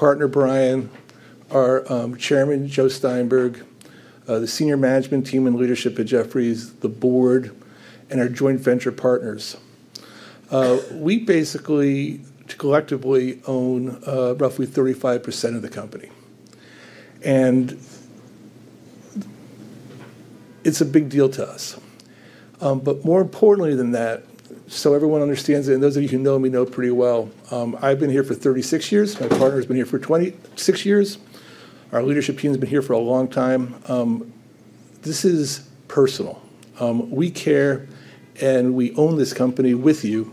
Partner Brian, our Chairman Joe Steinberg, the senior management team and leadership at Jefferies, the board, and our joint venture partners. We basically collectively own roughly 35% of the company, and it's a big deal to us. More importantly than that, so everyone understands it, and those of you who know me know pretty well, I've been here for 36 years. My partner's been here for 26 years. Our leadership team's been here for a long time. This is personal. We care, and we own this company with you.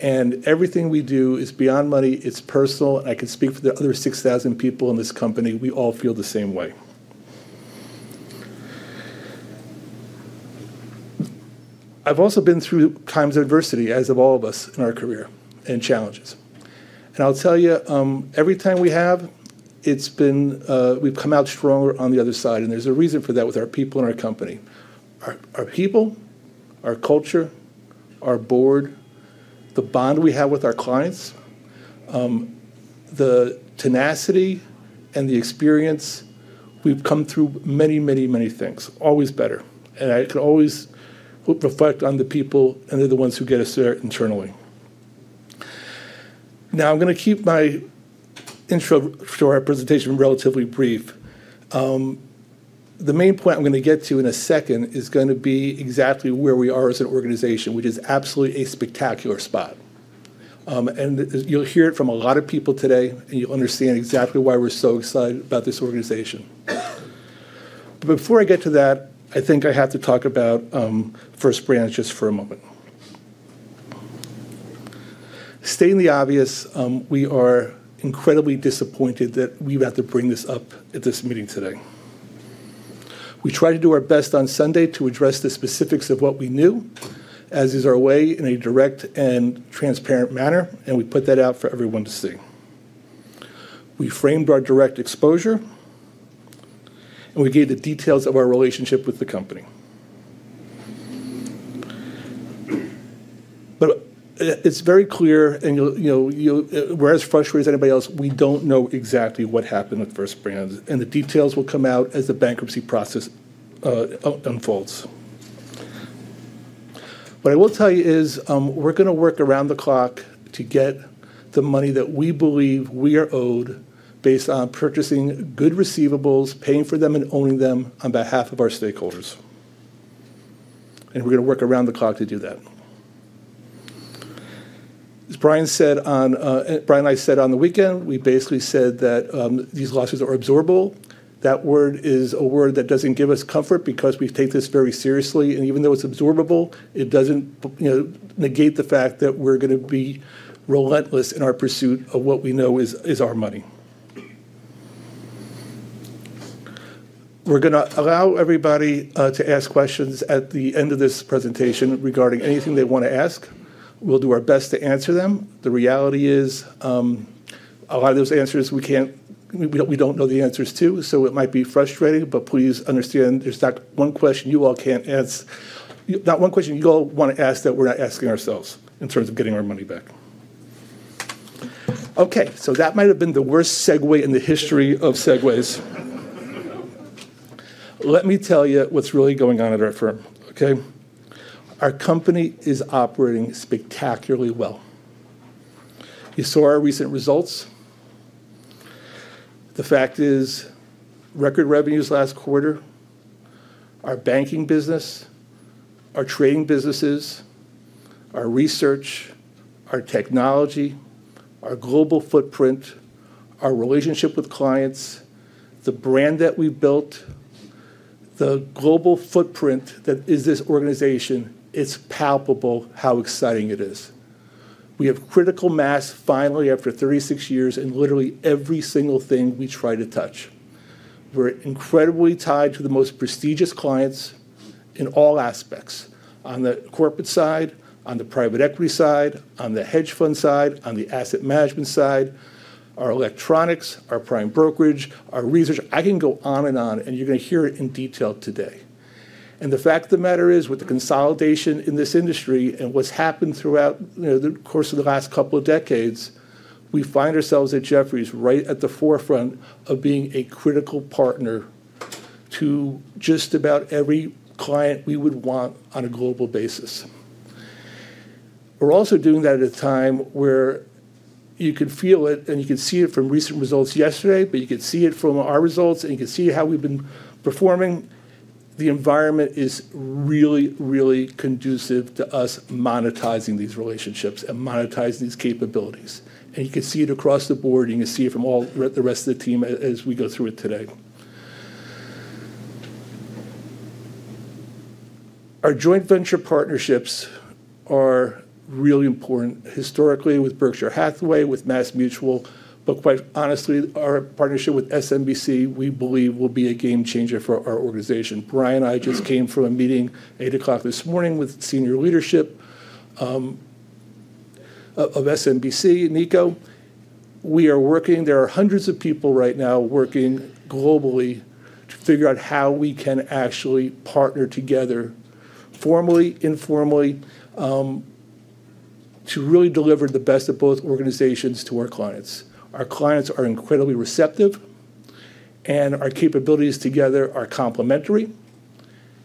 Everything we do is beyond money. It's personal. I can speak for the other 6,000 people in this company. We all feel the same way. I've also been through times of adversity, as have all of us in our career, and challenges. I'll tell you, every time we have, we've come out stronger on the other side. There is a reason for that with our people in our company. Our people, our culture, our board, the bond we have with our clients, the tenacity, and the experience. We've come through many, many, many things, always better. I can always reflect on the people, and they're the ones who get us there internally. Now, I'm going to keep my intro to our presentation relatively brief. The main point I'm going to get to in a second is going to be exactly where we are as an organization, which is absolutely a spectacular spot. You'll hear it from a lot of people today, and you'll understand exactly why we're so excited about this organization. Before I get to that, I think I have to talk about First Branch just for a moment. Stating the obvious, we are incredibly disappointed that we have to bring this up at this meeting today. We tried to do our best on Sunday to address the specifics of what we knew, as is our way in a direct and transparent manner, and we put that out for everyone to see. We framed our direct exposure, and we gave the details of our relationship with the company. It's very clear, and you'll, you know, we're as frustrated as anybody else. We don't know exactly what happened with First Branch, and the details will come out as the bankruptcy process unfolds. What I will tell you is we're going to work around the clock to get the money that we believe we are owed based on purchasing good receivables, paying for them, and owning them on behalf of our stakeholders. We're going to work around the clock to do that. As Brian said, I said on the weekend, we basically said that these losses are absorbable. That word is a word that doesn't give us comfort because we take this very seriously. Even though it's absorbable, it doesn't negate the fact that we're going to be relentless in our pursuit of what we know is our money. We're going to allow everybody to ask questions at the end of this presentation regarding anything they want to ask. We'll do our best to answer them. The reality is a lot of those answers we can't, we don't know the answers to. It might be frustrating, but please understand there's not one question you all can't ask, not one question you all want to ask that we're not asking ourselves in terms of getting our money back. OK, that might have been the worst segue in the history of segues. Let me tell you what's really going on at our firm, OK? Our company is operating spectacularly well. You saw our recent results. The fact is record revenues last quarter, our banking business, our trading businesses, our research, our technology, our global footprint, our relationship with clients, the brand that we built, the global footprint that is this organization, it's palpable how exciting it is. We have critical mass finally after 36 years, and literally every single thing we try to touch. We're incredibly tied to the most prestigious clients in all aspects: on the corporate side, on the private equity side, on the hedge fund side, on the asset management side, our electronics, our prime brokerage, our research. I can go on and on, and you're going to hear it in detail today. The fact of the matter is with the consolidation in this industry and what's happened throughout the course of the last couple of decades, we find ourselves at Jefferies right at the forefront of being a critical partner to just about every client we would want on a global basis. We're also doing that at a time where you can feel it, and you can see it from recent results yesterday, but you can see it from our results, and you can see how we've been performing. The environment is really, really conducive to us monetizing these relationships and monetizing these capabilities. You can see it across the board, and you can see it from all the rest of the team as we go through it today. Our joint venture partnerships are really important historically with Berkshire Hathaway, with Mass Mutual, but quite honestly, our partnership with SMBC we believe will be a game changer for our organization. Brian and I just came from a meeting 8:00 A.M. this morning with senior leadership of SMBC Nikko. We are working. There are hundreds of people right now working globally to figure out how we can actually partner together formally, informally to really deliver the best of both organizations to our clients. Our clients are incredibly receptive, and our capabilities together are complementary.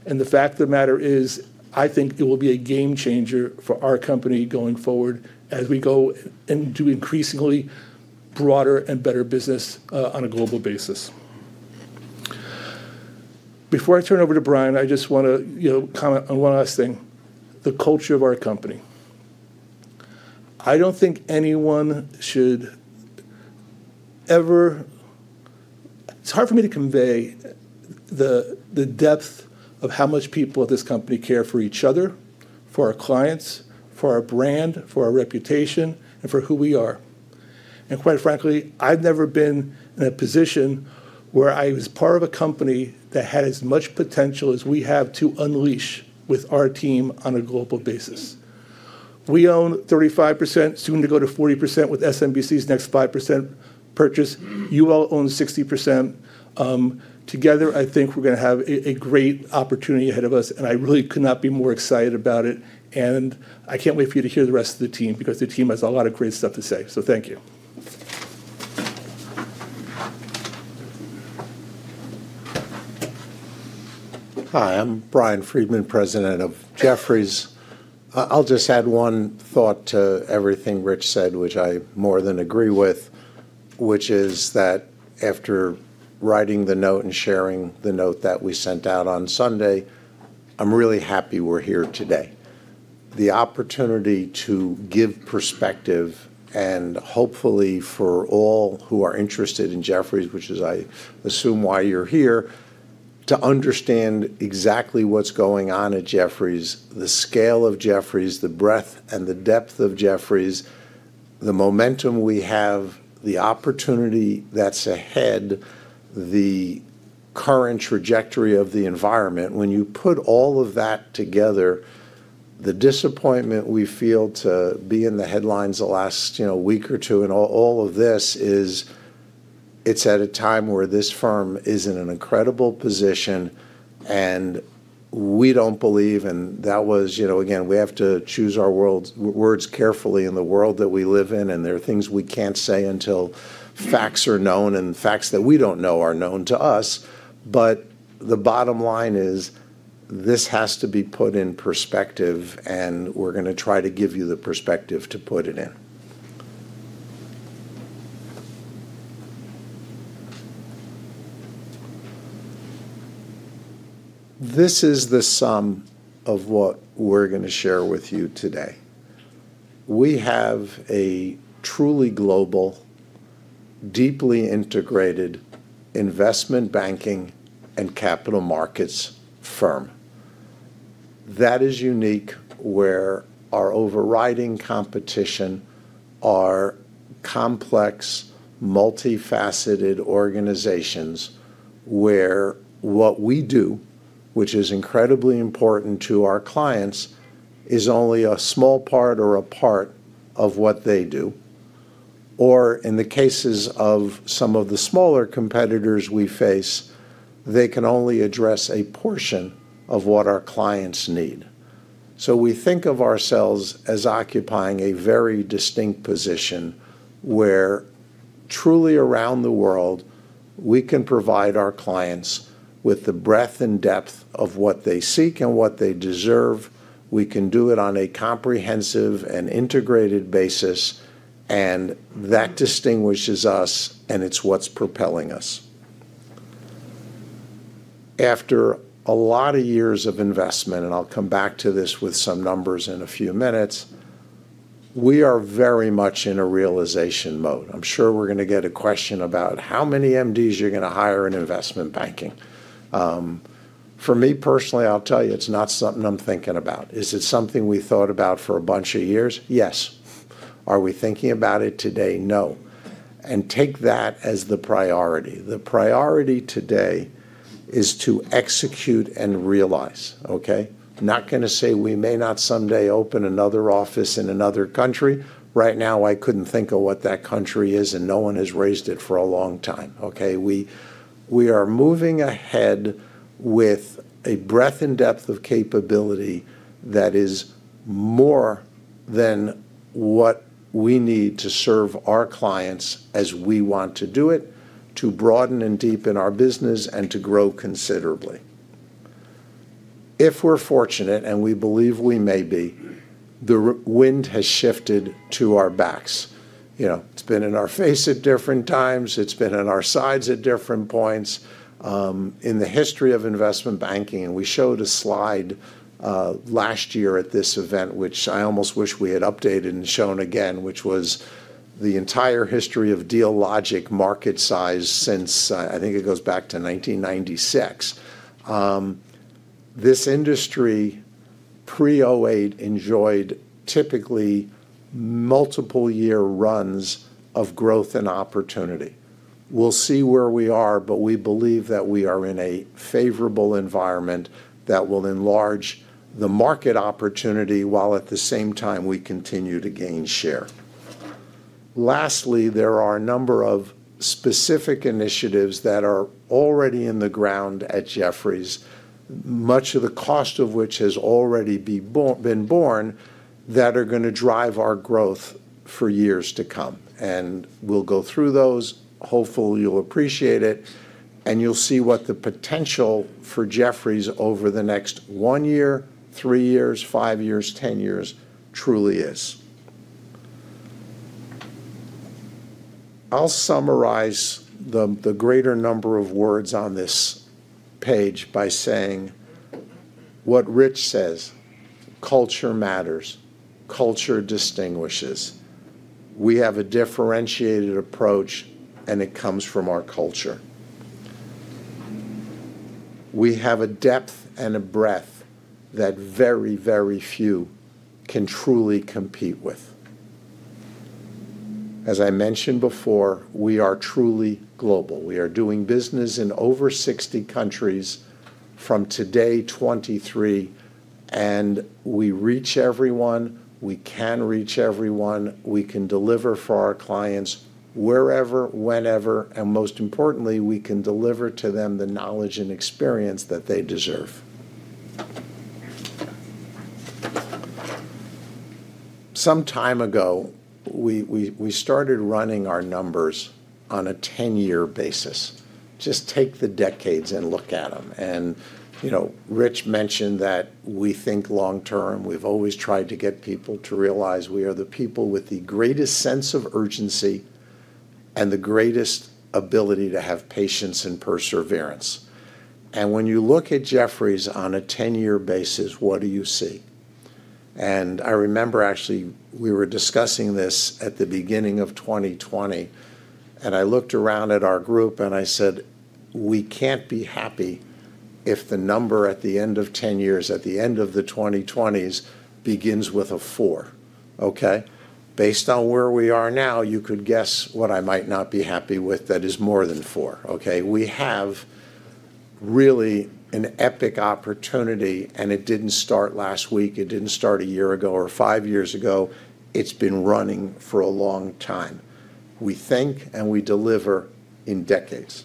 The fact of the matter is I think it will be a game changer for our company going forward as we go and do increasingly broader and better business on a global basis. Before I turn over to Brian, I just want to comment on one last thing: the culture of our company. I don't think anyone should ever, it's hard for me to convey the depth of how much people at this company care for each other, for our clients, for our brand, for our reputation, and for who we are. Quite frankly, I've never been in a position where I was part of a company that had as much potential as we have to unleash with our team on a global basis. We own 35%, soon to go to 40% with SMBC's next 5% purchase. You all own 60%. Together, I think we're going to have a great opportunity ahead of us, and I really could not be more excited about it. I can't wait for you to hear the rest of the team because the team has a lot of great stuff to say. Thank you. Hi, I'm Brian Friedman, President of Jefferies. I'll just add one thought to everything Rich said, which I more than agree with, which is that after writing the note and sharing the note that we sent out on Sunday, I'm really happy we're here today. The opportunity to give perspective and hopefully for all who are interested in Jefferies, which is I assume why you're here, to understand exactly what's going on at Jefferies, the scale of Jefferies, the breadth and the depth of Jefferies, the momentum we have, the opportunity that's ahead, the current trajectory of the environment. When you put all of that together, the disappointment we feel to be in the headlines the last week or two and all of this is it's at a time where this firm is in an incredible position, and we don't believe. We have to choose our words carefully in the world that we live in. There are things we can't say until facts are known, and facts that we don't know are known to us. The bottom line is this has to be put in perspective, and we're going to try to give you the perspective to put it in. This is the sum of what we're going to share with you today. We have a truly global, deeply integrated investment banking and capital markets firm that is unique, where our overriding competition are complex, multifaceted organizations, where what we do, which is incredibly important to our clients, is only a small part or a part of what they do. In the cases of some of the smaller competitors we face, they can only address a portion of what our clients need. We think of ourselves as occupying a very distinct position where truly around the world we can provide our clients with the breadth and depth of what they seek and what they deserve. We can do it on a comprehensive and integrated basis, and that distinguishes us, and it's what's propelling us. After a lot of years of investment, and I'll come back to this with some numbers in a few minutes, we are very much in a realization mode. I'm sure we're going to get a question about how many MDs you're going to hire in investment banking. For me personally, I'll tell you, it's not something I'm thinking about. Is it something we thought about for a bunch of years? Yes. Are we thinking about it today? No. Take that as the priority. The priority today is to execute and realize, OK? I'm not going to say we may not someday open another office in another country. Right now, I couldn't think of what that country is, and no one has raised it for a long time, OK? We are moving ahead with a breadth and depth of capability that is more than what we need to serve our clients as we want to do it, to broaden and deepen our business and to grow considerably. If we're fortunate, and we believe we may be, the wind has shifted to our backs. It's been in our face at different times. It's been on our sides at different points in the history of investment banking. We showed a slide last year at this event, which I almost wish we had updated and shown again, which was the entire history of Dealogic market size since I think it goes back to 1996. This industry pre-2008 enjoyed typically multiple-year runs of growth and opportunity. We'll see where we are, but we believe that we are in a favorable environment that will enlarge the market opportunity while at the same time we continue to gain share. Lastly, there are a number of specific initiatives that are already in the ground at Jefferies, much of the cost of which has already been borne that are going to drive our growth for years to come. We'll go through those. Hopefully, you'll appreciate it, and you'll see what the potential for Jefferies over the next one year, three years, five years, ten years truly is. I'll summarize the greater number of words on this page by saying what Rich says: culture matters. Culture distinguishes. We have a differentiated approach, and it comes from our culture. We have a depth and a breadth that very, very few can truly compete with. As I mentioned before, we are truly global. We are doing business in over 60 countries from today, 2023. We reach everyone. We can reach everyone. We can deliver for our clients wherever, whenever, and most importantly, we can deliver to them the knowledge and experience that they deserve. Some time ago, we started running our numbers on a 10-year basis. Just take the decades and look at them. Rich mentioned that we think long term. We've always tried to get people to realize we are the people with the greatest sense of urgency and the greatest ability to have patience and perseverance. When you look at Jefferies on a 10-year basis, what do you see? I remember actually we were discussing this at the beginning of 2020, and I looked around at our group and I said, we can't be happy if the number at the end of 10 years, at the end of the 2020s, begins with a four, OK? Based on where we are now, you could guess what I might not be happy with that is more than four, OK? We have really an epic opportunity, and it didn't start last week. It didn't start a year ago or five years ago. It's been running for a long time. We think and we deliver in decades.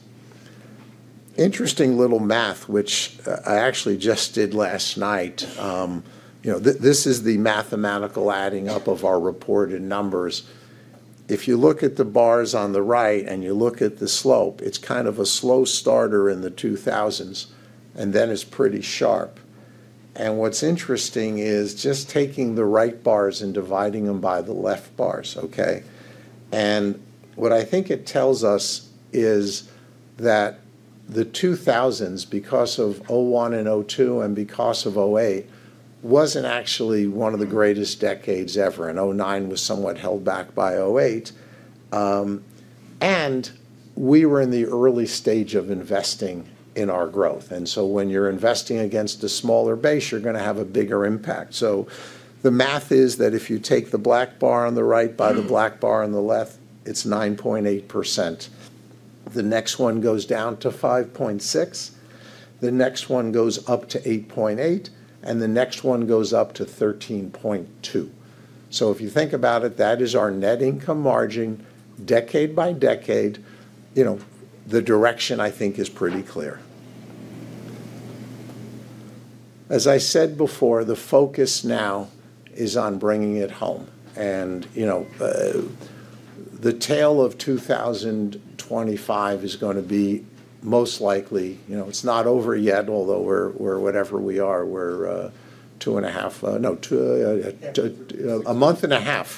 Interesting little math, which I actually just did last night. This is the mathematical adding up of our reported numbers. If you look at the bars on the right and you look at the slope, it's kind of a slow starter in the 2000s, and then it's pretty sharp. What's interesting is just taking the right bars and dividing them by the left bars, OK? What I think it tells us is that the 2000s, because of 2001 and 2002 and because of 2008, wasn't actually one of the greatest decades ever. 2009 was somewhat held back by 2008. We were in the early stage of investing in our growth. When you're investing against a smaller base, you're going to have a bigger impact. The math is that if you take the black bar on the right by the black bar on the left, it's 9.8%. The next one goes down to 5.6%. The next one goes up to 8.8%. The next one goes up to 13.2%. If you think about it, that is our net income margin decade by decade. The direction I think is pretty clear. As I said before, the focus now is on bringing it home. The tail of 2025 is going to be most likely, it's not over yet, although we're wherever we are. We're two and a half, no, a month and a half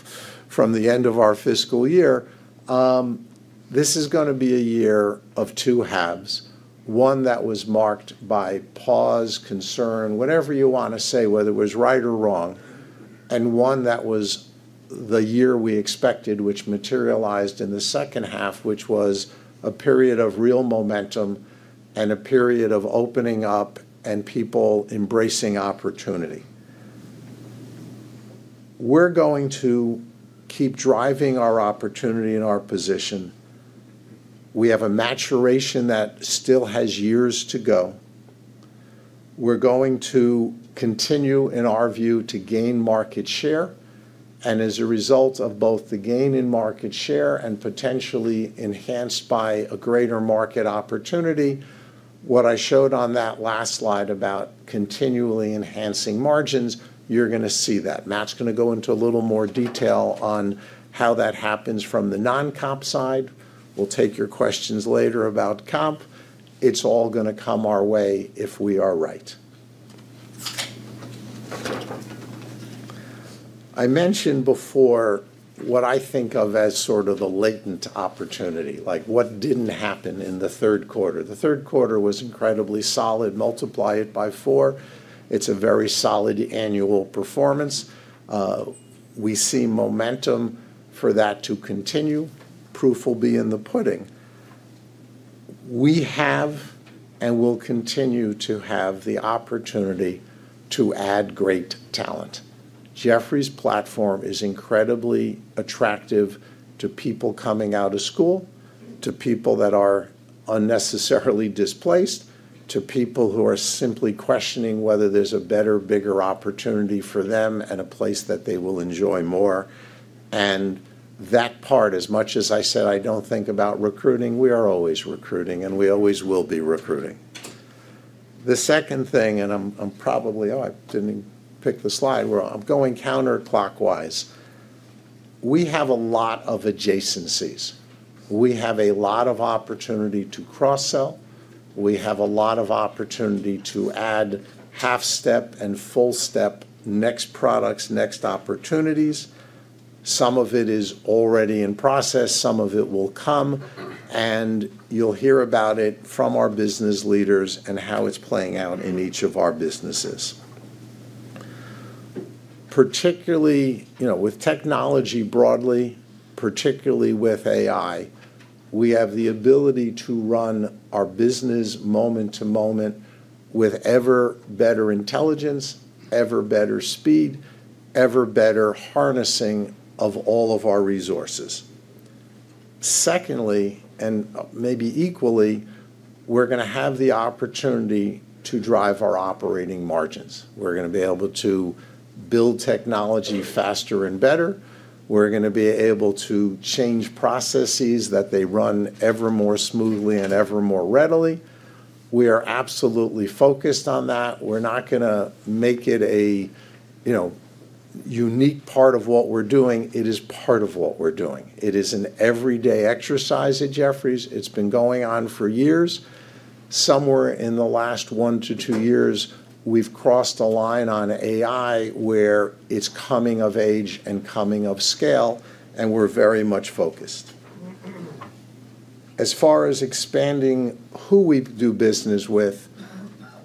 from the end of our fiscal year. This is going to be a year of two halves, one that was marked by pause, concern, whatever you want to say, whether it was right or wrong, and one that was the year we expected, which materialized in the second half, which was a period of real momentum and a period of opening up and people embracing opportunity. We're going to keep driving our opportunity in our position. We have a maturation that still has years to go. We're going to continue, in our view, to gain market share. As a result of both the gain in market share and potentially enhanced by a greater market opportunity, what I showed on that last slide about continually enhancing margins, you're going to see that. Matt's going to go into a little more detail on how that happens from the non-comp side. We'll take your questions later about comp. It's all going to come our way if we are right. I mentioned before what I think of as sort of the latent opportunity, like what didn't happen in the third quarter. The third quarter was incredibly solid. Multiply it by four, it's a very solid annual performance. We see momentum for that to continue. Proof will be in the pudding. We have and will continue to have the opportunity to add great talent. Jefferies' platform is incredibly attractive to people coming out of school, to people that are unnecessarily displaced, to people who are simply questioning whether there's a better, bigger opportunity for them and a place that they will enjoy more. That part, as much as I said, I don't think about recruiting, we are always recruiting, and we always will be recruiting. The second thing, I'm probably, I didn't pick the slide. I'm going counter-clockwise. We have a lot of adjacencies. We have a lot of opportunity to cross-sell. We have a lot of opportunity to add half-step and full-step next products, next opportunities. Some of it is already in process. Some of it will come. You'll hear about it from our business leaders and how it's playing out in each of our businesses. Particularly, with technology broadly, particularly with AI, we have the ability to run our business moment to moment with ever better intelligence, ever better speed, ever better harnessing of all of our resources. Secondly, and maybe equally, we're going to have the opportunity to drive our operating margins. We're going to be able to build technology faster and better. We're going to be able to change processes that they run ever more smoothly and ever more readily. We are absolutely focused on that. We're not going to make it a unique part of what we're doing. It is part of what we're doing. It is an everyday exercise at Jefferies. It's been going on for years. Somewhere in the last one to two years, we've crossed the line on AI where it's coming of age and coming of scale, and we're very much focused. As far as expanding who we do business with,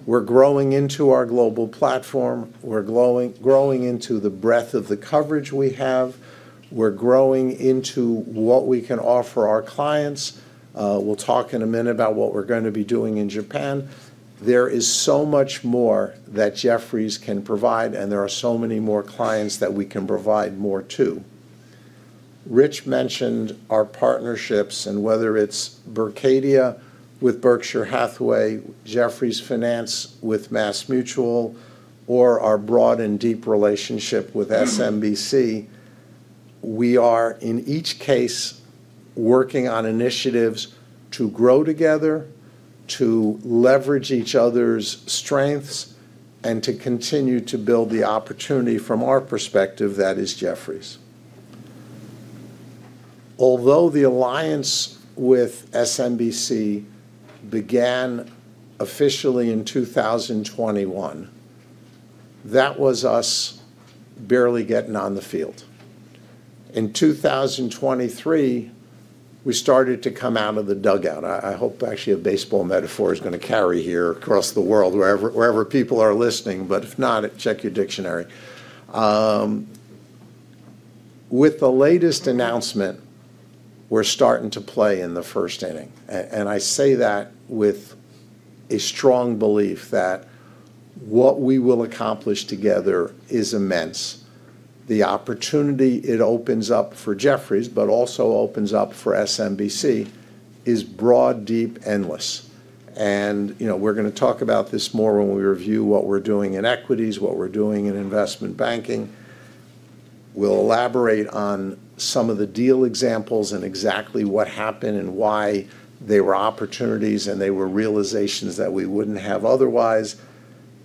we're growing into our global platform. We're growing into the breadth of the coverage we have. We're growing into what we can offer our clients. We'll talk in a minute about what we're going to be doing in Japan. There is so much more that Jefferies can provide, and there are so many more clients that we can provide more to. Rich mentioned our partnerships and whether it's Berkadia with Berkshire Hathaway, Jefferies Finance with MassMutual, or our broad and deep relationship with SMBC. We are, in each case, working on initiatives to grow together, to leverage each other's strengths, and to continue to build the opportunity from our perspective that is Jefferies. Although the alliance with SMBC began officially in 2021, that was us barely getting on the field. In 2023, we started to come out of the dugout. I hope actually a baseball metaphor is going to carry here across the world, wherever people are listening. If not, check your dictionary. With the latest announcement, we're starting to play in the first inning. I say that with a strong belief that what we will accomplish together is immense. The opportunity it opens up for Jefferies, but also opens up for SMBC, is broad, deep, endless. We're going to talk about this more when we review what we're doing in equities, what we're doing in investment banking. We'll elaborate on some of the deal examples and exactly what happened and why they were opportunities and they were realizations that we wouldn't have otherwise.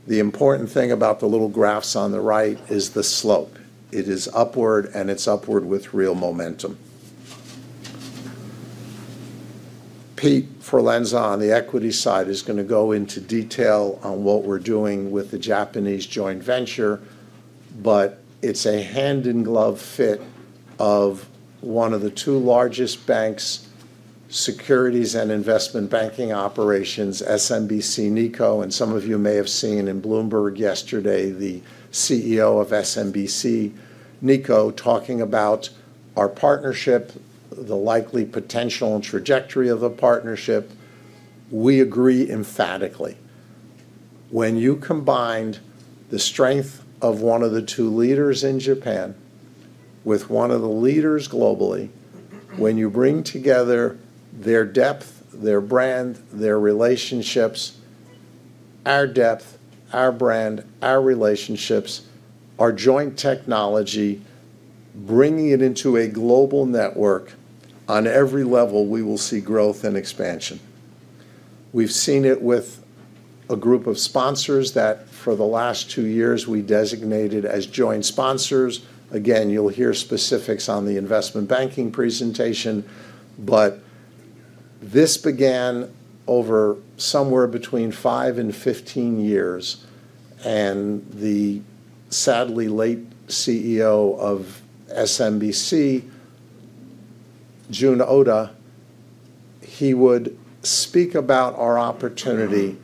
The important thing about the little graphs on the right is the slope. It is upward, and it's upward with real momentum. Pete Forlenza on the equity side is going to go into detail on what we're doing with the Japanese joint venture. It's a hand-in-glove fit of one of the two largest banks, securities and investment banking operations, SMBC Nikko. Some of you may have seen in Bloomberg yesterday the CEO of SMBC Nikko talking about our partnership, the likely potential and trajectory of a partnership. We agree emphatically. When you combine the strength of one of the two leaders in Japan with one of the leaders globally, when you bring together their depth, their brand, their relationships, our depth, our brand, our relationships, our joint technology, bringing it into a global network on every level, we will see growth and expansion. We've seen it with a group of sponsors that for the last two years we designated as joint sponsors. You'll hear specifics on the investment banking presentation. This began over somewhere between 5 and 15 years. The sadly late CEO of SMBC, Jun Oda, he would speak about our opportunity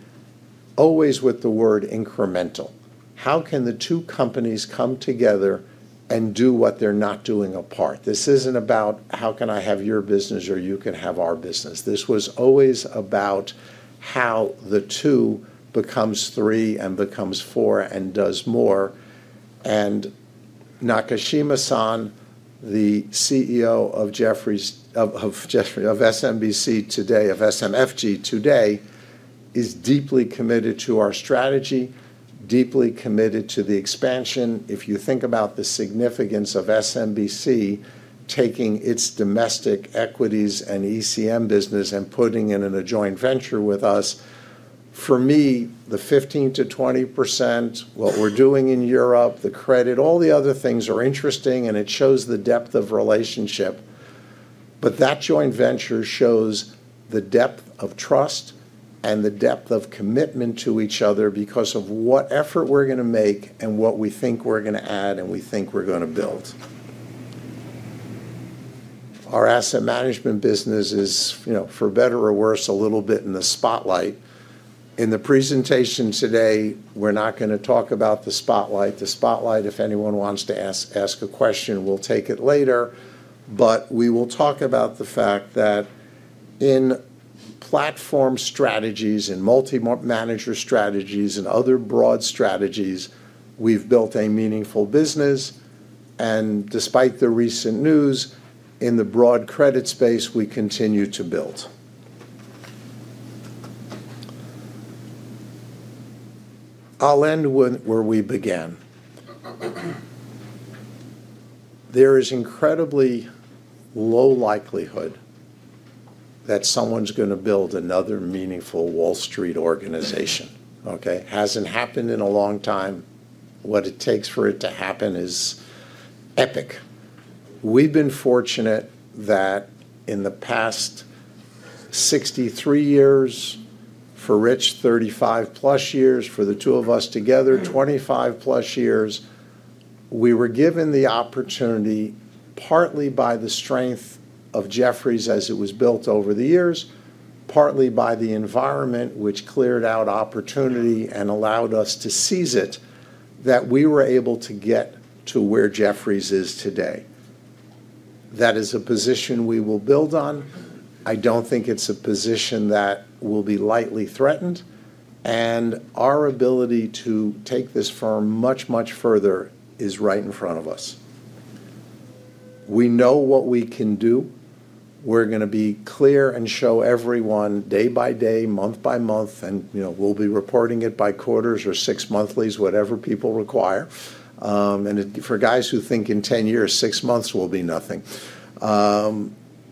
always with the word incremental. How can the two companies come together and do what they're not doing apart? This isn't about how can I have your business or you can have our business. This was always about how the two becomes three and becomes four and does more. Nakashima-san, the CEO of SMBC today, of SMFG today, is deeply committed to our strategy, deeply committed to the expansion. If you think about the significance of SMBC taking its domestic equities and ECM business and putting it in a joint venture with us, for me, the 15% to 20%, what we're doing in Europe, the credit, all the other things are interesting, and it shows the depth of relationship. That joint venture shows the depth of trust and the depth of commitment to each other because of what effort we're going to make and what we think we're going to add and we think we're going to build. Our asset management business is, you know, for better or worse, a little bit in the spotlight. In the presentation today, we're not going to talk about the spotlight. The spotlight, if anyone wants to ask a question, we'll take it later. We will talk about the fact that in platform strategies and multi-manager strategies and other broad strategies, we've built a meaningful business. Despite the recent news in the broad credit space, we continue to build. I'll end where we began. There is incredibly low likelihood that someone's going to build another meaningful Wall Street organization, OK? Hasn't happened in a long time. What it takes for it to happen is epic. We've been fortunate that in the past 63 years, for Rich, 35+ years, for the two of us together, 25+ years, we were given the opportunity partly by the strength of Jefferies as it was built over the years, partly by the environment which cleared out opportunity and allowed us to seize it, that we were able to get to where Jefferies is today. That is a position we will build on. I don't think it's a position that will be lightly threatened. Our ability to take this firm much, much further is right in front of us. We know what we can do. We're going to be clear and show everyone day by day, month by month. We'll be reporting it by quarters or six monthly, whatever people require. For guys who think in 10 years, six months will be nothing.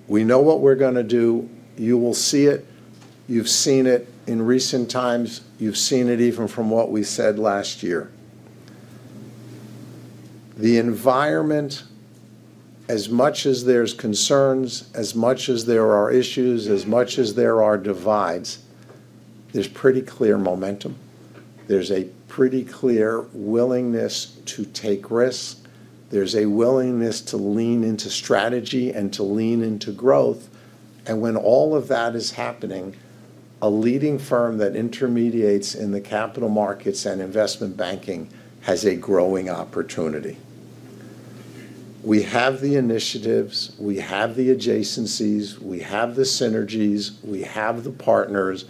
We know what we're going to do. You will see it. You've seen it in recent times. You've seen it even from what we said last year. The environment, as much as there's concerns, as much as there are issues, as much as there are divides, there's pretty clear momentum. There's a pretty clear willingness to take risks. There's a willingness to lean into strategy and to lean into growth. When all of that is happening, a leading firm that intermediates in the capital markets and investment banking has a growing opportunity. We have the initiatives, the adjacencies, the synergies, and the partners.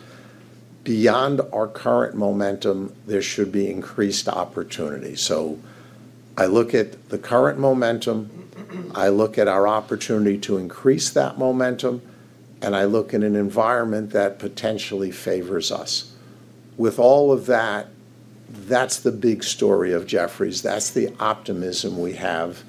Beyond our current momentum, there should be increased opportunity. I look at the current momentum, our opportunity to increase that momentum, and an environment that potentially favors us. With all of that, that's the big story of Jefferies. That's the optimism we have.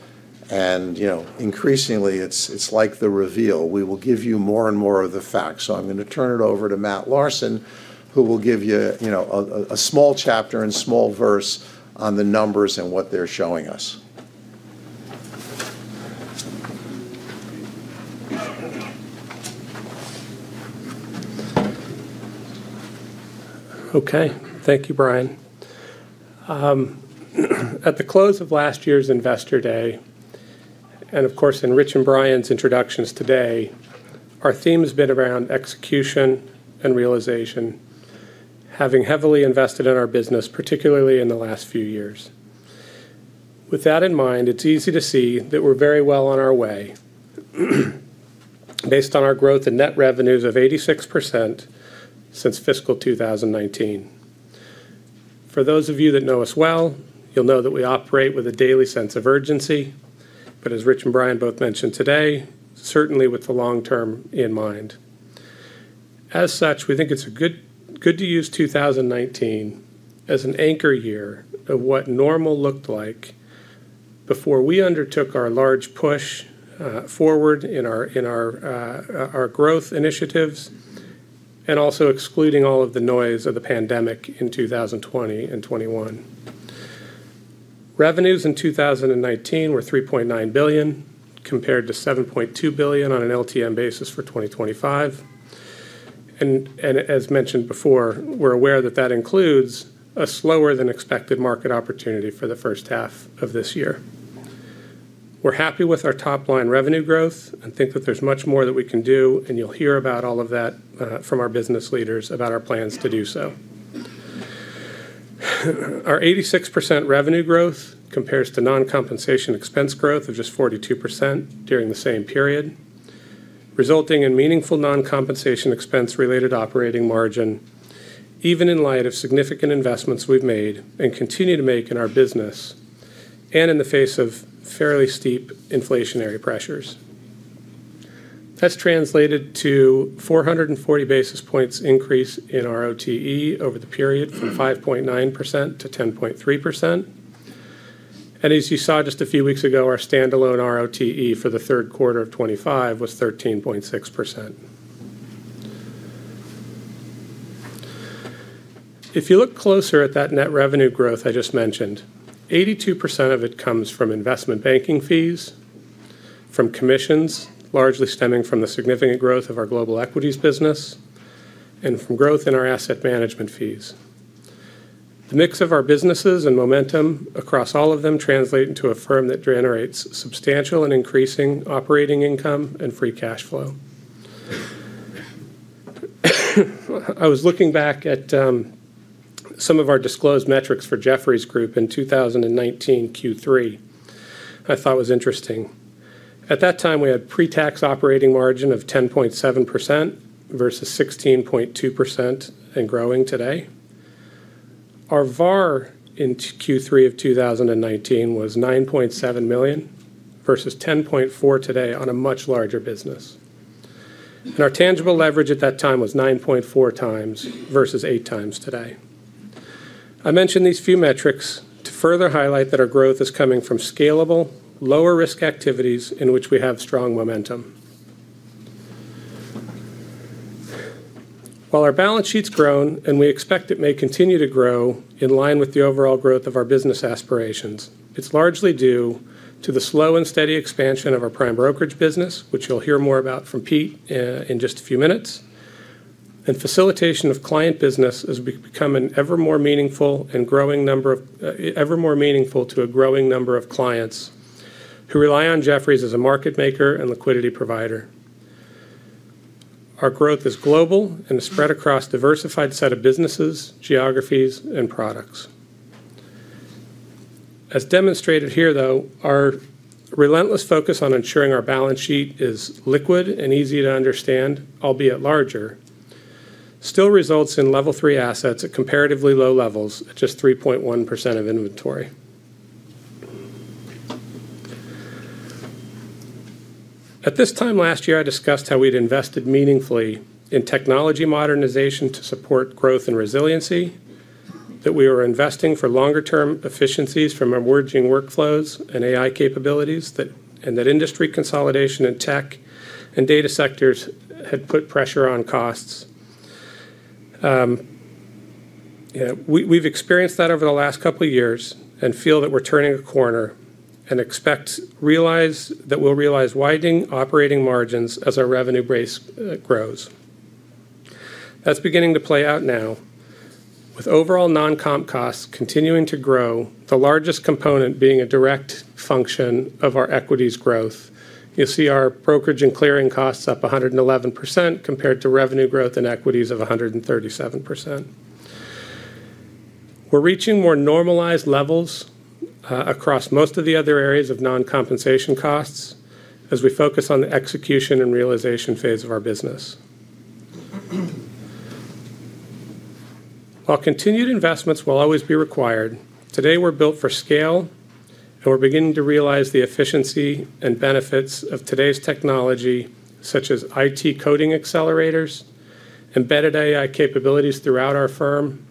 Increasingly, it's like the reveal. We will give you more and more of the facts. I'm going to turn it over to Matt Larson, who will give you a small chapter and small verse on the numbers and what they're showing us. OK, thank you, Brian. At the close of last year's Investor Day, and of course, in Rich and Brian's introductions today, our theme has been around execution and realization, having heavily invested in our business, particularly in the last few years. With that in mind, it's easy to see that we're very well on our way based on our growth in net revenues of 86% since fiscal 2019. For those of you that know us well, you'll know that we operate with a daily sense of urgency. As Rich and Brian both mentioned today, certainly with the long term in mind. As such, we think it's good to use 2019 as an anchor year of what normal looked like before we undertook our large push forward in our growth initiatives and also excluding all of the noise of the pandemic in 2020 and 2021. Revenues in 2019 were $3.9 billion compared to $7.2 billion on an LTM basis for 2025. As mentioned before, we're aware that that includes a slower than expected market opportunity for the first half of this year. We're happy with our top line revenue growth and think that there's much more that we can do. You'll hear about all of that from our business leaders about our plans to do so. Our 86% revenue growth compares to non-compensation expense growth of just 42% during the same period, resulting in meaningful non-compensation expense-related operating margin, even in light of significant investments we've made and continue to make in our business and in the face of fairly steep inflationary pressures. That's translated to a 440 basis points increase in ROTE over the period from 5.9%-10.3%. As you saw just a few weeks ago, our standalone ROTE for the third quarter of 2025 was 13.6%. If you look closer at that net revenue growth I just mentioned, 82% of it comes from investment banking fees, from commissions largely stemming from the significant growth of our global equities business, and from growth in our asset management fees. The mix of our businesses and momentum across all of them translates into a firm that generates substantial and increasing operating income and free cash flow. I was looking back at some of our disclosed metrics for Jefferies Group in 2019 Q3. I thought it was interesting. At that time, we had a pre-tax operating margin of 10.7% versus 16.2% and growing today. Our VAR in Q3 of 2019 was $9.7 million versus $10.4 million today on a much larger business. Our tangible leverage at that time was 9.4x versus 8x today. I mentioned these few metrics to further highlight that our growth is coming from scalable, lower risk activities in which we have strong momentum. While our balance sheet's grown and we expect it may continue to grow in line with the overall growth of our business aspirations, it's largely due to the slow and steady expansion of our prime brokerage business, which you'll hear more about from Pete in just a few minutes, and facilitation of client business as we become ever more meaningful to a growing number of clients who rely on Jefferies as a market maker and liquidity provider. Our growth is global and is spread across a diversified set of businesses, geographies, and products. As demonstrated here, though, our relentless focus on ensuring our balance sheet is liquid and easy to understand, albeit larger, still results in level three assets at comparatively low levels at just 3.1% of inventory. At this time last year, I discussed how we'd invested meaningfully in technology modernization to support growth and resiliency, that we were investing for longer-term efficiencies from emerging workflows and AI capabilities, and that industry consolidation in tech and data sectors had put pressure on costs. We've experienced that over the last couple of years and feel that we're turning a corner and expect to realize that we'll realize widening operating margins as our revenue base grows. That's beginning to play out now with overall non-comp costs continuing to grow, the largest component being a direct function of our equities growth. You'll see our brokerage and clearing costs up 111% compared to revenue growth in equities of 137%. We're reaching more normalized levels across most of the other areas of non-compensation costs as we focus on the execution and realization phase of our business. While continued investments will always be required, today we're built for scale, and we're beginning to realize the efficiency and benefits of today's technology, such as IT coding accelerators, embedded AI capabilities throughout our firm,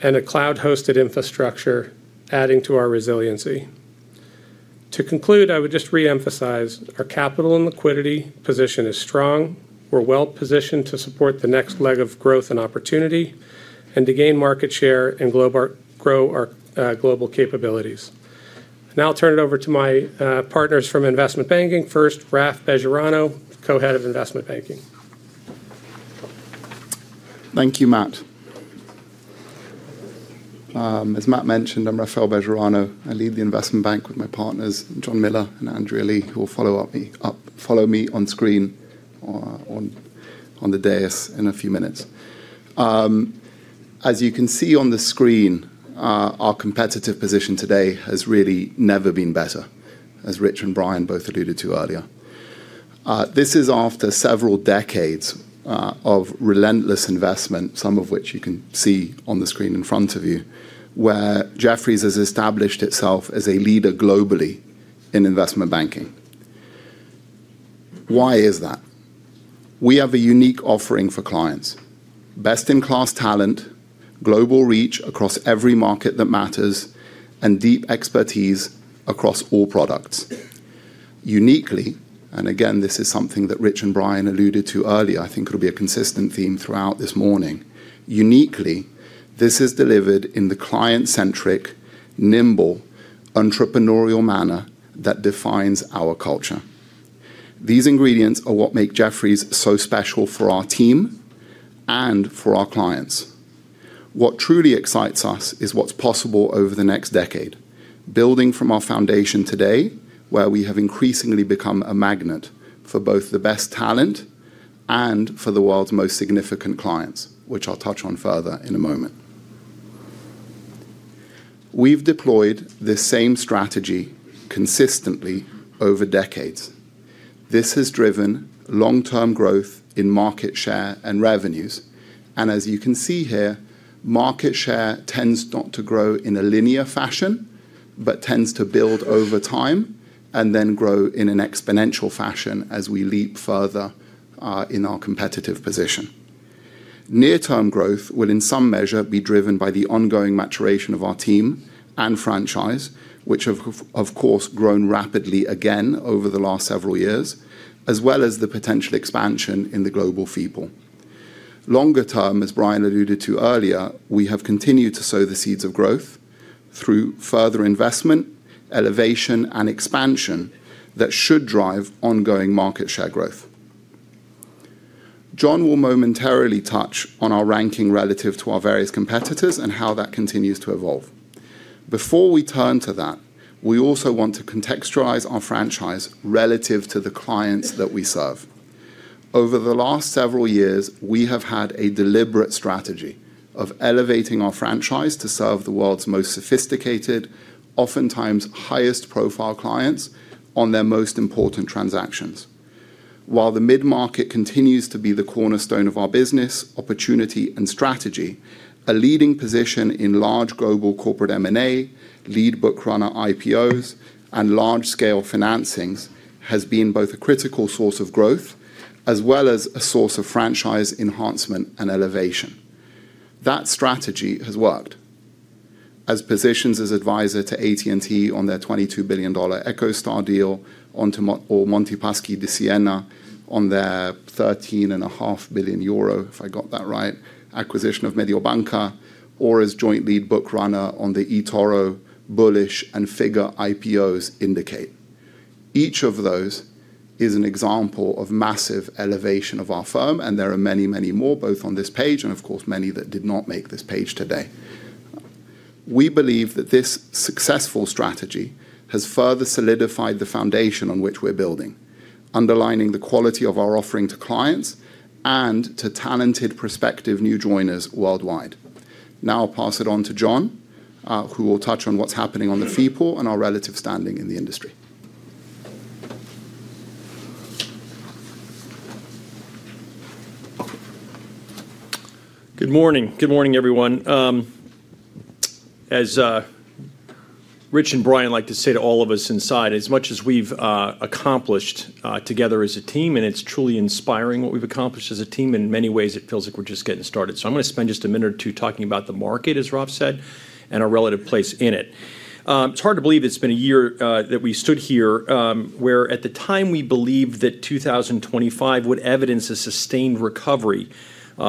and a cloud-hosted infrastructure adding to our resiliency. To conclude, I would just reemphasize our capital and liquidity position is strong. We're well positioned to support the next leg of growth and opportunity and to gain market share and grow our global capabilities. Now I'll turn it over to my partners from investment banking. First, Rafael Bejerano, Co-Head of Investment Banking. Thank you, Matt. As Matt mentioned, I'm Raphael Bejerano. I lead the investment bank with my partners, John Miller and Andrea Lee, who will follow up me on screen on the dais in a few minutes. As you can see on the screen, our competitive position today has really never been better, as Rich and Brian both alluded to earlier. This is after several decades of relentless investment, some of which you can see on the screen in front of you, where Jefferies has established itself as a leader globally in investment banking. Why is that? We have a unique offering for clients, best-in-class talent, global reach across every market that matters, and deep expertise across all products. Uniquely, and again, this is something that Rich and Brian alluded to earlier. I think it'll be a consistent theme throughout this morning. Uniquely, this is delivered in the client-centric, nimble, entrepreneurial manner that defines our culture. These ingredients are what make Jefferies so special for our team and for our clients. What truly excites us is what's possible over the next decade, building from our foundation today, where we have increasingly become a magnet for both the best talent and for the world's most significant clients, which I'll touch on further in a moment. We've deployed this same strategy consistently over decades. This has driven long-term growth in market share and revenues. As you can see here, market share tends not to grow in a linear fashion, but tends to build over time and then grow in an exponential fashion as we leap further in our competitive position. Near-term growth will, in some measure, be driven by the ongoing maturation of our team and franchise, which have, of course, grown rapidly again over the last several years, as well as the potential expansion in the global fee pool. Longer term, as Brian alluded to earlier, we have continued to sow the seeds of growth through further investment, elevation, and expansion that should drive ongoing market share growth. John will momentarily touch on our ranking relative to our various competitors and how that continues to evolve. Before we turn to that, we also want to contextualize our franchise relative to the clients that we serve. Over the last several years, we have had a deliberate strategy of elevating our franchise to serve the world's most sophisticated, oftentimes highest profile clients on their most important transactions. While the mid-market continues to be the cornerstone of our business, opportunity, and strategy, a leading position in large global corporate M&A, lead bookrunner IPOs, and large-scale financings has been both a critical source of growth as well as a source of franchise enhancement and elevation. That strategy has worked. As positions as advisor to AT&T on their $22 billion EchoStar deal, or to Monte dei Paschi di Siena on their 13.5 billion euro, if I got that right, acquisition of Mediobanca, or as joint lead bookrunner on the eToro, Bullish, and Figure IPOs indicate. Each of those is an example of massive elevation of our firm, and there are many, many more, both on this page and, of course, many that did not make this page today. We believe that this successful strategy has further solidified the foundation on which we're building, underlining the quality of our offering to clients and to talented, prospective new joiners worldwide. Now I'll pass it on to John, who will touch on what's happening on the fee pool and our relative standing in the industry. Good morning. Good morning, everyone. As Rich and Brian like to say to all of us inside, as much as we've accomplished together as a team, and it's truly inspiring what we've accomplished as a team, in many ways, it feels like we're just getting started. I am going to spend just a minute or two talking about the market, as Raf said, and our relative place in it. It's hard to believe it's been a year that we stood here where, at the time, we believed that 2025 would evidence a sustained recovery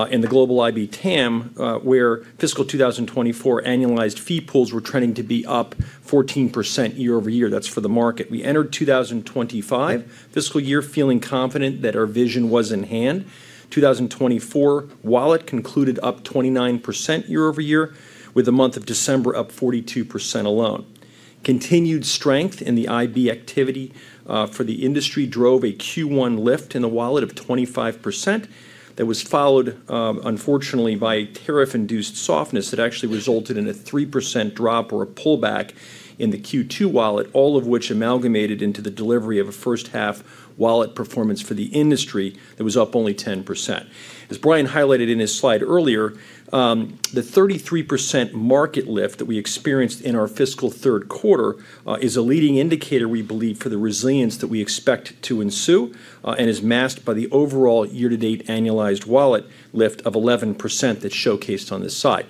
in the global IBTM, where fiscal 2024 annualized fee pools were trending to be up 14% year-over-year. That's for the market. We entered 2025 fiscal year feeling confident that our vision was in hand. 2024 wallet concluded up 29% year-over-year, with the month of December up 42% alone. Continued strength in the IB activity for the industry drove a Q1 lift in the wallet of 25% that was followed, unfortunately, by a tariff-induced softness that actually resulted in a 3% drop or a pullback in the Q2 wallet, all of which amalgamated into the delivery of a first half wallet performance for the industry that was up only 10%. As Brian highlighted in his slide earlier, the 33% market lift that we experienced in our fiscal third quarter is a leading indicator, we believe, for the resilience that we expect to ensue and is masked by the overall year-to-date annualized wallet lift of 11% that's showcased on this slide.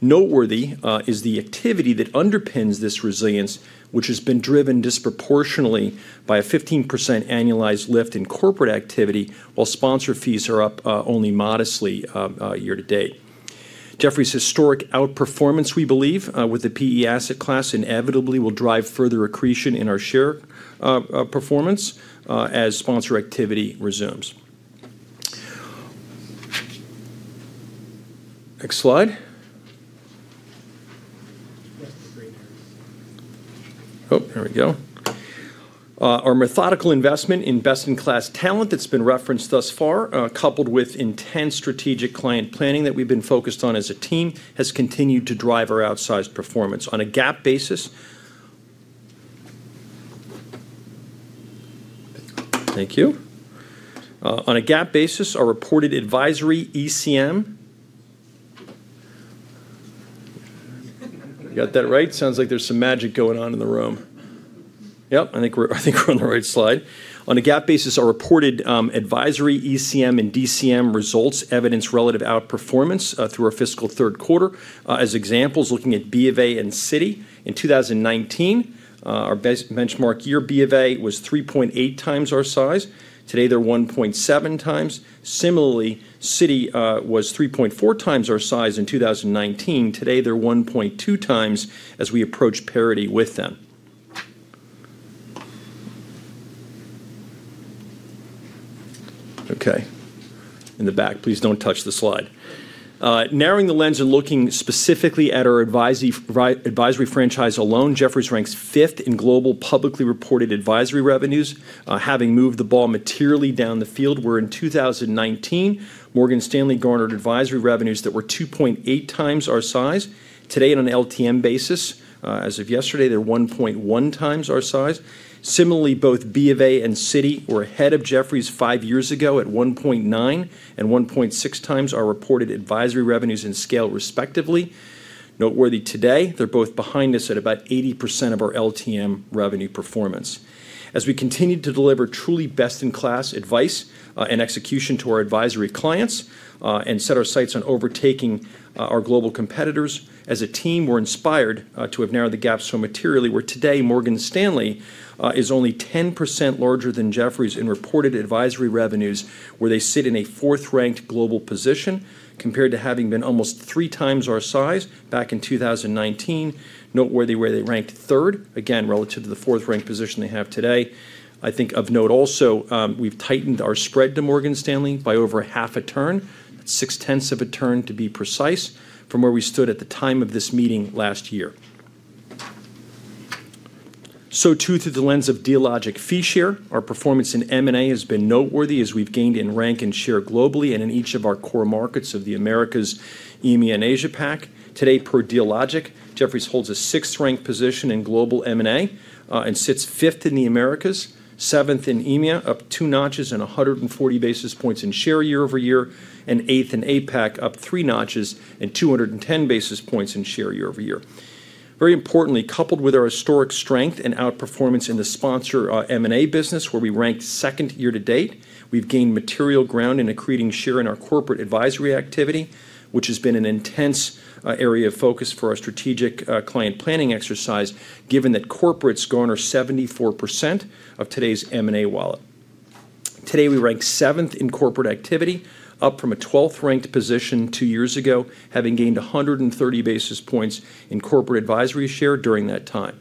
Noteworthy is the activity that underpins this resilience, which has been driven disproportionately by a 15% annualized lift in corporate activity, while sponsor fees are up only modestly year to date. Jefferies' historic outperformance, we believe, with the PE asset class inevitably will drive further accretion in our share performance as sponsor activity resumes. Next slide. There we go. Our methodical investment in best-in-class talent that's been referenced thus far, coupled with intense strategic client planning that we've been focused on as a team, has continued to drive our outsized performance. On a GAAP basis, thank you. On a GAAP basis, our reported advisory ECM, got that right? Sounds like there's some magic going on in the room. Yes, I think we're on the right slide. On a GAAP basis, our reported advisory ECM and DCM results evidence relative outperformance through our fiscal third quarter. As examples, looking at B of A and Citi in 2019, our benchmark year, B of A was 3.8x our size. Today, they're 1.7x. Similarly, Citi was 3.4x our size in 2019. Today, they're 1.2x as we approach parity with them. OK, in the back, please don't touch the slide. Narrowing the lens and looking specifically at our advisory franchise alone, Jefferies ranks fifth in global publicly reported advisory revenues, having moved the ball materially down the field, where in 2019, Morgan Stanley garnered advisory revenues that were 2.8x our size. Today, on an LTM basis, as of yesterday, they're 1.1 times our size. Similarly, both BofA and Citi were ahead of Jefferies five years ago at 1.9x and 1.6x our reported advisory revenues in scale, respectively. Noteworthy today, they're both behind us at about 80% of our LTM revenue performance. As we continue to deliver truly best-in-class advice and execution to our advisory clients and set our sights on overtaking our global competitors, as a team, we're inspired to have narrowed the gap so materially, where today Morgan Stanley is only 10% larger than Jefferies in reported advisory revenues, where they sit in a fourth-ranked global position compared to having been almost three times our size back in 2019. Noteworthy where they ranked third, again, relative to the fourth-ranked position they have today. I think of note also, we've tightened our spread to Morgan Stanley by over half a turn, 6/10 of a turn to be precise, from where we stood at the time of this meeting last year. Through the lens of Dealogic fee share, our performance in M&A has been noteworthy as we've gained in rank and share globally and in each of our core markets of the Americas, EMEA, and Asia PAC. Today, per Dealogic, Jefferies holds a sixth-ranked position in global M&A and sits fifth in the Americas, seventh in EMEA, up two notches and 140 bps in share year-over-year, and eighth in APAC, up three notches and 210 basis points in share year-over-year. Very importantly, coupled with our historic strength and outperformance in the sponsor M&A business, where we ranked second year to date, we've gained material ground in accreting share in our corporate advisory activity, which has been an intense area of focus for our strategic client planning exercise, given that corporates garner 74% of today's M&A wallet. Today, we ranked seventh in corporate activity, up from a 12th-ranked position two years ago, having gained 130 basis points in corporate advisory share during that time.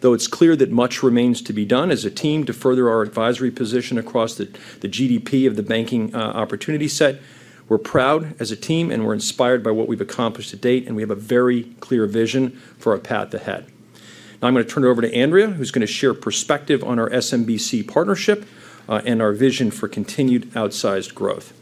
Though it's clear that much remains to be done as a team to further our advisory position across the GDP of the banking opportunity set, we're proud as a team, and we're inspired by what we've accomplished to date. We have a very clear vision for our path ahead. Now I'm going to turn it over to Andrea, who's going to share perspective on our SMBC partnership and our vision for continued outsized growth.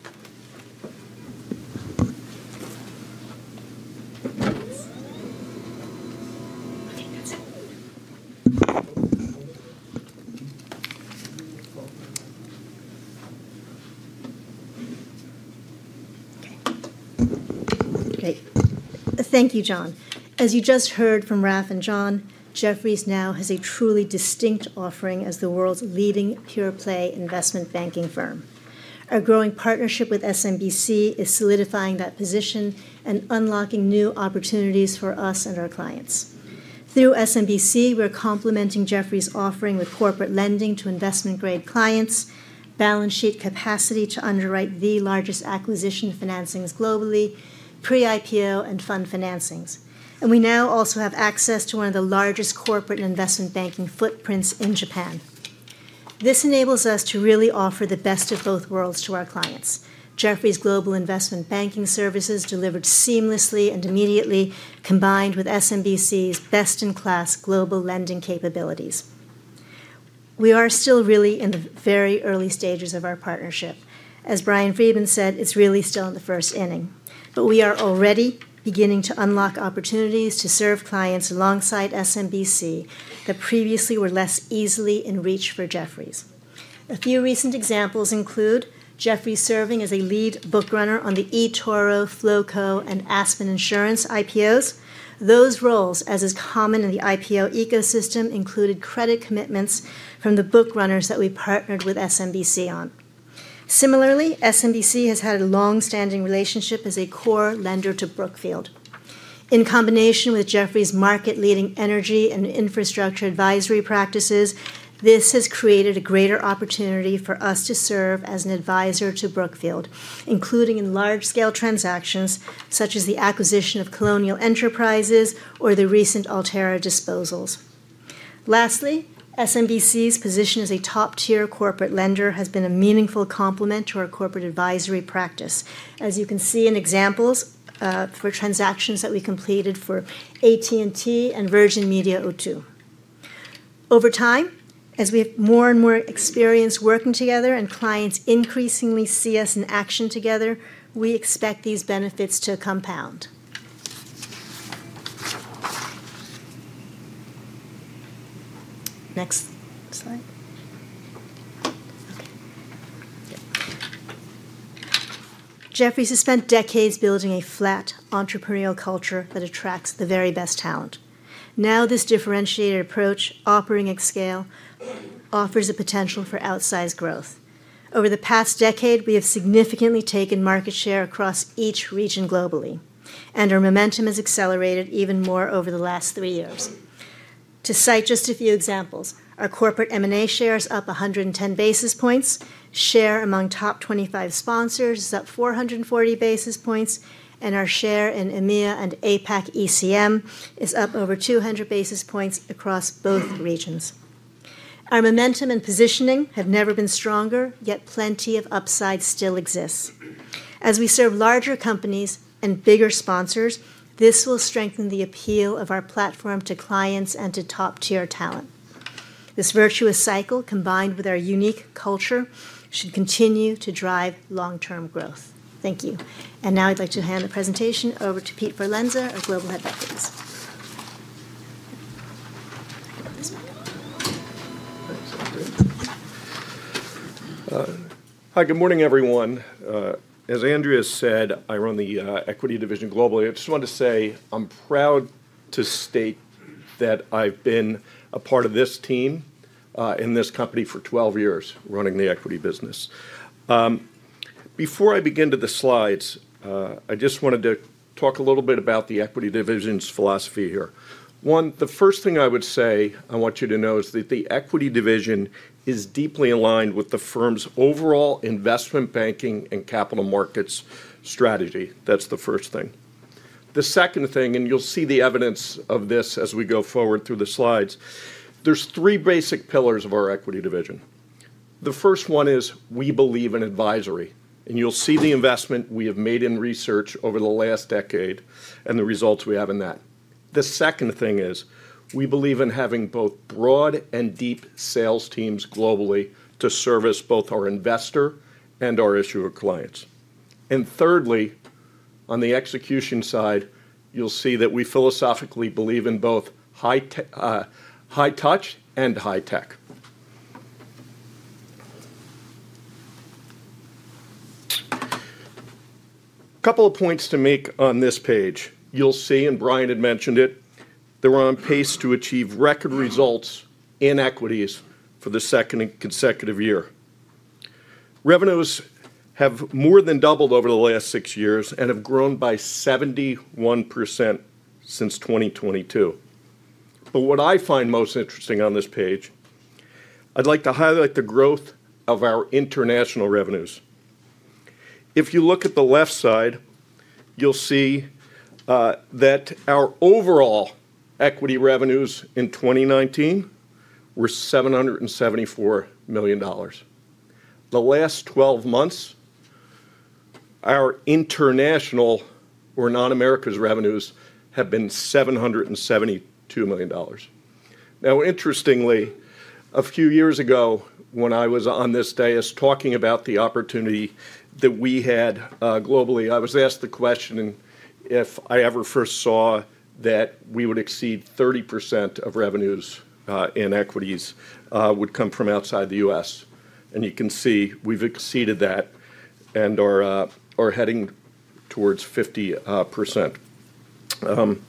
Thank you, John. As you just heard from Rafael Bejerano and John Miller, Jefferies now has a truly distinct offering as the world's leading pure play investment banking firm. Our growing partnership with SMBC is solidifying that position and unlocking new opportunities for us and our clients. Through SMBC, we're complementing Jefferies' offering with corporate lending to investment-grade clients, balance sheet capacity to underwrite the largest acquisition financings globally, pre-IPO, and fund financings. We now also have access to one of the largest corporate and investment banking footprints in Japan. This enables us to really offer the best of both worlds to our clients: Jefferies' global investment banking services delivered seamlessly and immediately, combined with SMBC's best-in-class global lending capabilities. We are still really in the very early stages of our partnership. As Brian Friedman said, it's really still in the first inning. We are already beginning to unlock opportunities to serve clients alongside SMBC that previously were less easily in reach for Jefferies. A few recent examples include Jefferies serving as a lead bookrunner on the eToro, Flowco, and Aspen Insurance IPOs. Those roles, as is common in the IPO ecosystem, included credit commitments from the bookrunners that we partnered with SMBC on. Similarly, SMBC has had a longstanding relationship as a core lender to Brookfield. In combination with Jefferies' market-leading energy and infrastructure advisory practices, this has created a greater opportunity for us to serve as an advisor to Brookfield, including in large-scale transactions such as the acquisition of Colonial Enterprises or the recent Altera disposals. Lastly, SMBC's position as a top-tier corporate lender has been a meaningful complement to our corporate advisory practice, as you can see in examples for transactions that we completed for AT&T and Virgin Media O2. Over time, as we have more and more experience working together and clients increasingly see us in action together, we expect these benefits to compound. Next slide. Jefferies has spent decades building a flat entrepreneurial culture that attracts the very best talent. Now, this differentiated approach, operating at scale, offers a potential for outsized growth. Over the past decade, we have significantly taken market share across each region globally, and our momentum has accelerated even more over the last three years. To cite just a few examples, our corporate M&A share is up 110 basis points, share among top 25 sponsors is up 440 basis points, and our share in EMEA and APAC ECM is up over 200 basis points across both regions. Our momentum and positioning have never been stronger, yet plenty of upside still exists. As we serve larger companies and bigger sponsors, this will strengthen the appeal of our platform to clients and to top-tier talent. This virtuous cycle, combined with our unique culture, should continue to drive long-term growth. Thank you. Now I'd like to hand the presentation over to Pete Forlenza, our Global Head of Equities. Hi, good morning, everyone. As Andrea Lee said, I run the equity division globally. I just want to say I'm proud to state that I've been a part of this team in this company for 12 years, running the equity business. Before I begin to the slides, I just wanted to talk a little bit about the equity division's philosophy here. One, the first thing I would say I want you to know is that the equity division is deeply aligned with the firm's overall investment banking and capital markets strategy. That's the first thing. The second thing, and you'll see the evidence of this as we go forward through the slides, there's three basic pillars of our equity division. The first one is we believe in advisory. You'll see the investment we have made in research over the last decade and the results we have in that. The second thing is we believe in having both broad and deep sales teams globally to service both our investor and our issuer clients. Thirdly, on the execution side, you'll see that we philosophically believe in both high touch and high tech. A couple of points to make on this page. You'll see, and Brian had mentioned it, that we're on pace to achieve record results in equities for the second consecutive year. Revenues have more than doubled over the last six years and have grown by 71% since 2022. What I find most interesting on this page, I'd like to highlight the growth of our international revenues. If you look at the left side, you'll see that our overall equity revenues in 2019 were $774 million. The last 12 months, our international or non-Americas revenues have been $772 million. Interestingly, a few years ago, when I was on this dais talking about the opportunity that we had globally, I was asked the question if I ever foresaw that we would exceed 30% of revenues in equities would come from outside the U.S. You can see we've exceeded that and are heading towards 50%. I'm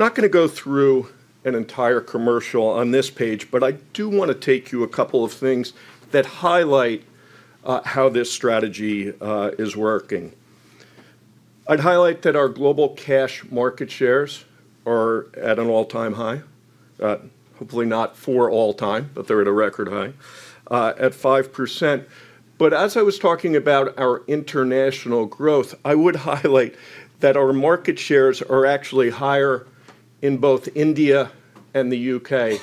not going to go through an entire commercial on this page, but I do want to take you to a couple of things that highlight how this strategy is working. I'd highlight that our global cash market shares are at an all-time high, hopefully not for all time, but they're at a record high at 5%. As I was talking about our international growth, I would highlight that our market shares are actually higher in both India and the U.K.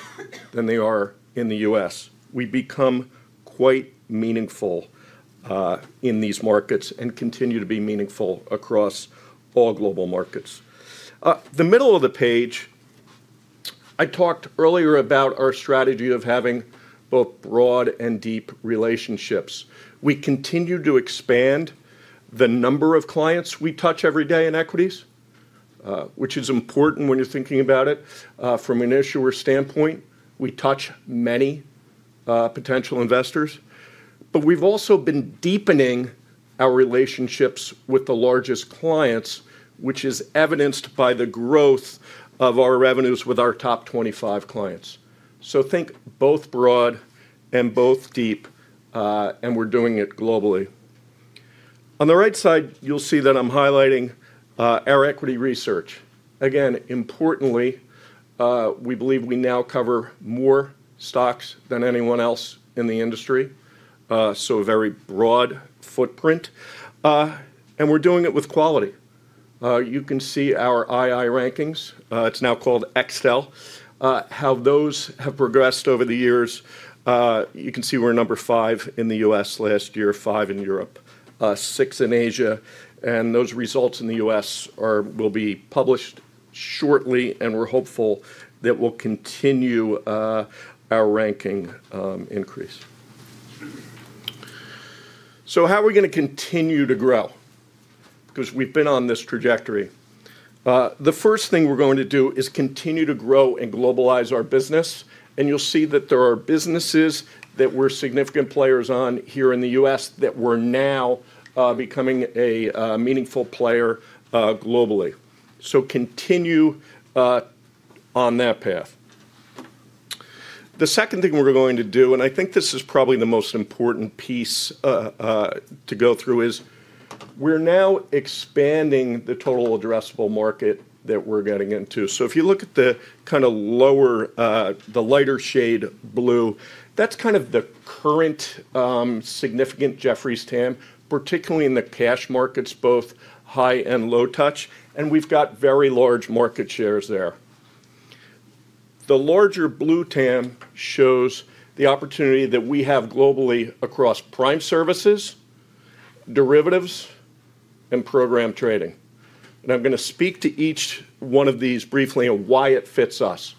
than they are in the U.S. We become quite meaningful in these markets and continue to be meaningful across all global markets. In the middle of the page, I talked earlier about our strategy of having both broad and deep relationships. We continue to expand the number of clients we touch every day in equities, which is important when you're thinking about it. From an issuer standpoint, we touch many potential investors. We've also been deepening our relationships with the largest clients, which is evidenced by the growth of our revenues with our top 25 clients. Think both broad and both deep, and we're doing it globally. On the right side, you'll see that I'm highlighting our equity research. Importantly, we believe we now cover more stocks than anyone else in the industry, so a very broad footprint. We're doing it with quality. You can see our II rankings, it's now called XTEL, how those have progressed over the years. You can see we're number five in the U.S. last year, five in Europe, six in Asia. Those results in the U.S. will be published shortly. We're hopeful that we'll continue our ranking increase. How are we going to continue to grow? We've been on this trajectory. The first thing we're going to do is continue to grow and globalize our business. You'll see that there are businesses where we're significant players here in the U.S. that we're now becoming a meaningful player globally. Continue on that path. The second thing we're going to do, and I think this is probably the most important piece to go through, is we're now expanding the total addressable market that we're getting into. If you look at the lower, the lighter shade blue, that's the current significant Jefferies TAM, particularly in the cash markets, both high and low touch. We've got very large market shares there. The larger blue TAM shows the opportunity that we have globally across prime services, derivatives, and program trading. I'm going to speak to each one of these briefly and why it fits us.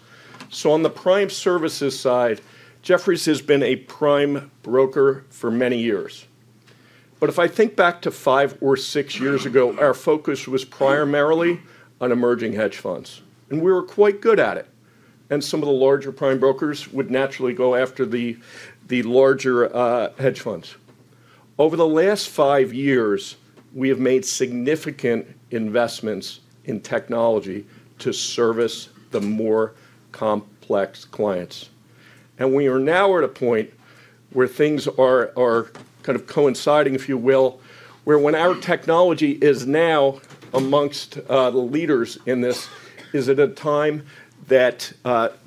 On the prime services side, Jefferies has been a prime broker for many years. If I think back to five or six years ago, our focus was primarily on emerging hedge funds. We were quite good at it. Some of the larger prime brokers would naturally go after the larger hedge funds. Over the last five years, we have made significant investments in technology to service the more complex clients. We are now at a point where things are kind of coinciding, if you will, where our technology is now amongst the leaders in this. Is it a time that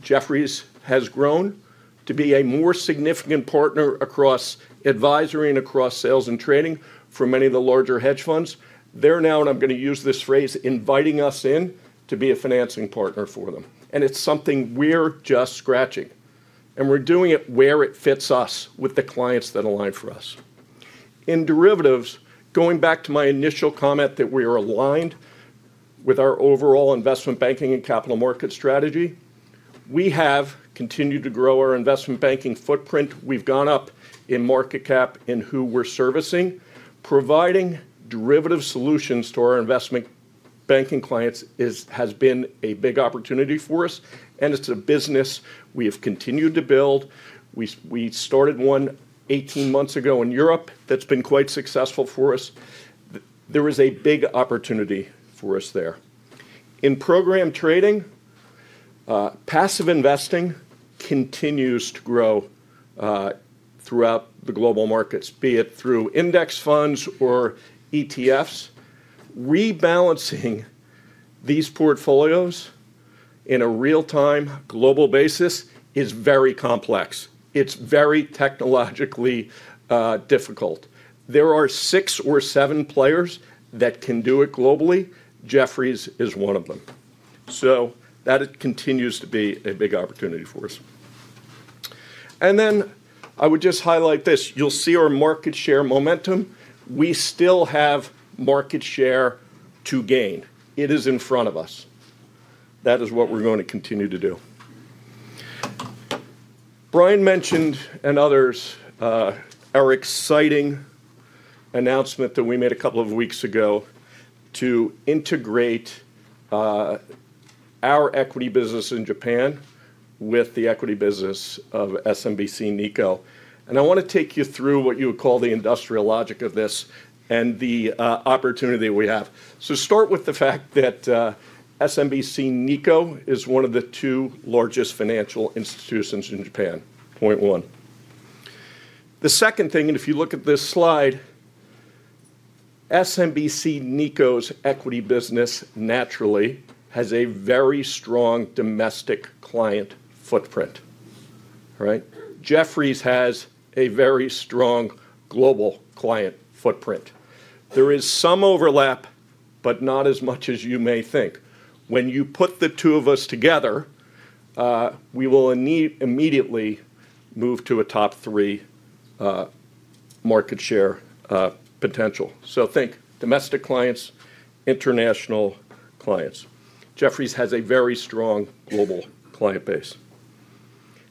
Jefferies has grown to be a more significant partner across advisory and across sales and trading for many of the larger hedge funds? They're now, and I'm going to use this phrase, inviting us in to be a financing partner for them. It's something we're just scratching. We're doing it where it fits us with the clients that align for us. In derivatives, going back to my initial comment that we are aligned with our overall investment banking and capital market strategy, we have continued to grow our investment banking footprint. We've gone up in market cap in who we're servicing. Providing derivative solutions to our investment banking clients has been a big opportunity for us. It's a business we have continued to build. We started one 18 months ago in Europe that's been quite successful for us. There is a big opportunity for us there. In program trading, passive investing continues to grow throughout the global markets, be it through index funds or ETFs. Rebalancing these portfolios on a real-time global basis is very complex. It's very technologically difficult. There are six or seven players that can do it globally. Jefferies is one of them. That continues to be a big opportunity for us. I would just highlight this. You'll see our market share momentum. We still have market share to gain. It is in front of us. That is what we're going to continue to do. Brian mentioned and others our exciting announcement that we made a couple of weeks ago to integrate our equity business in Japan with the equity business of SMBC Nikko. I want to take you through what you would call the industrial logic of this and the opportunity that we have. Start with the fact that SMBC Nikko is one of the two largest financial institutions in Japan, point one. The second thing, and if you look at this slide, SMBC Nikko's equity business naturally has a very strong domestic client footprint. Jefferies has a very strong global client footprint. There is some overlap, but not as much as you may think. When you put the two of us together, we will immediately move to a top three market share potential. Think domestic clients, international clients. Jefferies has a very strong global client base.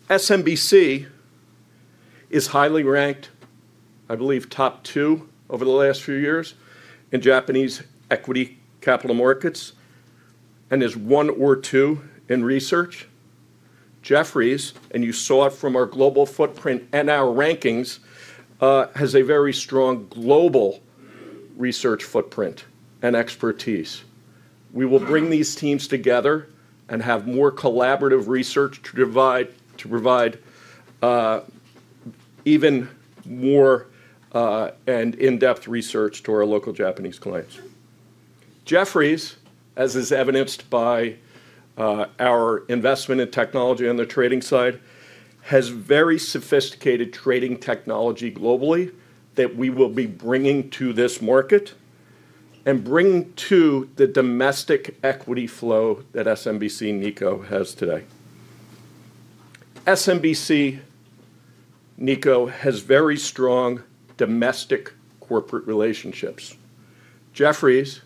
SMBC is highly ranked, I believe, top two over the last few years in Japanese equity capital markets and is one or two in research. Jefferies, and you saw it from our global footprint and our rankings, has a very strong global research footprint and expertise. We will bring these teams together and have more collaborative research to provide even more and in-depth research to our local Japanese clients. Jefferies, as is evidenced by our investment in technology on the trading side, has very sophisticated trading technology globally that we will be bringing to this market and bringing to the domestic equity flow that SMBC Nikko has today. SMBC Nikko has very strong domestic corporate relationships. Jefferies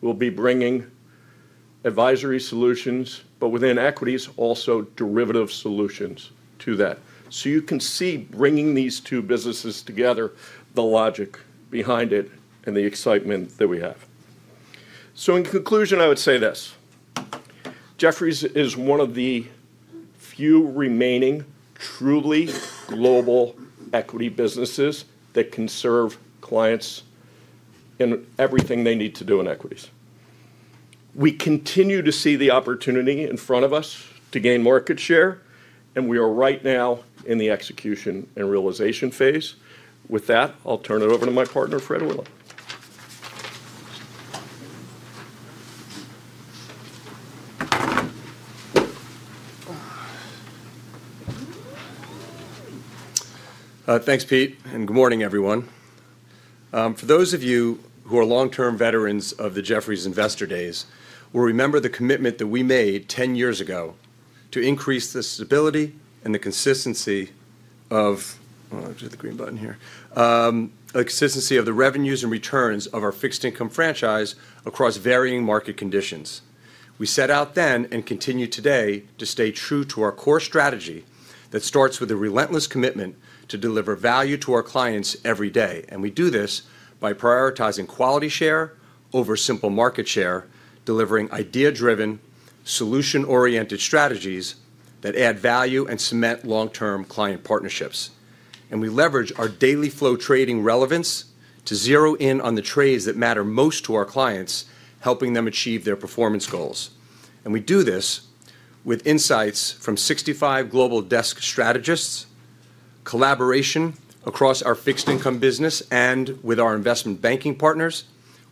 will be bringing advisory solutions, but within equities, also derivative solutions to that. You can see bringing these two businesses together, the logic behind it, and the excitement that we have. In conclusion, I would say this: Jefferies is one of the few remaining truly global equity businesses that can serve clients in everything they need to do in equities. We continue to see the opportunity in front of us to gain market share, and we are right now in the execution and realization phase. With that, I'll turn it over to my partner, Fred Orlan. Thanks, Pete, and good morning, everyone. For those of you who are long-term veterans of the Jefferies Investor Days, you'll remember the commitment that we made 10 years ago to increase the stability and the consistency of the consistency of the revenues and returns of our fixed income franchise across varying market conditions. We set out then and continue today to stay true to our core strategy that starts with a relentless commitment to deliver value to our clients every day. We do this by prioritizing quality share over simple market share, delivering idea-driven, solution-oriented strategies that add value and cement long-term client partnerships. We leverage our daily flow trading relevance to zero in on the trades that matter most to our clients, helping them achieve their performance goals. We do this with insights from 65 global desk strategists, collaboration across our fixed income business, and with our investment banking partners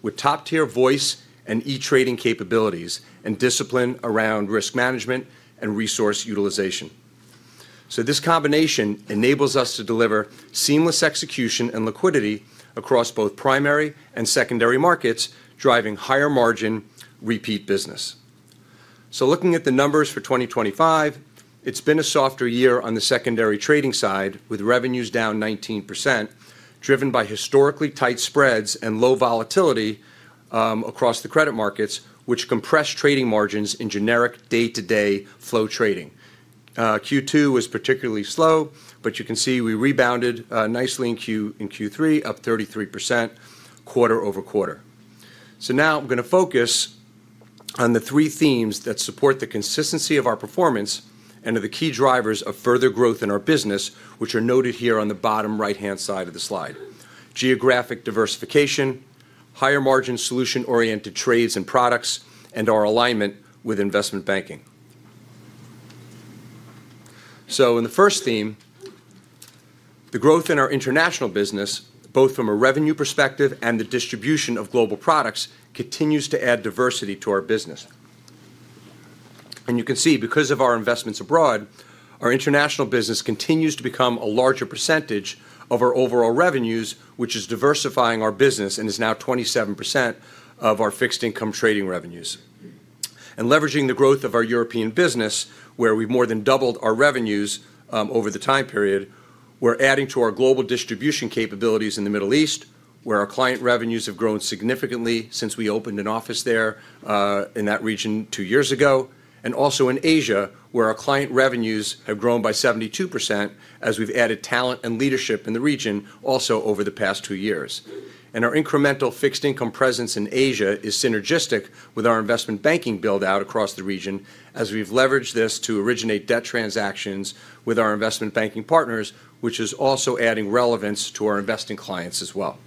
with top-tier voice and e-trading capabilities and discipline around risk management and resource utilization. This combination enables us to deliver seamless execution and liquidity across both primary and secondary markets, driving higher margin repeat business. Looking at the numbers for 2025, it's been a softer year on the secondary trading side with revenues down 19%, driven by historically tight spreads and low volatility across the credit markets, which compress trading margins in generic day-to-day flow trading. Q2 was particularly slow, but you can see we rebounded nicely in Q3, up 33% quarter-over-quarter. Now I'm going to focus on the three themes that support the consistency of our performance and are the key drivers of further growth in our business, which are noted here on the bottom right-hand side of the slide: geographic diversification, higher margin solution-oriented trades and products, and our alignment with investment banking. In the first theme, the growth in our international business, both from a revenue perspective and the distribution of global products, continues to add diversity to our business. You can see, because of our investments abroad, our international business continues to become a larger percentage of our overall revenues, which is diversifying our business and is now 27% of our fixed income trading revenues. Leveraging the growth of our European business, where we've more than doubled our revenues over the time period, we're adding to our global distribution capabilities in the Middle East, where our client revenues have grown significantly since we opened an office there in that region two years ago, and also in Asia, where our client revenues have grown by 72% as we've added talent and leadership in the region also over the past two years. Our important. Income presence in Asia is synergistic with our investment banking build-out across the region, as we've leveraged this to originate debt transactions with our investment banking partners, which is also adding relevance to our investing clients as well.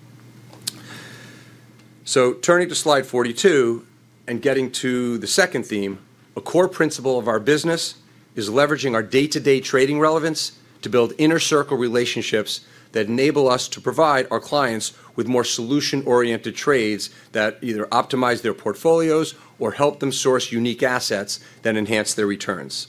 Turning to slide 42 and getting to the second theme, a core principle of our business is leveraging our day-to-day trading relevance to build inner circle relationships that enable us to provide our clients with more solution-oriented trades that either optimize their portfolios or help them source unique assets that enhance their returns.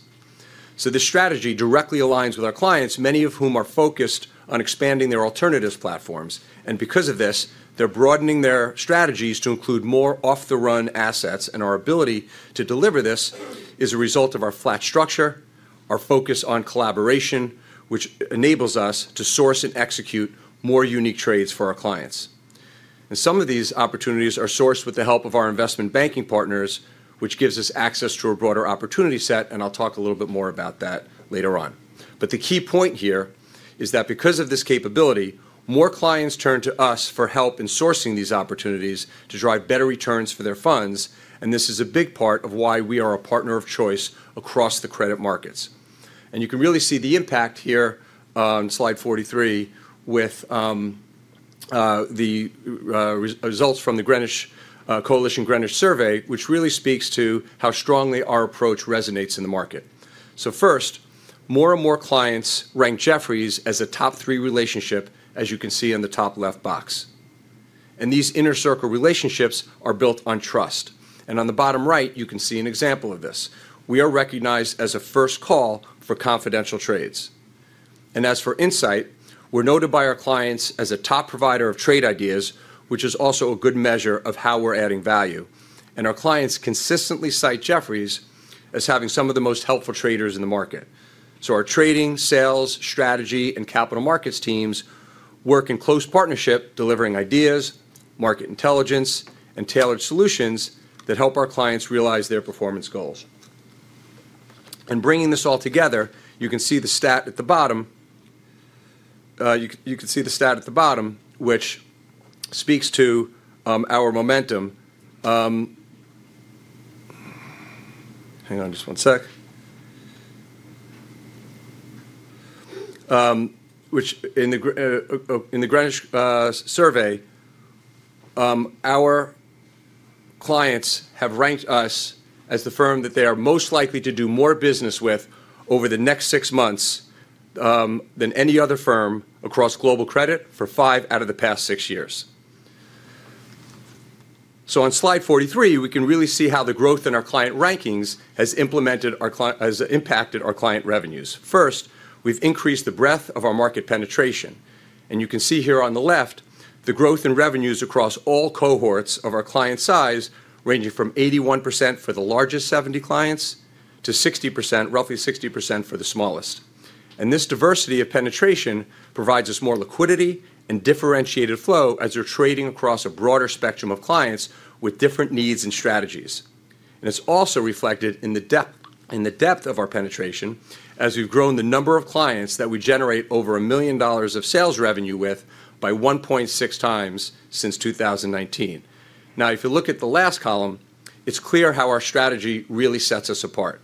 This strategy directly aligns with our clients, many of whom are focused on expanding their alternatives platforms, and because of this, they're broadening their strategies to include more off-the-run assets. Our ability to deliver this is a result of our flat structure and our focus on collaboration, which enables us to source and execute more unique trades for our clients. Some of these opportunities are sourced with the help of our investment banking partners, which gives us access to a broader opportunity set. I'll talk a little bit more about that later on. The key point here is that because of this capability, more clients turn to us for help in sourcing these opportunities to drive better returns for their funds, and this is a big part of why we are a partner of choice across the credit markets. You can really see the impact here on slide 43 with the results from the Greenwich Coalition Greenwich Survey, which really speaks to how strongly our approach resonates in the market. First, more and more clients rank Jefferies as a top-three relationship, as you can see in the top left box. These inner circle relationships are built on trust. On the bottom right, you can see an example of this. We are recognized as a first call for confidential trades. As for insight, we're noted by our clients as a top provider of trade ideas, which is also a good measure of how we're adding value. Our clients consistently cite Jefferies as having some of the most helpful traders in the market. Our trading, sales, strategy, and capital markets teams work in close partnership, delivering ideas, market intelligence, and tailored solutions that help our clients realize their performance goals. Bringing this all together, you can see the stat at the bottom, which speaks to our momentum. Which, in the Greenwich Survey, our clients have ranked us as the firm that they are most likely to do more business with over the next six months than any other firm across global credit for five out of the past six years. On slide 43, we can really see how the growth in our client rankings has implemented our client revenues. First, we've increased the breadth of our market penetration. You can see here on the left, the growth in revenues across all cohorts of our client size, ranging from 81% for the largest 70 clients to roughly 60% for the smallest. This diversity of penetration provides us more liquidity and differentiated flow as you're trading across a broader spectrum of clients with different needs and strategies. It's also reflected in the depth of our penetration as we've grown the number of clients that we generate over $1 million of sales revenue with by 1.6x since 2019. If you look at the last column, it's clear how our strategy really sets us apart.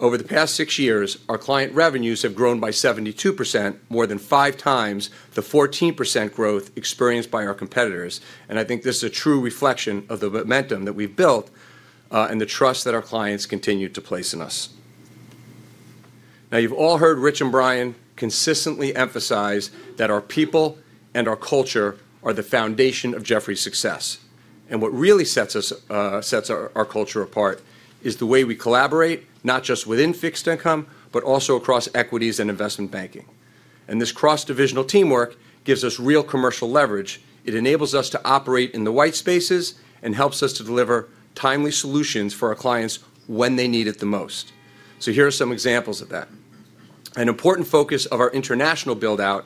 Over the past six years, our client revenues have grown by 72%, more than five times the 14% growth experienced by our competitors, and I think this is a true reflection of the momentum that we've built and the trust that our clients continue to place in us. You've all heard Rich and Brian consistently emphasize that our people and our culture are the foundation of Jefferies' success. What really sets our culture apart is the way we collaborate, not just within fixed income, but also across equities and investment banking. This cross-divisional teamwork gives us real commercial leverage. It enables us to operate in the white spaces and helps us to deliver timely solutions for our clients when they need it the most. Here are some examples of that. An important focus of our international build-out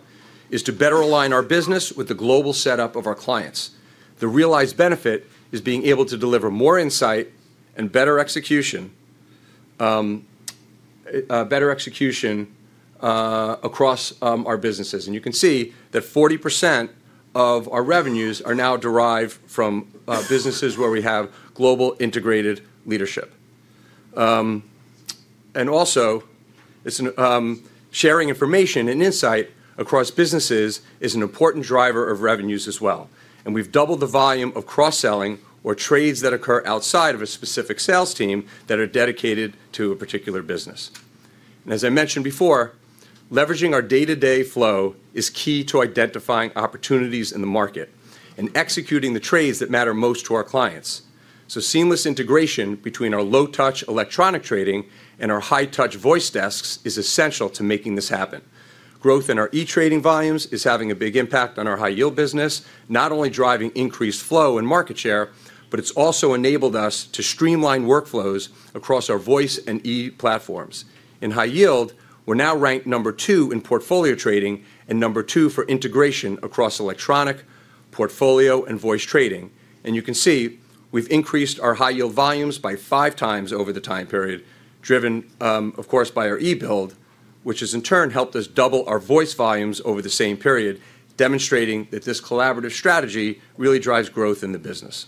is to better align our business with the global setup of our clients. The realized benefit is being able to deliver more insight and better execution across our businesses. You can see that 40% of our revenues are now derived from businesses where we have global integrated leadership. Also, sharing information and insight across businesses is an important driver of revenues as well. We've doubled the volume of cross-selling or trades that occur outside of a specific sales team that are dedicated to a particular business. As I mentioned before, leveraging our day-to-day flow is key to identifying opportunities in the market and executing the trades that matter most to our clients. Seamless integration between our low-touch electronic trading and our high-touch voice desks is essential to making this happen. Growth in our e-trading volumes is having a big impact on our high-yield business, not only driving increased flow and market share, but it's also enabled us to streamline workflows across our voice and e-platforms. In high-yield, we're now ranked number two in portfolio trading and number two for integration across electronic, portfolio, and voice trading. You can see we've increased our high-yield volumes by five times over the time period, driven, of course, by our e-build, which has in turn helped us double our voice volumes over the same period, demonstrating that this collaborative strategy really drives growth in the business.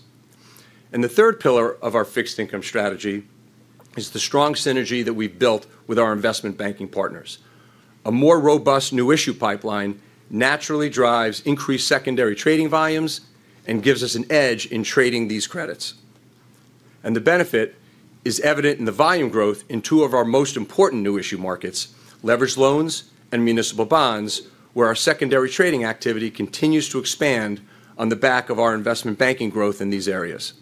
The third pillar of our fixed income strategy is the strong synergy that we've built with our investment banking partners. A more robust new-issue pipeline naturally drives increased secondary trading volumes and gives us an edge in trading these credits. The benefit is evident in the volume growth in two of our most important new-issue markets, leveraged loans and municipal bonds, where our secondary trading activity continues to expand on the back of our investment banking growth in these areas.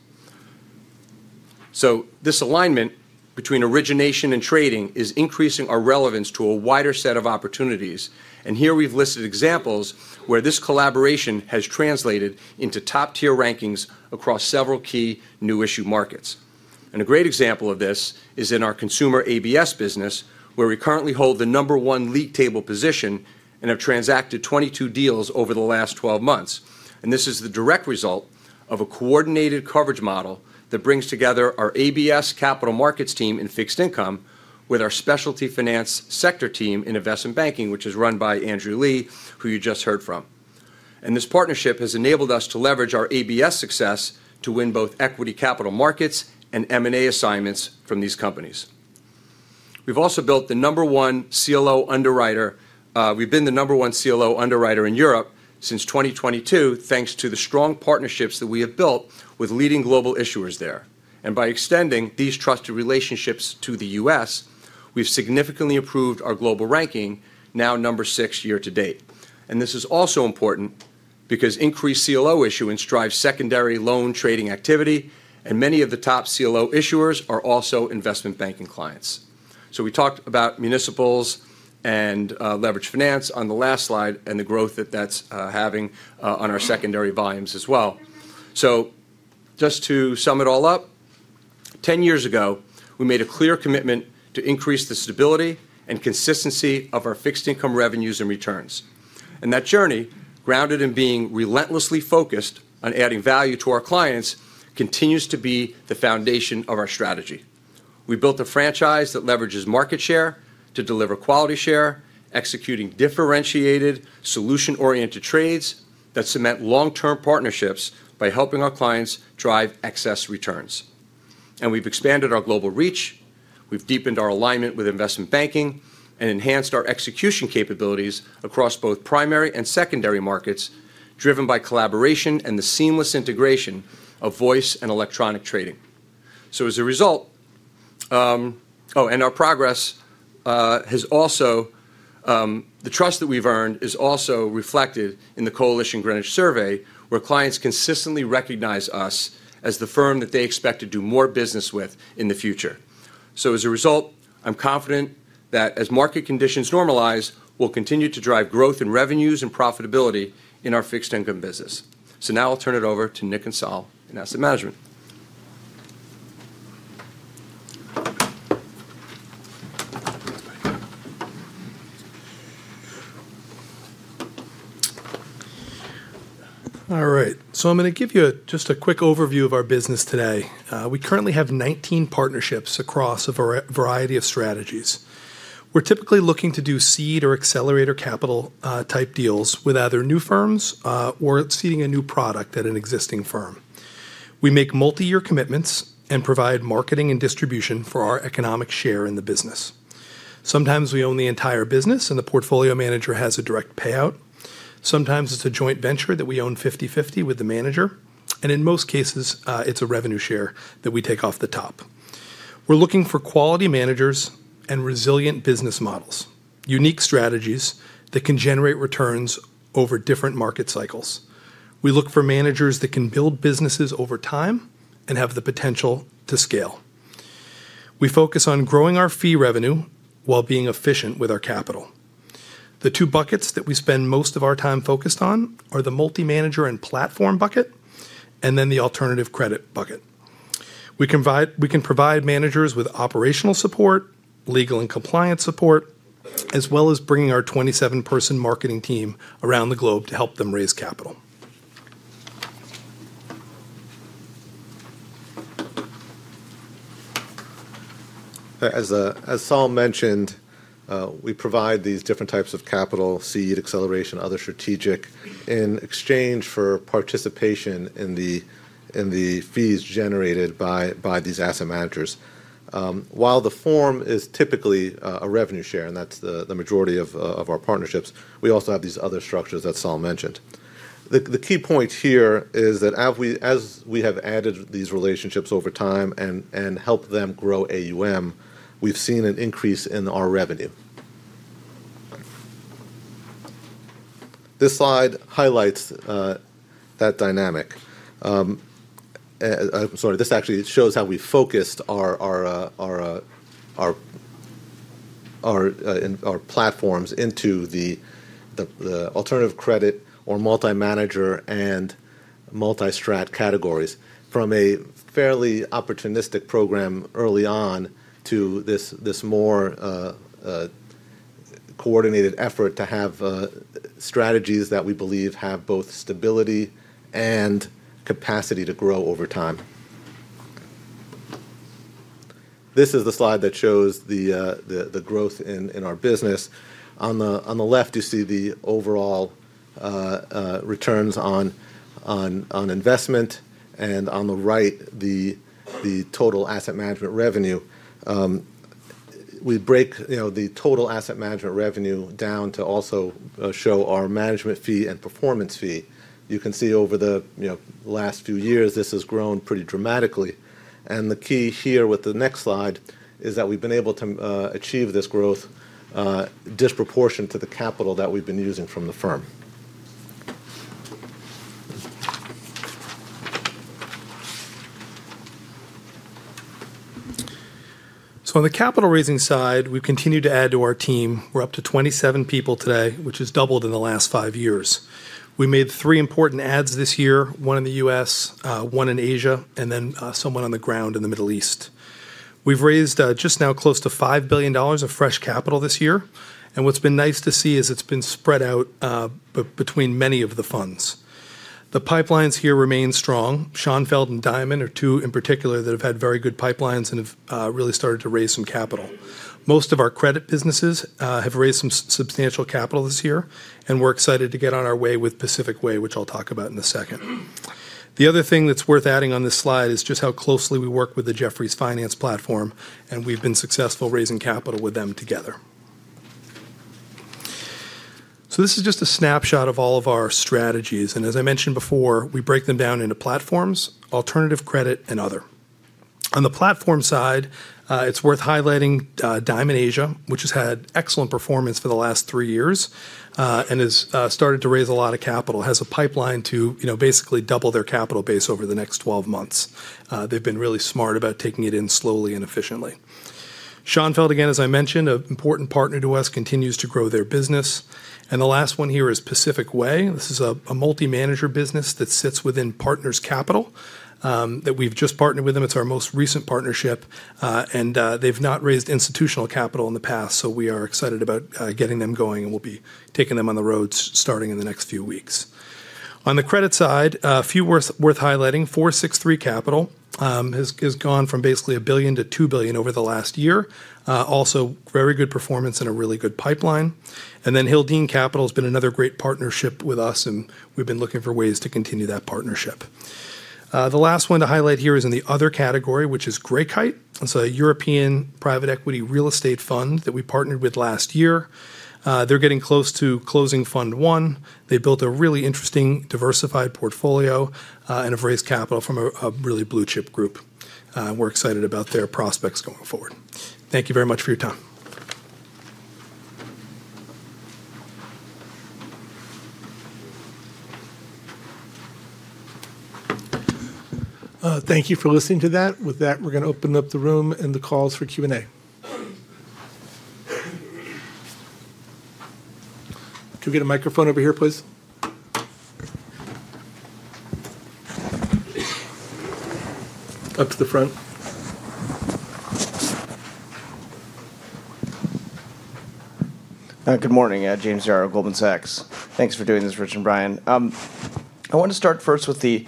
This alignment between origination and trading is increasing our relevance to a wider set of opportunities. Here we've listed examples where this collaboration has translated into top-tier rankings across several key new-issue markets. A great example of this is in our consumer ABS business, where we currently hold the number one league table position and have transacted 22 deals over the last 12 months. This is the direct result of a coordinated coverage model that brings together our ABS capital markets team in fixed income with our specialty finance sector team in investment banking, which is run by Andrew Lyons, who you just heard from. This partnership has enabled us to leverage our ABS success to win both equity capital markets and M&A assignments from these companies. We've also built the number one CLO underwriter. We've been the number one CLO underwriter in Europe since 2022, thanks to the strong partnerships that we have built with leading global issuers there. By extending these trusted relationships to the U.S., we've significantly improved our global ranking, now number six year to date. This is also important because increased CLO issuance drives secondary loan trading activity, and many of the top CLO issuers are also investment banking clients. We talked about municipals and leveraged finance on the last slide and the growth that that's having on our secondary volumes as well. To sum it all up, ten years ago, we made a clear commitment to increase the stability and consistency of our fixed-income revenues and returns. That journey, grounded in being relentlessly focused on adding value to our clients, continues to be the foundation of our strategy. We built a franchise that leverages market share to deliver quality share, executing differentiated, solution-oriented trades that cement long-term partnerships by helping our clients drive excess returns. We've expanded our global reach, deepened our alignment with investment banking, and enhanced our execution capabilities across both primary and secondary markets, driven by collaboration and the seamless integration of voice and electronic trading. As a result, the trust that we've earned is also reflected in the Coalition Greenwich Survey, where clients consistently recognize us as the firm that they expect to do more business with in the future. I'm confident that as market conditions normalize, we'll continue to drive growth in revenues and profitability in our fixed-income business. Now I'll turn it over to Nick and Sal in Asset Management. All right. I'm going to give you just a quick overview of our business today. We currently have 19 partnerships across a variety of strategies. We're typically looking to do seed or accelerator capital-type deals with either new firms or seeding a new product at an existing firm. We make multi-year commitments and provide marketing and distribution for our economic share in the business. Sometimes we own the entire business and the portfolio manager has a direct payout. Sometimes it's a joint venture that we own 50/50 with the manager, and in most cases, it's a revenue share that we take off the top. We're looking for quality managers and resilient business models, unique strategies that can generate returns over different market cycles. We look for managers that can build businesses over time and have the potential to scale. We focus on growing our fee revenue while being efficient with our capital. The two buckets that we spend most of our time focused on are the multi-manager and platform bucket and then the alternative credit bucket. We can provide managers with operational support, legal and compliance support, as well as bringing our 27-person marketing team around the globe to help them raise capital. As Sal mentioned, we provide these different types of capital, seed, acceleration, other strategic, in exchange for participation in the fees generated by these asset managers. While the form is typically a revenue share, and that's the majority of our partnerships, we also have these other structures that Sal mentioned. The key point here is that as we have added these relationships over time and helped them grow AUM, we've seen an increase in our revenue. This slide highlights that dynamic. I'm sorry, this actually shows how we focused our platforms into the alternative credit or multi-manager and multi-strat categories from a fairly opportunistic program early on to this more coordinated effort to have strategies that we believe have both stability and capacity to grow over time. This is the slide that shows the growth in our business. On the left, you see the overall returns on investment, and on the right, the total asset management revenue. We break the total asset management revenue down to also show our management fee and performance fee. You can see over the last few years, this has grown pretty dramatically. The key here with the next slide is that we've been able to achieve this growth disproportionate to the capital that we've been using from the firm. On the capital raising side, we've continued to add to our team. We're up to 27 people today, which has doubled in the last five years. We made three important adds this year, one in the U.S., one in Asia, and then someone on the ground in the Middle East. We've raised just now close to $5 billion of fresh capital this year, and what's been nice to see is it's been spread out between many of the funds. The pipelines here remain strong. Schonfeld and Diamond are two in particular that have had very good pipelines and have really started to raise some capital. Most of our credit businesses have raised some substantial capital this year, and we're excited to get on our way with Pacific Way, which I'll talk about in a second. The other thing that's worth adding on this slide is just how closely we work with the Jefferies Finance platform, and we've been successful raising capital with them together. This is just a snapshot of all of our strategies, and as I mentioned before, we break them down into platforms, alternative credit, and other. On the platform side, it's worth highlighting Diamond Asia, which has had excellent performance for the last three years and has started to raise a lot of capital, has a pipeline to basically double their capital base over the next 12 months. They've been really smart about taking it in slowly and efficiently. Schonfeld, again, as I mentioned, an important partner to us, continues to grow their business. The last one here is Pacific Way. This is a multi-manager business that sits within Partners Capital that we've just partnered with. It's our most recent partnership, and they've not raised institutional capital in the past, so we are excited about getting them going, and we'll be taking them on the road starting in the next few weeks. On the credit side, a few worth highlighting, 463 Capital has gone from basically $1 billion-$2 billion over the last year, also very good performance and a really good pipeline. Hildean Capital has been another great partnership with us, and we've been looking for ways to continue that partnership. The last one to highlight here is in the other category, which is Greycut, a European private equity real estate fund that we partnered with last year. They're getting close to closing fund one. They built a really interesting diversified portfolio and have raised capital from a really blue-chip group. We're excited about their prospects going forward. Thank you very much for your time. Thank you for listening to that. With that, we're going to open up the room and the calls for Q&A. Can we get a microphone over here, please? Up to the front. Good morning, James Yaro, Goldman Sachs. Thanks for doing this, Rich and Brian. I want to start first with the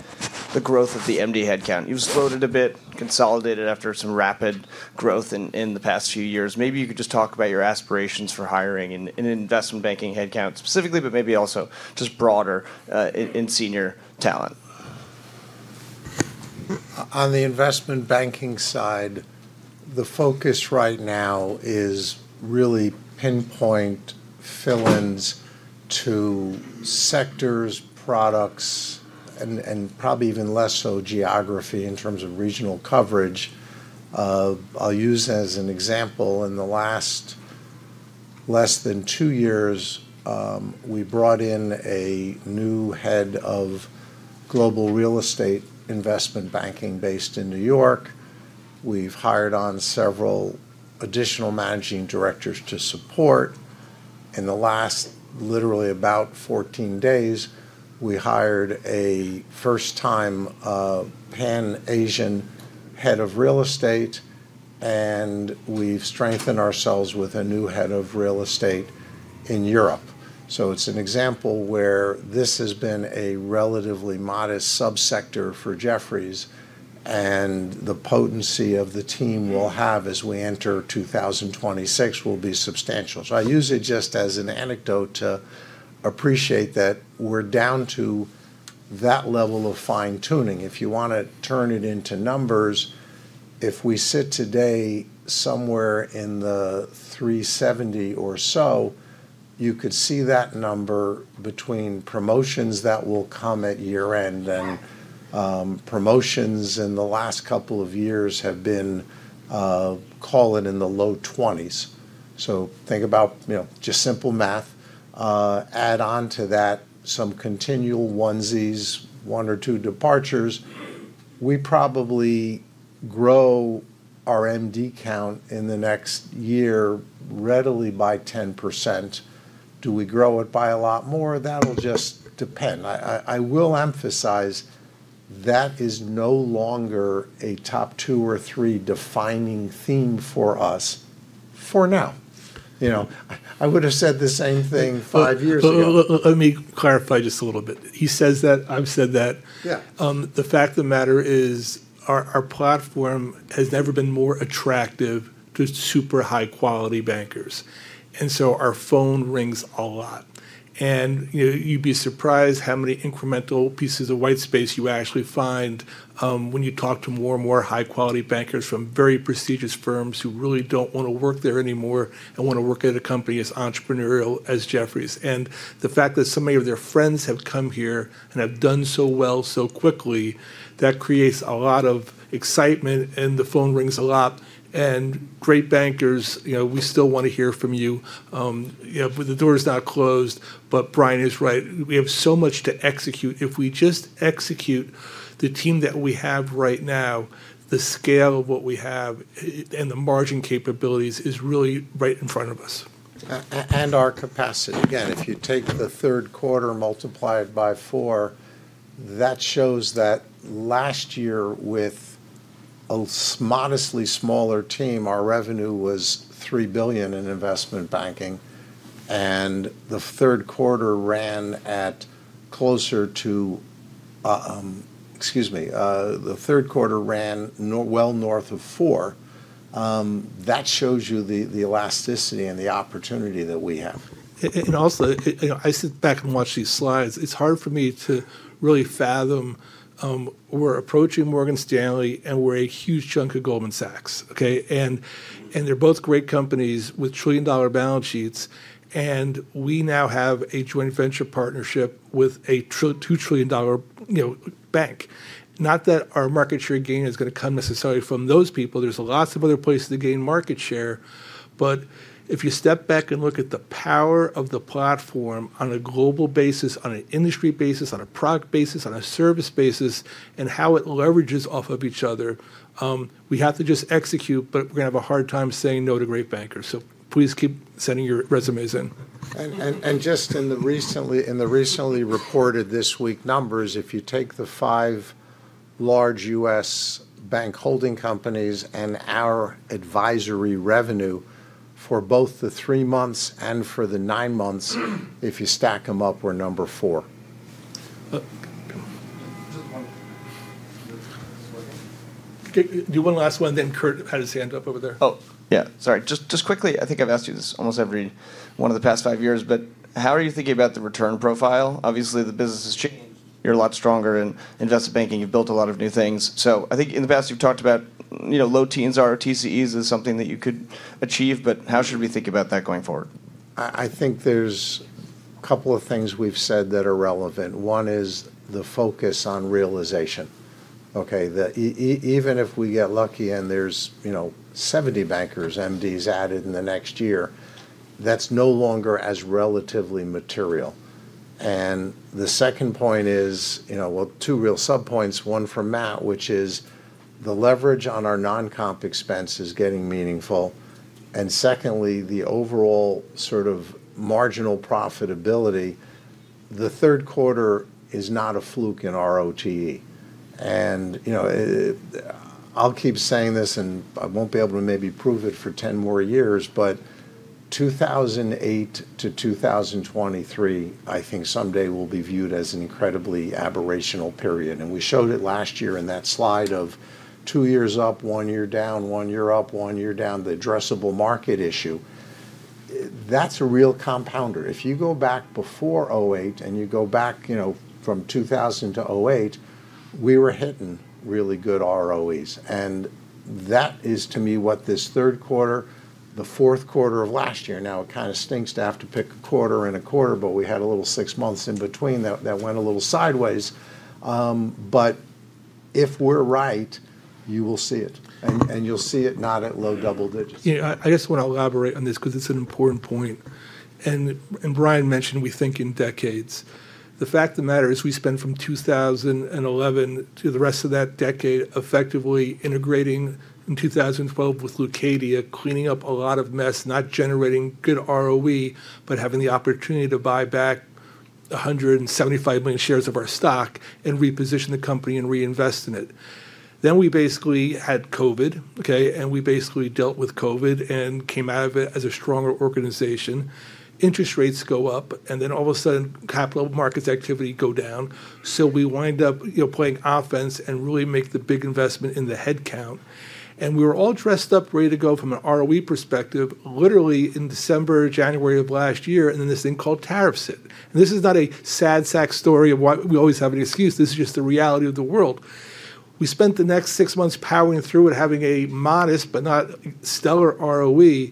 growth of the MD headcount. You've exploded a bit, consolidated after some rapid growth in the past few years. Maybe you could just talk about your aspirations for hiring in investment banking headcount specifically, but maybe also just broader in senior talent. On the investment banking side, the focus right now is really pinpoint fill-ins to sectors, products, and probably even less so geography in terms of regional coverage. I'll use as an example, in the last less than two years, we brought in a new Head of Global Real Estate Investment Banking based in New York. We've hired on several additional Managing Directors to support. In the last literally about 14 days, we hired a first-time Pan-Asian Head of Real Estate, and we've strengthened ourselves with a new Head of Real Estate in Europe. It's an example where this has been a relatively modest subsector for Jefferies, and the potency of the team we'll have as we enter 2026 will be substantial. I use it just as an anecdote to appreciate that we're down to that level of fine-tuning. If you want to turn it into numbers, if we sit today somewhere in the 370 or so, you could see that number between promotions that will come at year-end, and promotions in the last couple of years have been, call it in the low 20s. Think about just simple math, add on to that some continual onesies, one or two departures. We probably grow our MD count in the next year readily by 10%. Do we grow it by a lot more? That'll just depend. I will emphasize that is no longer a top two or three defining theme for us for now. You know, I would have said the same thing five years ago. Let me clarify just a little bit. He says that, I've said that. The fact of the matter is our platform has never been more attractive to super high-quality bankers. Our phone rings a lot. You'd be surprised how many incremental pieces of white space you actually find when you talk to more and more high-quality bankers from very prestigious firms who really don't want to work there anymore and want to work at a company as entrepreneurial as Jefferies. The fact that so many of their friends have come here and have done so well so quickly creates a lot of excitement, and the phone rings a lot. Great bankers, we still want to hear from you. The door is not closed, but Brian is right. We have so much to execute. If we just execute the team that we have right now, the scale of what we have and the margin capabilities is really right in front of us. Our capacity, if you take the third quarter multiplied by four, shows that last year with a modestly smaller team, our revenue was $3 billion in investment banking, and the third quarter ran at well north of $4 billion. That shows you the elasticity and the opportunity that we have. I sit back and watch these slides. It's hard for me to really fathom we're approaching Morgan Stanley, and we're a huge chunk of Goldman Sachs. They're both great companies with trillion-dollar balance sheets, and we now have a joint venture partnership with a $2 trillion bank. Not that our market share gain is going to come necessarily from those people. There's lots of other places to gain market share, but if you step back and look at the power of the platform on a global basis, on an industry basis, on a product basis, on a service basis, and how it leverages off of each other, we have to just execute, but we're going to have a hard time saying no to great bankers. Please keep sending your resumes in. In the recently reported this week numbers, if you take the five large U.S. bank holding companies and our advisory revenue for both the three months and for the nine months, if you stack them up, we're number four. Do one last one, and then Kurt had his hand up over there. Yeah, sorry. Just quickly, I think I've asked you this almost every one of the past five years, but how are you thinking about the return profile? Obviously, the business has changed. You're a lot stronger in investment banking. You've built a lot of new things. I think in the past you've talked about low teens ROTE as something that you could achieve, but how should we think about that going forward? I think there's a couple of things we've said that are relevant. One is the focus on realization. Okay, even if we get lucky and there's 70 bankers MDs added in the next year, that's no longer as relatively material. The second point is, two real subpoints, one from Matt, which is the leverage on our non-comp expense is getting meaningful, and secondly, the overall sort of marginal profitability. The third quarter is not a fluke in ROTE. I'll keep saying this, and I won't be able to maybe prove it for 10 more years, but 2008-2023, I think someday will be viewed as an incredibly aberrational period. We showed it last year in that slide of two years up, one year down, one year up, one year down, the addressable market issue. That's a real compounder. If you go back before 2008 and you go back from 2000 to 2008, we were hitting really good ROEs. That is to me what this third quarter, the fourth quarter of last year, now it kind of stinks to have to pick a quarter and a quarter, but we had a little six months in between that went a little sideways. If we're right, you will see it. You'll see it not at low double digits. I just want to elaborate on this because it's an important point. Brian mentioned we think in decades. The fact of the matter is we spent from 2011 to the rest of that decade effectively integrating in 2012 with Leucadia, cleaning up a lot of mess, not generating good ROE, but having the opportunity to buy back 175 million shares of our stock and reposition the company and reinvest in it. We basically had COVID, and we basically dealt with COVID and came out of it as a stronger organization. Interest rates go up, and all of a sudden capital markets activity go down. We wind up playing offense and really make the big investment in the headcount. We were all dressed up ready to go from an ROE perspective literally in December, January of last year, and then this thing called tariffs hit. This is not a sad sack story of why we always have an excuse. This is just the reality of the world. We spent the next six months powering through it, having a modest but not stellar ROE.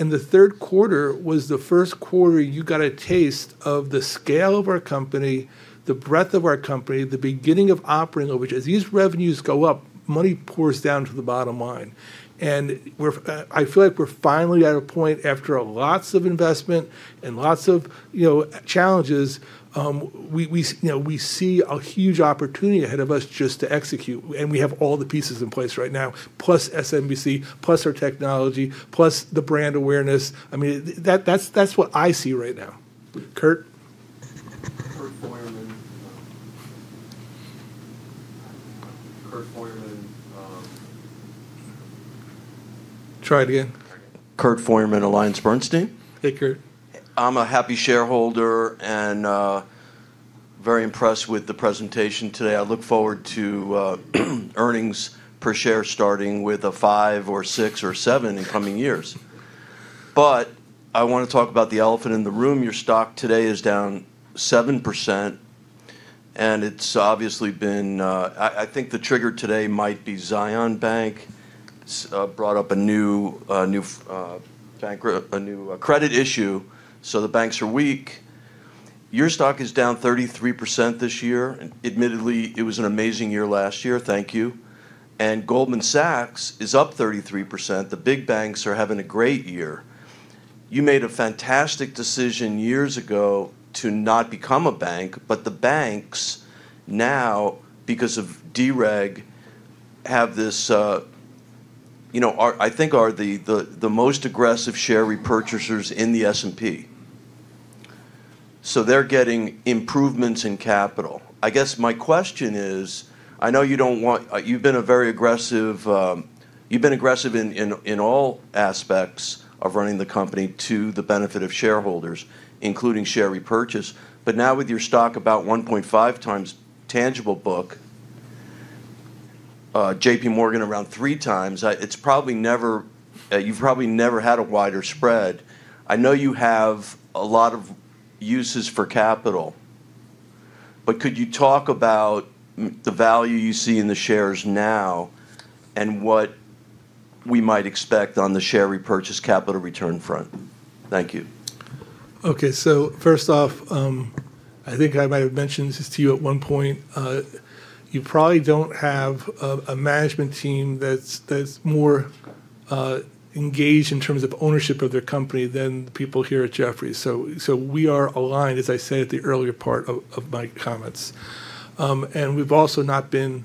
The third quarter was the first quarter you got a taste of the scale of our company, the breadth of our company, the beginning of operating over. As these revenues go up, money pours down to the bottom line. I feel like we're finally at a point after lots of investment and lots of challenges, we see a huge opportunity ahead of us just to execute. We have all the pieces in place right now, plus SMBC, plus our technology, plus the brand awareness. I mean, that's what I see right now. Kurt? Try it again. Kurt Feuerman of AllianceBernstein. Hey, Kurt. I'm a happy shareholder and very impressed with the presentation today. I look forward to earnings per share starting with a five or six or seven in coming years. I want to talk about the elephant in the room. Your stock today is down 7%, and it's obviously been, I think the trigger today might be Zions Bank brought up a new credit issue, so the banks are weak. Your stock is down 33% this year, and admittedly, it was an amazing year last year. Thank you. Goldman Sachs is up 33%. The big banks are having a great year. You made a fantastic decision years ago to not become a bank, but the banks now, because of DREG, have this, you know, I think are the most aggressive share repurchasers in the S&P. They're getting improvements in capital. I guess my question is, I know you don't want, you've been a very aggressive, you've been aggressive in all aspects of running the company to the benefit of shareholders, including share repurchase, but now with your stock about 1.5 times tangible book, JPMorgan around three times, it's probably never, you've probably never had a wider spread. I know you have a lot of uses for capital, but could you talk about the value you see in the shares now and what we might expect on the share repurchase capital return front? Thank you. Okay, first off, I think I might have mentioned this to you at one point. You probably don't have a management team that's more engaged in terms of ownership of their company than the people here at Jefferies. We are aligned, as I said at the earlier part of my comments. We've also not been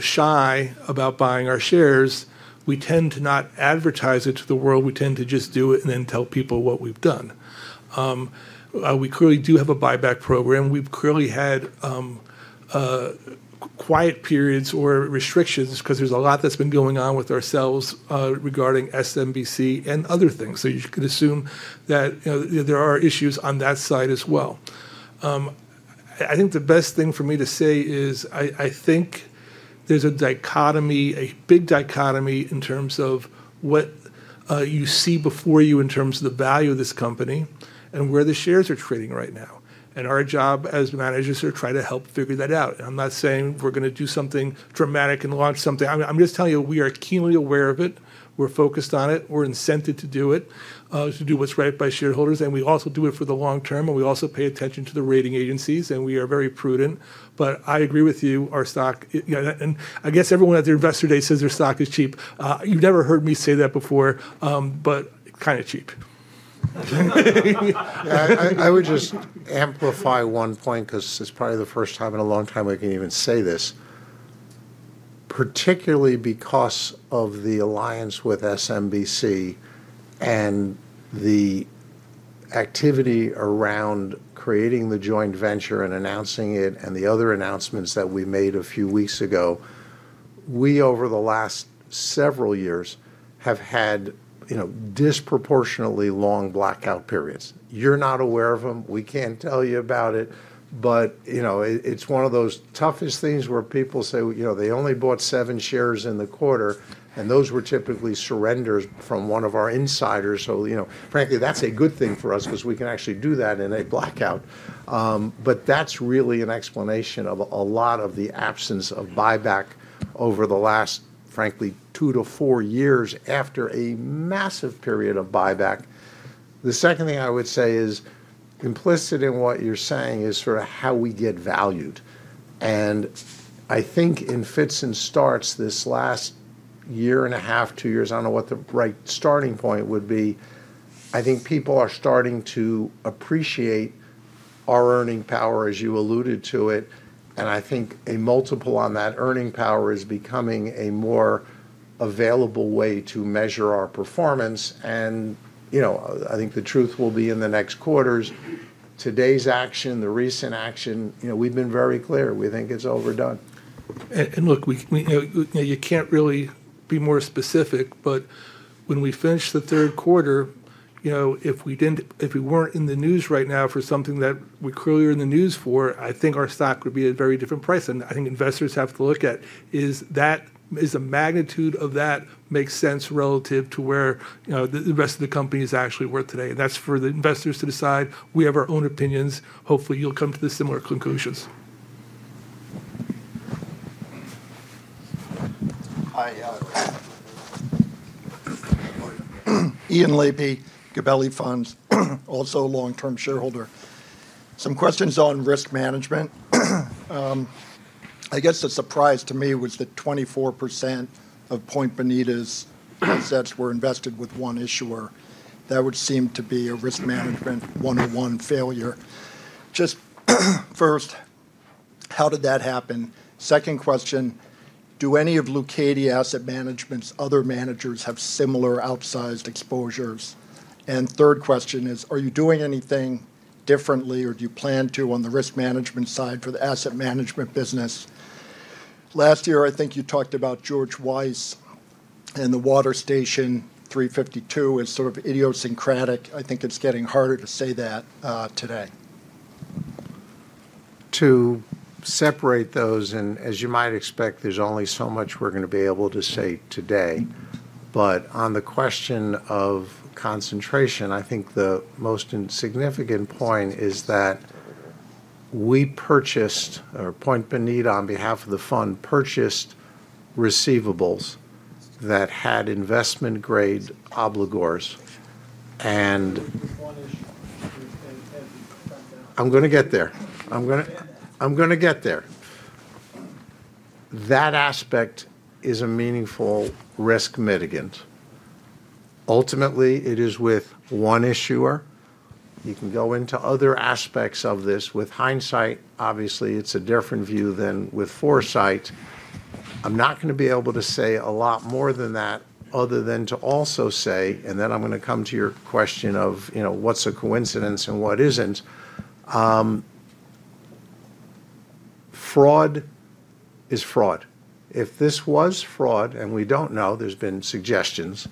shy about buying our shares. We tend to not advertise it to the world. We tend to just do it and then tell people what we've done. We clearly do have a buyback program. We've clearly had quiet periods or restrictions because there's a lot that's been going on with ourselves regarding SMBC and other things. You can assume that there are issues on that side as well. I think the best thing for me to say is I think there's a dichotomy, a big dichotomy in terms of what you see before you in terms of the value of this company and where the shares are trading right now. Our job as managers is to try to help figure that out. I'm not saying we're going to do something dramatic and launch something. I'm just telling you we are keenly aware of it. We're focused on it. We're incented to do it, to do what's right by shareholders. We also do it for the long term. We also pay attention to the rating agencies. We are very prudent. I agree with you, our stock, and I guess everyone at the Investor Day says their stock is cheap. You've never heard me say that before, but kind of cheap. I would just amplify one point because it's probably the first time in a long time we can even say this, particularly because of the alliance with SMBC and the activity around creating the joint venture and announcing it and the other announcements that we made a few weeks ago. We, over the last several years, have had disproportionately long blackout periods. You're not aware of them. We can't tell you about it. It's one of those toughest things where people say they only bought seven shares in the quarter. Those were typically surrenders from one of our insiders. Frankly, that's a good thing for us because we can actually do that in a blackout. That's really an explanation of a lot of the absence of buyback over the last, frankly, two to four years after a massive period of buyback. The second thing I would say is implicit in what you're saying is sort of how we get valued. I think in fits and starts, this last year and a half, two years, I don't know what the right starting point would be. I think people are starting to appreciate our earning power, as you alluded to it. I think a multiple on that earning power is becoming a more available way to measure our performance. I think the truth will be in the next quarters. Today's action, the recent action, we've been very clear. We think it's overdone. You can't really be more specific. When we finish the third quarter, if we weren't in the news right now for something that we clearly are in the news for, I think our stock would be at a very different price. I think investors have to look at is that is the magnitude of that makes sense relative to where the rest of the company is actually worth today. That's for the investors to decide. We have our own opinions. Hopefully, you'll come to the similar conclusions. Ian Laype, Gabelli Funds, also a long-term shareholder. Some questions on risk management. I guess the surprise to me was that 24% of Point Bonita's assets were invested with one issuer. That would seem to be a risk management 101 failure. Just first, how did that happen? Second question, do any of Lucady Asset Management's other managers have similar outsized exposures? Third question is, are you doing anything differently or do you plan to on the risk management side for the asset management business? Last year, I think you talked about George Weiss and the Water Station 352 is sort of idiosyncratic. I think it's getting harder to say that today. To separate those, and as you might expect, there's only so much we're going to be able to say today. On the question of concentration, I think the most significant point is that we purchased, or Point Bonita on behalf of the fund purchased, receivables that had investment-grade obligors. I'm going to get there. That aspect is a meaningful risk mitigant. Ultimately, it is with one issuer. You can go into other aspects of this. With hindsight, obviously, it's a different view than with foresight. I'm not going to be able to say a lot more than that other than to also say, and then I'm going to come to your question of what's a coincidence and what isn't. Fraud is fraud. If this was fraud, and we don't know, there's been suggestions,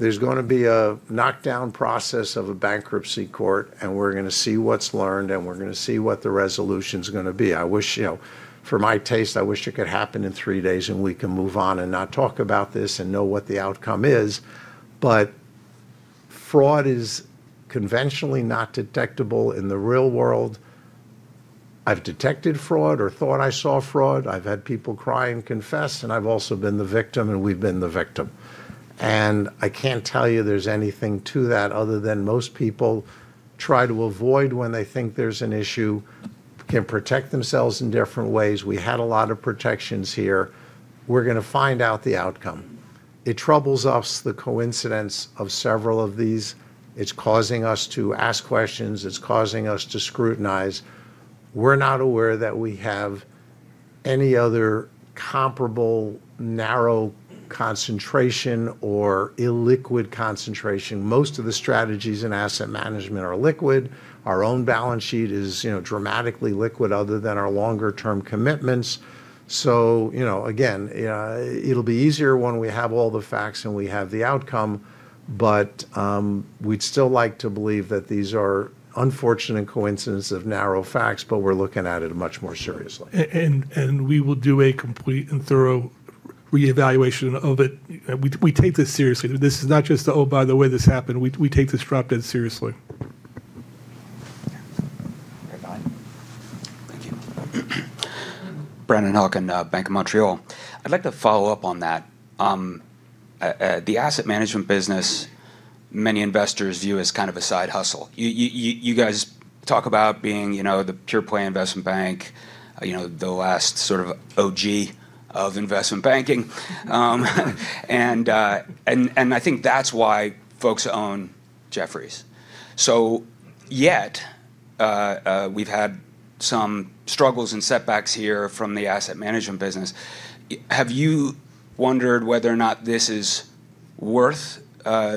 there's going to be a knockdown process of a bankruptcy court, and we're going to see what's learned, and we're going to see what the resolution is going to be. I wish, for my taste, I wish it could happen in three days and we can move on and not talk about this and know what the outcome is. Fraud is conventionally not detectable in the real world. I've detected fraud or thought I saw fraud. I've had people cry and confess, and I've also been the victim, and we've been the victim. I can't tell you there's anything to that other than most people try to avoid when they think there's an issue, can protect themselves in different ways. We had a lot of protections here. We're going to find out the outcome. It troubles us, the coincidence of several of these. It's causing us to ask questions. It's causing us to scrutinize. We're not aware that we have any other comparable narrow concentration or illiquid concentration. Most of the strategies in asset management are liquid. Our own balance sheet is dramatically liquid other than our longer-term commitments. It will be easier when we have all the facts and we have the outcome. We'd still like to believe that these are unfortunate coincidences of narrow facts, but we're looking at it much more seriously. We will do a complete and thorough reevaluation of it. We take this seriously. This is not just, oh, by the way, this happened. We take this drop-dead seriously. The asset management business, many investors view as kind of a side hustle. You guys talk about being the pure play investment bank, the last sort of OG of investment banking. I think that's why folks own Jefferies. Yet, we've had some struggles and setbacks here from the asset management business. Have you wondered whether or not this is worth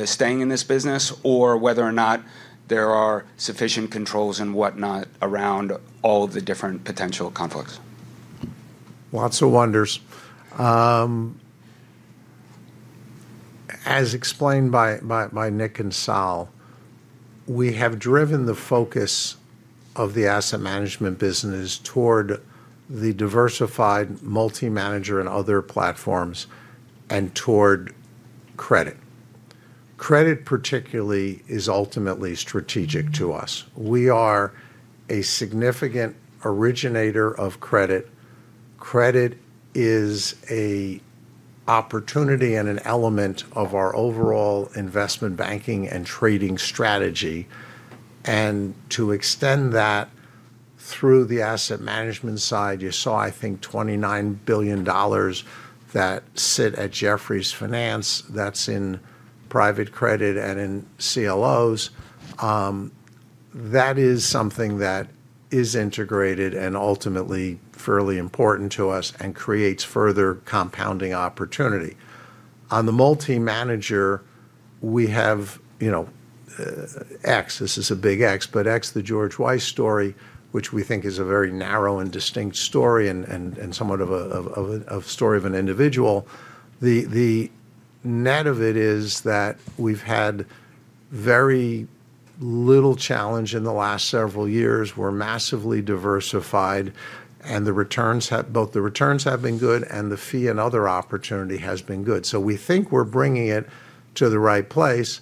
staying in this business or whether or not there are sufficient controls and whatnot around all the different potential conflicts? Lots of wonders. As explained by Nick and Sal, we have driven the focus of the asset management business toward the diversified multi-manager and other platforms and toward credit. Credit particularly is ultimately strategic to us. We are a significant originator of credit. Credit is an opportunity and an element of our overall investment banking and trading strategy. To extend that through the asset management side, you saw, I think, $29 billion that sit at Jefferies Finance that's in private credit and in CLOs. That is something that is integrated and ultimately fairly important to us and creates further compounding opportunity. On the multi-manager, we have X. This is a big X, but X, the George Weiss story, which we think is a very narrow and distinct story and somewhat of a story of an individual. The net of it is that we've had very little challenge in the last several years. We're massively diversified, and both the returns have been good and the fee and other opportunity has been good. We think we're bringing it to the right place.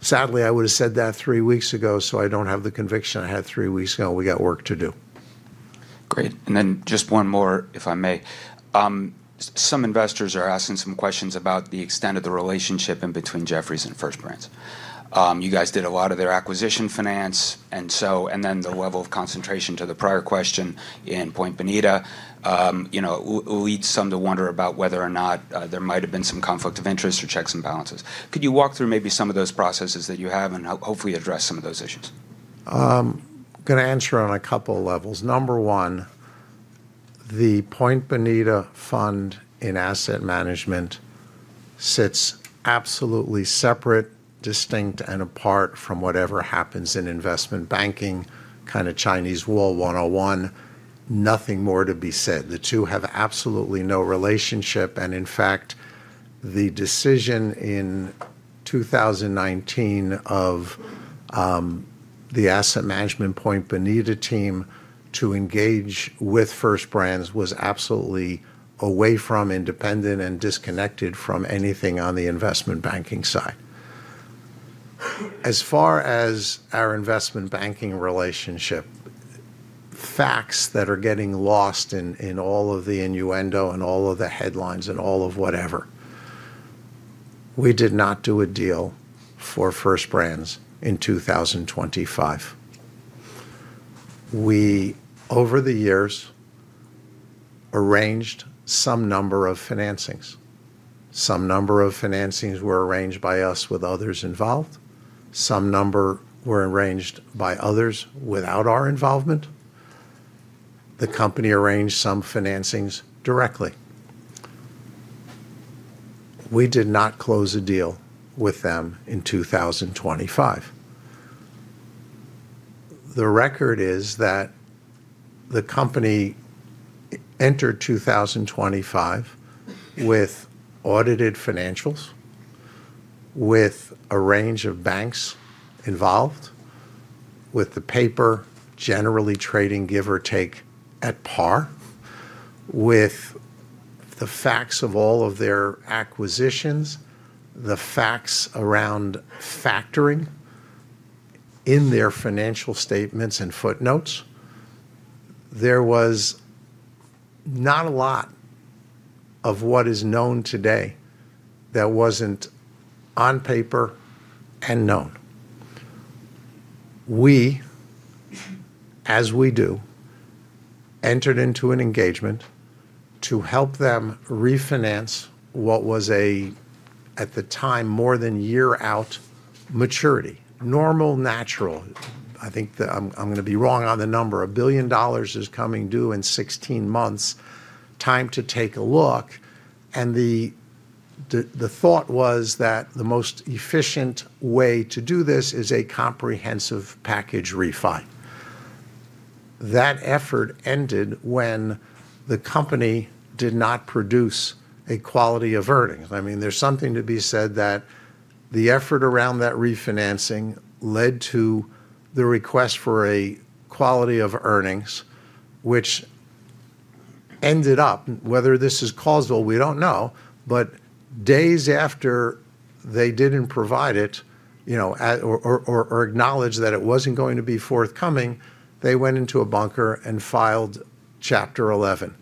Sadly, I would have said that three weeks ago, so I don't have the conviction I had three weeks ago. We got work to do. Great. Just one more, if I may. Some investors are asking some questions about the extent of the relationship between Jefferies and First Branch. You guys did a lot of their acquisition finance, and the level of concentration to the prior question in Point Bonita leads some to wonder about whether or not there might have been some conflict of interest or checks and balances. Could you walk through maybe some of those processes that you have and hopefully address some of those issues? I'm going to answer on a couple levels. Number one, the Point Bonita Fund in asset management sits absolutely separate, distinct, and apart from whatever happens in investment banking, kind of Chinese Wall 101. Nothing more to be said. The two have absolutely no relationship, and in fact, the decision in 2019 of the asset management Point Bonita team to engage with First Branch was absolutely away from, independent, and disconnected from anything on the investment banking side. As far as our investment banking relationship, facts that are getting lost in all of the innuendo and all of the headlines and all of whatever, we did not do a deal for First Branch in 2025. We, over the years, arranged some number of financings. Some number of financings were arranged by us with others involved. Some number were arranged by others without our involvement. The company arranged some financings directly. We did not close a deal with them in 2025. The record is that the company entered 2025 with audited financials, with a range of banks involved, with the paper generally trading, give or take, at par, with the facts of all of their acquisitions, the facts around factoring in their financial statements and footnotes. There was not a lot of what is known today that wasn't on paper and known. We, as we do, entered into an engagement to help them refinance what was a, at the time, more than year-out maturity. Normal, natural, I think I'm going to be wrong on the number, $1 billion is coming due in 16 months, time to take a look. The thought was that the most efficient way to do this is a comprehensive package refi. That effort ended when the company did not produce a quality of earnings. There's something to be said that the effort around that refinancing led to the request for a quality of earnings, which ended up, whether this is causal, we don't know, but days after they didn't provide it, or acknowledge that it wasn't going to be forthcoming, they went into a bunker and filed Chapter 11.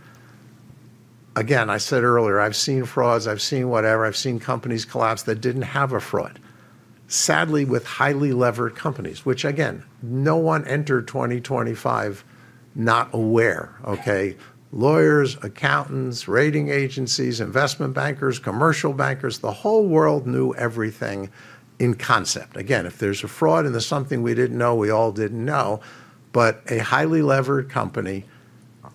I said earlier, I've seen frauds, I've seen whatever, I've seen companies collapse that didn't have a fraud. Sadly, with highly levered companies, which again, no one entered 2025 not aware, okay? Lawyers, accountants, rating agencies, investment bankers, commercial bankers, the whole world knew everything in concept. Again, if there's a fraud and there's something we didn't know, we all didn't know, but a highly levered company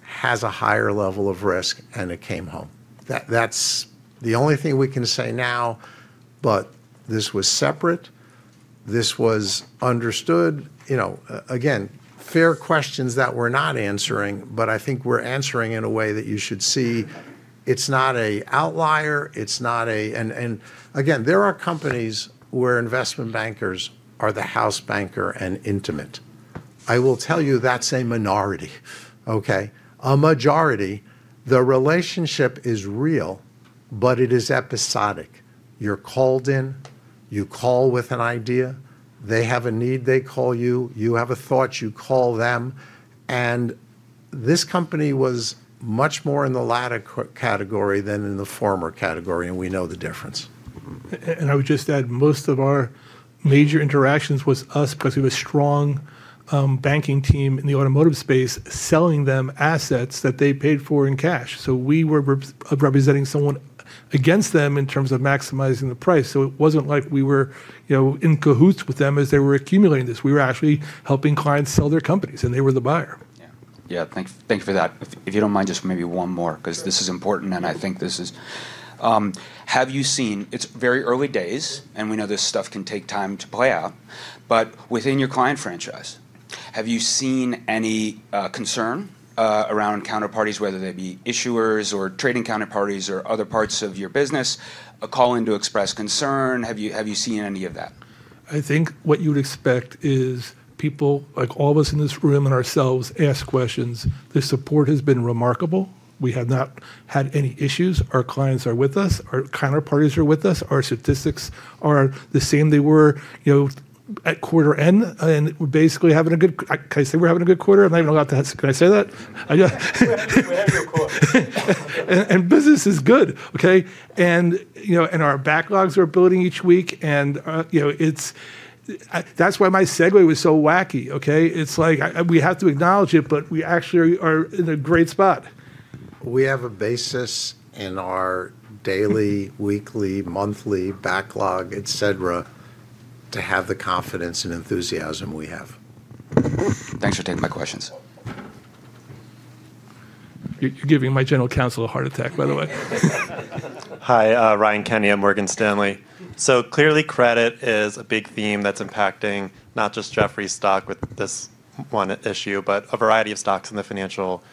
has a higher level of risk and it came home. That's the only thing we can say now. This was separate. This was understood. Fair questions that we're not answering, but I think we're answering in a way that you should see. It's not an outlier. There are companies where investment bankers are the house banker and intimate. I will tell you that's a minority, okay? A majority, the relationship is real, but it is episodic. You're called in, you call with an idea, they have a need, they call you, you have a thought, you call them, and this company was much more in the latter category than in the former category, and we know the difference. I would just add, most of our major interactions with them were because we were a strong banking team in the automotive space, selling them assets that they paid for in cash. We were representing someone against them in terms of maximizing the price. It wasn't like we were in cahoots with them as they were accumulating this. We were actually helping clients sell their companies, and they were the buyer. Yeah, thanks for that. If you don't mind, just maybe one more, because this is important. I think this is, have you seen, it's very early days, and we know this stuff can take time to play out, but within your client franchise, have you seen any concern around counterparties, whether they be issuers or trading counterparties or other parts of your business, a call in to express concern? Have you seen any of that? I think what you would expect is people like all of us in this room and ourselves ask questions. The support has been remarkable. We have not had any issues. Our clients are with us. Our counterparties are with us. Our statistics are the same. They were at quarter end, and we're basically having a good, can I say we're having a good quarter? I don't even know how to ask, can I say that? Business is good, okay? Our backlogs are building each week, and that's why my segue was so wacky, okay? We have to acknowledge it, but we actually are in a great spot. We have a basis in our daily, weekly, monthly backlog, etc. to have the confidence and enthusiasm we have. Thanks for taking my questions. You're giving my General Counsel a heart attack, by the way. Hi, Ryan Kenny, I'm Morgan Stanley. Clearly, credit is a big theme that's impacting not just Jefferies stock with this one issue, but a variety of stocks in the financial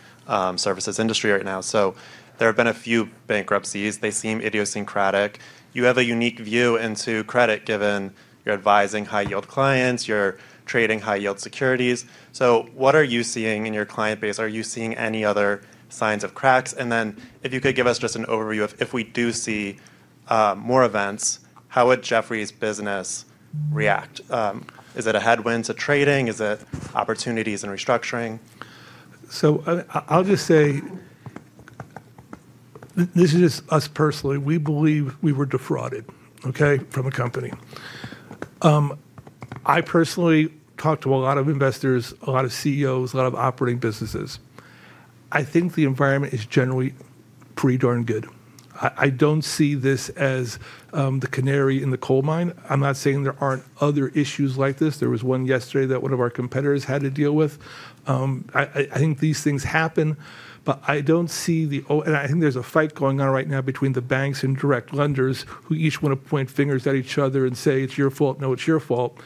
services industry right now. There have been a few bankruptcies. They seem idiosyncratic. You have a unique view into credit given your advising high-yield clients, your trading high-yield securities. What are you seeing in your client base? Are you seeing any other signs of cracks? If you could give us just an overview of if we do see more events, how would Jefferies business react? Is it a headwind to trading? Is it opportunities in restructuring? I'll just say, this is just us personally. We believe we were defrauded, okay, from a company. I personally talk to a lot of investors, a lot of CEOs, a lot of operating businesses. I think the environment is generally pretty darn good. I don't see this as the canary in the coal mine. I'm not saying there aren't other issues like this. There was one yesterday that one of our competitors had to deal with. I think these things happen, but I don't see the, and I think there's a fight going on right now between the banks and direct lenders who each want to point fingers at each other and say it's your fault, no, it's your fault.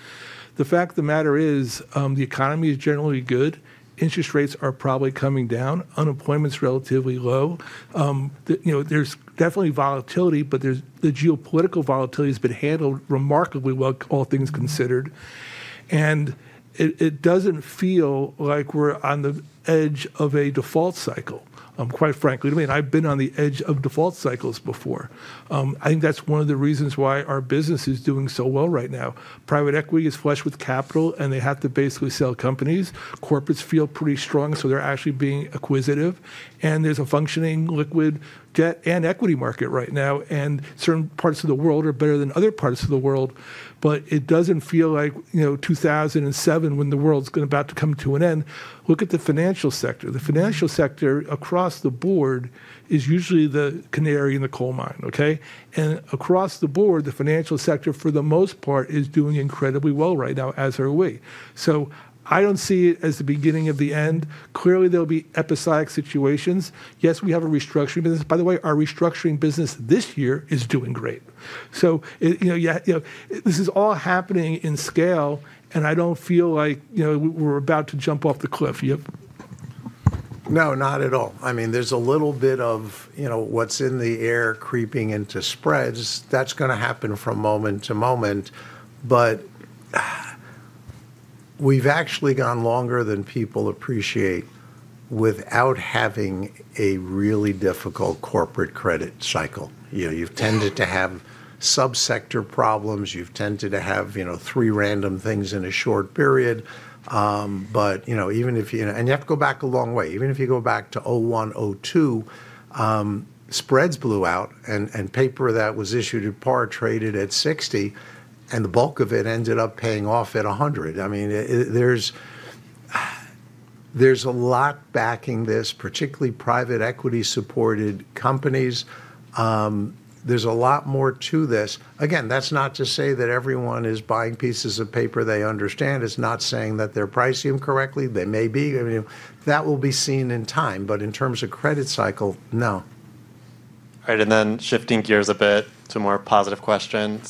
The fact of the matter is the economy is generally good. Interest rates are probably coming down. Unemployment is relatively low. There's definitely volatility, but the geopolitical volatility has been handled remarkably well, all things considered. It doesn't feel like we're on the edge of a default cycle, quite frankly. I mean, I've been on the edge of default cycles before. I think that's one of the reasons why our business is doing so well right now. Private equity is flush with capital, and they have to basically sell companies. Corporates feel pretty strong, so they're actually being acquisitive. There's a functioning liquid debt and equity market right now. Certain parts of the world are better than other parts of the world. It doesn't feel like 2007 when the world's about to come to an end. Look at the financial sector. The financial sector across the board is usually the canary in the coal mine, okay? Across the board, the financial sector for the most part is doing incredibly well right now, as are we. I don't see it as the beginning of the end. Clearly, there'll be episodic situations. Yes, we have a restructuring business. By the way, our restructuring business this year is doing great. This is all happening in scale, and I don't feel like we're about to jump off the cliff. No, not at all. I mean, there's a little bit of what's in the air creeping into spreads. That's going to happen from moment to moment. We've actually gone longer than people appreciate without having a really difficult corporate credit cycle. You've tended to have subsector problems. You've tended to have three random things in a short period. Even if you, and you have to go back a long way. Even if you go back to 2001, 2002, spreads blew out, and paper that was issued at par traded at 60%, and the bulk of it ended up paying off at 100%. I mean, there's a lot backing this, particularly private equity-supported companies. There's a lot more to this. Again, that's not to say that everyone is buying pieces of paper they understand. It's not saying that they're pricing them correctly. They may be. That will be seen in time. In terms of credit cycle, no. All right, shifting gears a bit to a more positive question.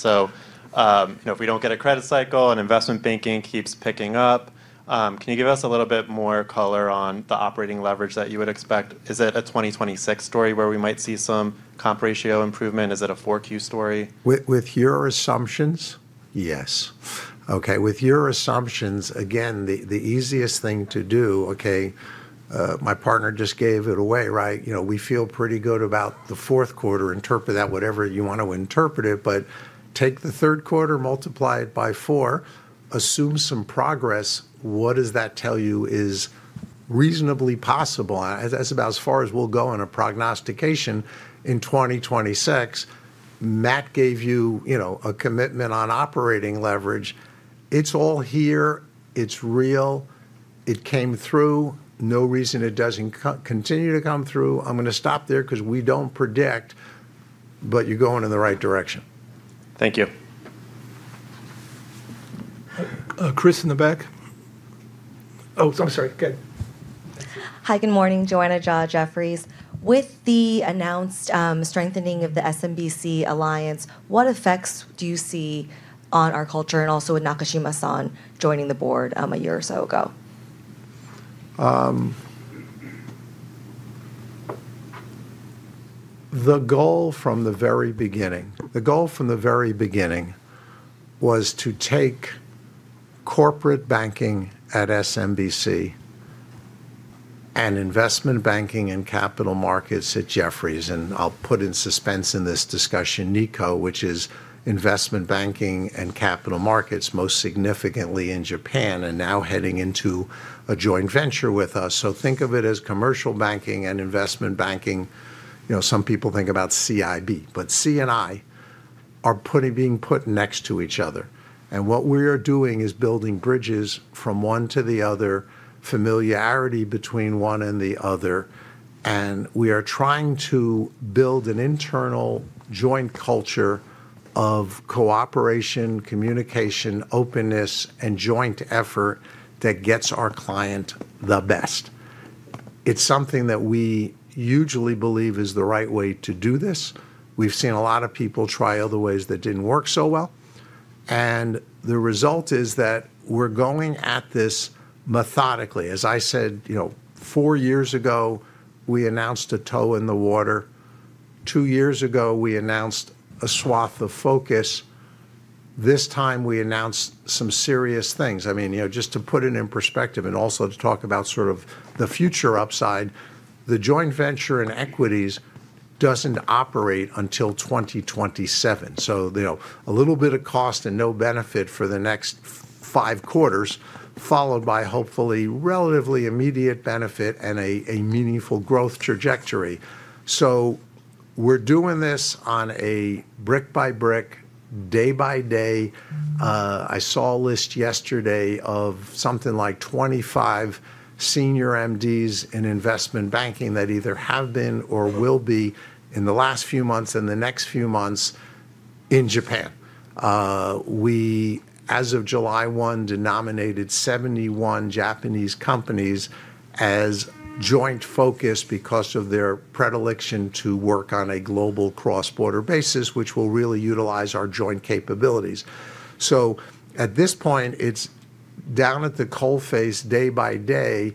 If we don't get a credit cycle and investment banking keeps picking up, can you give us a little bit more color on the operating leverage that you would expect? Is it a 2026 story where we might see some comp ratio improvement? Is it a 4Q story? With your assumptions, yes. Okay, with your assumptions, again, the easiest thing to do, okay, my partner just gave it away, right? We feel pretty good about the fourth quarter. Interpret that whatever you want to interpret it, but take the third quarter, multiply it by four, assume some progress. What does that tell you is reasonably possible? That's about as far as we'll go in a prognostication in 2026. Matt gave you a commitment on operating leverage. It's all here. It's real. It came through. No reason it doesn't continue to come through. I'm going to stop there because we don't predict, but you're going in the right direction. Thank you. Chris in the back. Oh, I'm sorry. Go ahead. Thanks. Hi, good morning. Joanna Jia, Jefferies. With the announced strengthening of the SMBC alliance, what effects do you see on our culture and also with Nakashima-san joining the board a year or so ago? The goal from the very beginning was to take corporate banking at SMBC and investment banking and capital markets at Jefferies. I'll put in suspense in this discussion, Nikko, which is investment banking and capital markets, most significantly in Japan, and now heading into a joint venture with us. Think of it as commercial banking and investment banking. Some people think about CIB, but C and I are being put next to each other. What we are doing is building bridges from one to the other, familiarity between one and the other, and we are trying to build an internal joint culture of cooperation, communication, openness, and joint effort that gets our client the best. It's something that we hugely believe is the right way to do this. We've seen a lot of people try other ways that didn't work so well. The result is that we're going at this methodically. As I said, four years ago, we announced a toe in the water. Two years ago, we announced a swath of focus. This time, we announced some serious things. Just to put it in perspective and also to talk about sort of the future upside, the joint venture in equities doesn't operate until 2027. A little bit of cost and no benefit for the next five quarters, followed by hopefully relatively immediate benefit and a meaningful growth trajectory. We're doing this on a brick by brick, day by day. I saw a list yesterday of something like 25 senior MDs in investment banking that either have been or will be in the last few months and the next few months in Japan. As of July 1, we denominated 71 Japanese companies as joint focus because of their predilection to work on a global cross-border basis, which will really utilize our joint capabilities. At this point, it's down at the coal face day by day,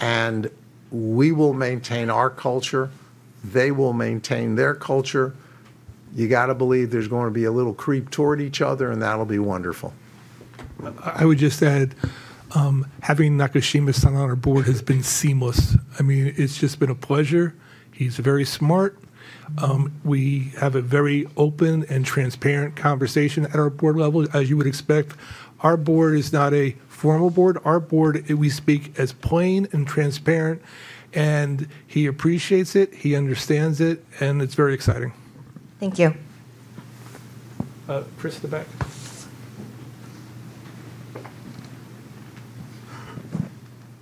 and we will maintain our culture. They will maintain their culture. You got to believe there's going to be a little creep toward each other, and that'll be wonderful. I would just add, having Nakashima-san on our board has been seamless. I mean, it's just been a pleasure. He's very smart. We have a very open and transparent conversation at our board level, as you would expect. Our board is not a formal board. We speak as plain and transparent, and he appreciates it. He understands it, and it's very exciting. Thank you. Chris in the back.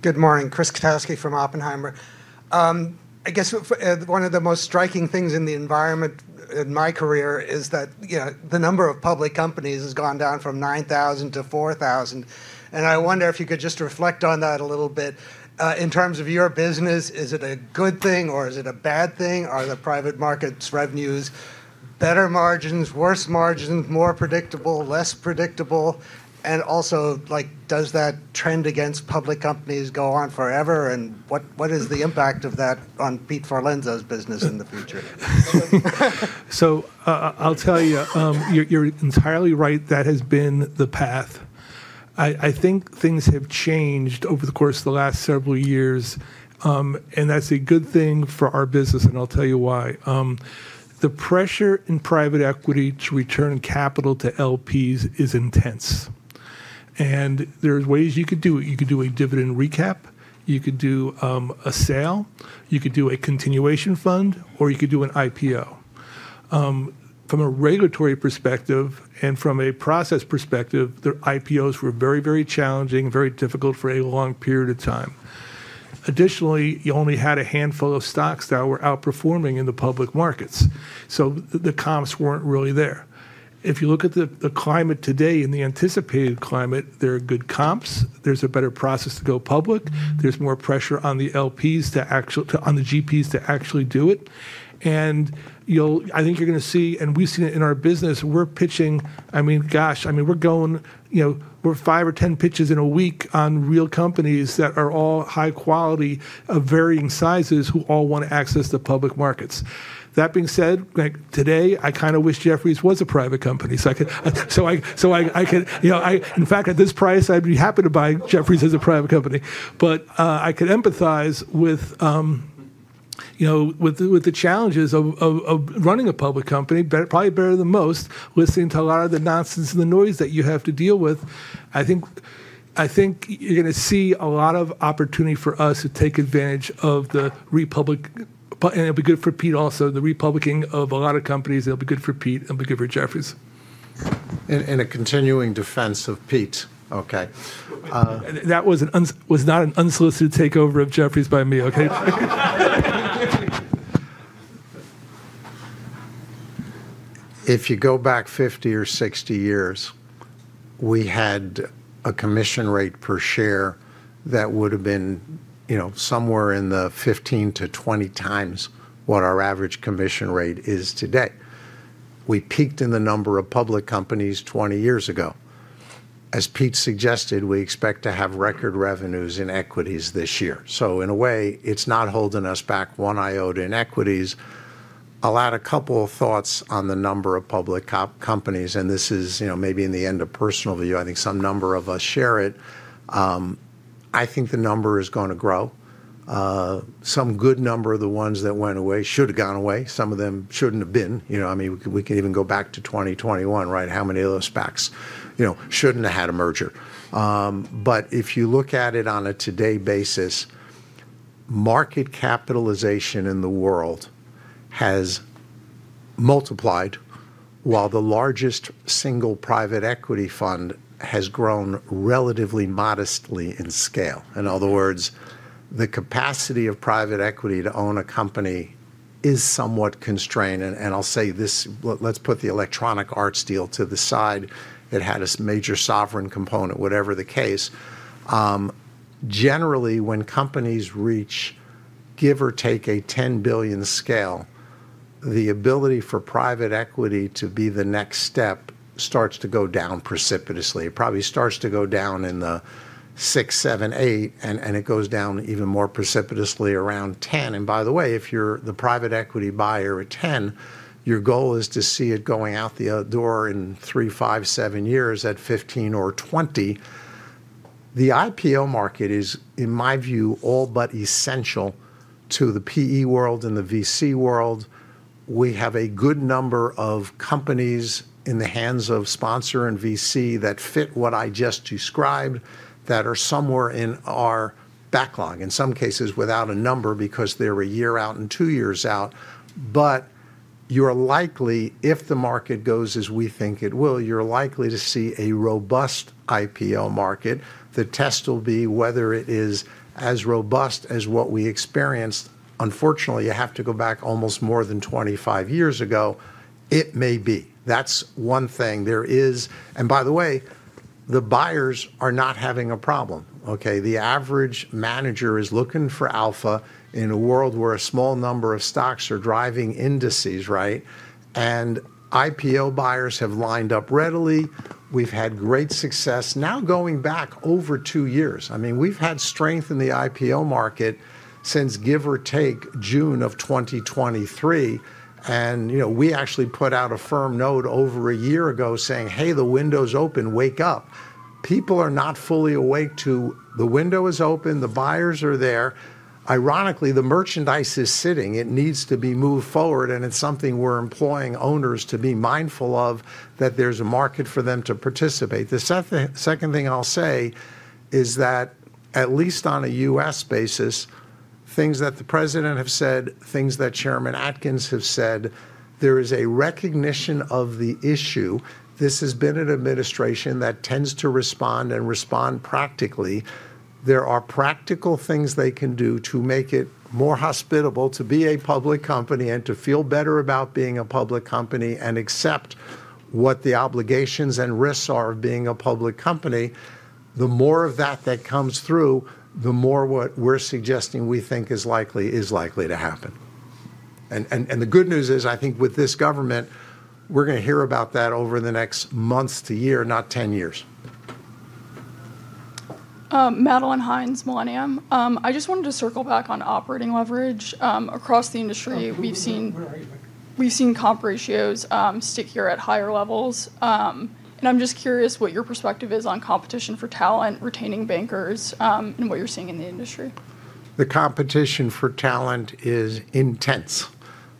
Good morning. Chris Kotowski from Oppenheimer. I guess one of the most striking things in the environment in my career is that the number of public companies has gone down from 9,000-4,000. I wonder if you could just reflect on that a little bit. In terms of your business, is it a good thing or is it a bad thing? Are the private markets revenues better margins, worse margins, more predictable, less predictable? Does that trend against public companies go on forever? What is the impact of that on Pete Forlenza's business in the future? You're entirely right. That has been the path. I think things have changed over the course of the last several years, and that's a good thing for our business, and I'll tell you why. The pressure in private equity to return capital to LPs is intense. There are ways you could do it. You could do a dividend recap, you could do a sale, you could do a continuation fund, or you could do an IPO. From a regulatory perspective and from a process perspective, their IPOs were very, very challenging, very difficult for a long period of time. Additionally, you only had a handful of stocks that were outperforming in the public markets, so the comps weren't really there. If you look at the climate today and the anticipated climate, there are good comps. There's a better process to go public. There's more pressure on the LPs, on the GPs to actually do it. I think you're going to see, and we've seen it in our business, we're pitching, I mean, we're five or ten pitches in a week on real companies that are all high quality of varying sizes who all want to access the public markets. That being said, today, I kind of wish Jefferies was a private company. In fact, at this price, I'd be happy to buy Jefferies as a private company. I could empathize with the challenges of running a public company, probably better than most, listening to a lot of the nonsense and the noise that you have to deal with. I think you're going to see a lot of opportunity for us to take advantage of the republic, and it'll be good for Pete also, the republicing of a lot of companies. It'll be good for Pete. It'll be good for Jefferies. In a continuing defense of Pete, okay. That was not an unsolicited takeover of Jefferies by me, okay? If you go back 50 or 60 years, we had a commission rate per share that would have been, you know, somewhere in the 15x-20x what our average commission rate is today. We peaked in the number of public companies 20 years ago. As Pete suggested, we expect to have record revenues in equities this year. In a way, it's not holding us back one iota in equities. I'll add a couple of thoughts on the number of public companies, and this is, you know, maybe in the end a personal view. I think some number of us share it. I think the number is going to grow. Some good number of the ones that went away should have gone away. Some of them shouldn't have been. I mean, we can even go back to 2021, right? How many of those SPACs shouldn't have had a merger? If you look at it on a today basis, market capitalization in the world has multiplied while the largest single private equity fund has grown relatively modestly in scale. In other words, the capacity of private equity to own a company is somewhat constrained. I'll say this, let's put the Electronic Arts deal to the side. It had a major sovereign component, whatever the case. Generally, when companies reach, give or take, a $10 billion scale, the ability for private equity to be the next step starts to go down precipitously. It probably starts to go down in the six, seven, eight, and it goes down even more precipitously around $10 billion. By the way, if you're the private equity buyer at $10 billion, your goal is to see it going out the door in three, five, seven years at $15 billion or $20 billion. The IPO market is, in my view, all but essential to the PE world and the VC world. We have a good number of companies in the hands of sponsor and VC that fit what I just described that are somewhere in our backlog, in some cases without a number because they're a year out and two years out. If the market goes as we think it will, you're likely to see a robust IPO market. The test will be whether it is as robust as what we experienced. Unfortunately, you have to go back almost more than 25 years ago. It may be. That's one thing. There is, and by the way, the buyers are not having a problem, okay? The average manager is looking for alpha in a world where a small number of stocks are driving indices, right? IPO buyers have lined up readily. We've had great success. Now going back over two years, we've had strength in the IPO market since, give or take, June of 2023. We actually put out a firm note over a year ago saying, hey, the window's open, wake up. People are not fully awake to the window is open, the buyers are there. Ironically, the merchandise is sitting. It needs to be moved forward, and it's something we're employing owners to be mindful of, that there's a market for them to participate. The second thing I'll say is that at least on a U.S. basis, things that the President has said, things that Chairman Atkins have said, there is a recognition of the issue. This has been an administration that tends to respond and respond practically. There are practical things they can do to make it more hospitable to be a public company and to feel better about being a public company and accept what the obligations and risks are of being a public company. The more of that that comes through, the more what we're suggesting we think is likely to happen. The good news is, I think with this government, we're going to hear about that over the next month to year, not 10 years. Madeleine Hines, Millenium. I just wanted to circle back on operating leverage. Across the industry, we've seen comp ratios stick here at higher levels. I'm just curious what your perspective is on competition for talent, retaining bankers, and what you're seeing in the industry. The competition for talent is intense.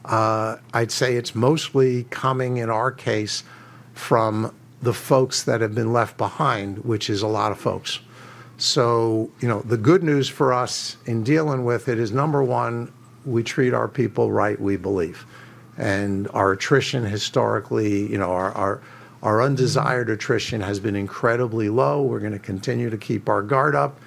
I'd say it's mostly coming, in our case, from the folks that have been left behind, which is a lot of folks. The good news for us in dealing with it is, number one, we treat our people right, we believe. Our attrition historically, our undesired attrition, has been incredibly low. We're going to continue to keep our guard up.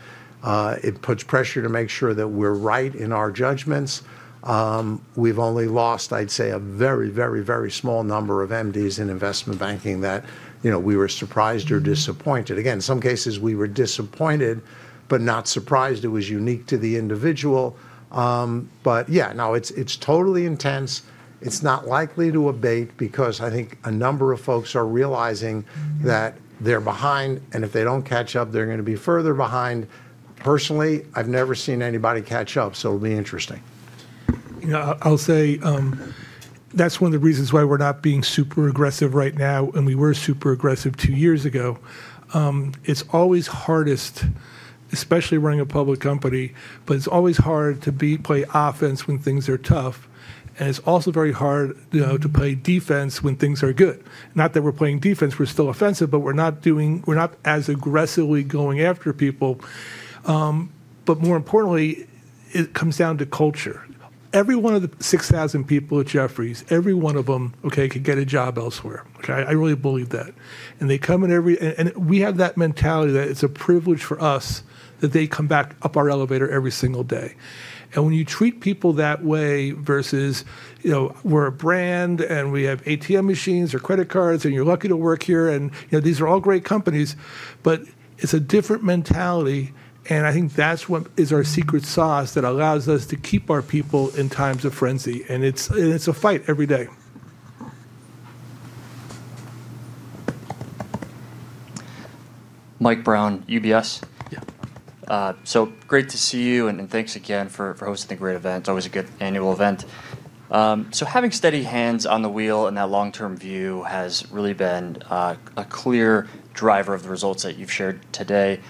It puts pressure to make sure that we're right in our judgments. We've only lost, I'd say, a very, very, very small number of MDs in investment banking that we were surprised or disappointed. In some cases, we were disappointed, but not surprised. It was unique to the individual. Yeah, no, it's totally intense. It's not likely to abate because I think a number of folks are realizing that they're behind, and if they don't catch up, they're going to be further behind. Personally, I've never seen anybody catch up, so it'll be interesting. I'll say that's one of the reasons why we're not being super aggressive right now, and we were super aggressive two years ago. It's always hardest, especially running a public company, but it's always hard to play offense when things are tough. It's also very hard to play defense when things are good. Not that we're playing defense, we're still offensive, but we're not as aggressively going after people. More importantly, it comes down to culture. Every one of the 6,000 people at Jefferies, every one of them, okay, can get a job elsewhere. I really believe that. They come in every, and we have that mentality that it's a privilege for us that they come back up our elevator every single day. When you treat people that way versus, you know, we're a brand and we have ATM machines or credit cards and you're lucky to work here, and you know, these are all great companies, but it's a different mentality. I think that's what is our secret sauce that allows us to keep our people in times of frenzy. It's a fight every day. Yeah, So great to see you and thanks again for hosting a great event. It's always a good annual event. Having steady hands on the wheel in that long-term view has really been a clear driver of the results that you've shared today.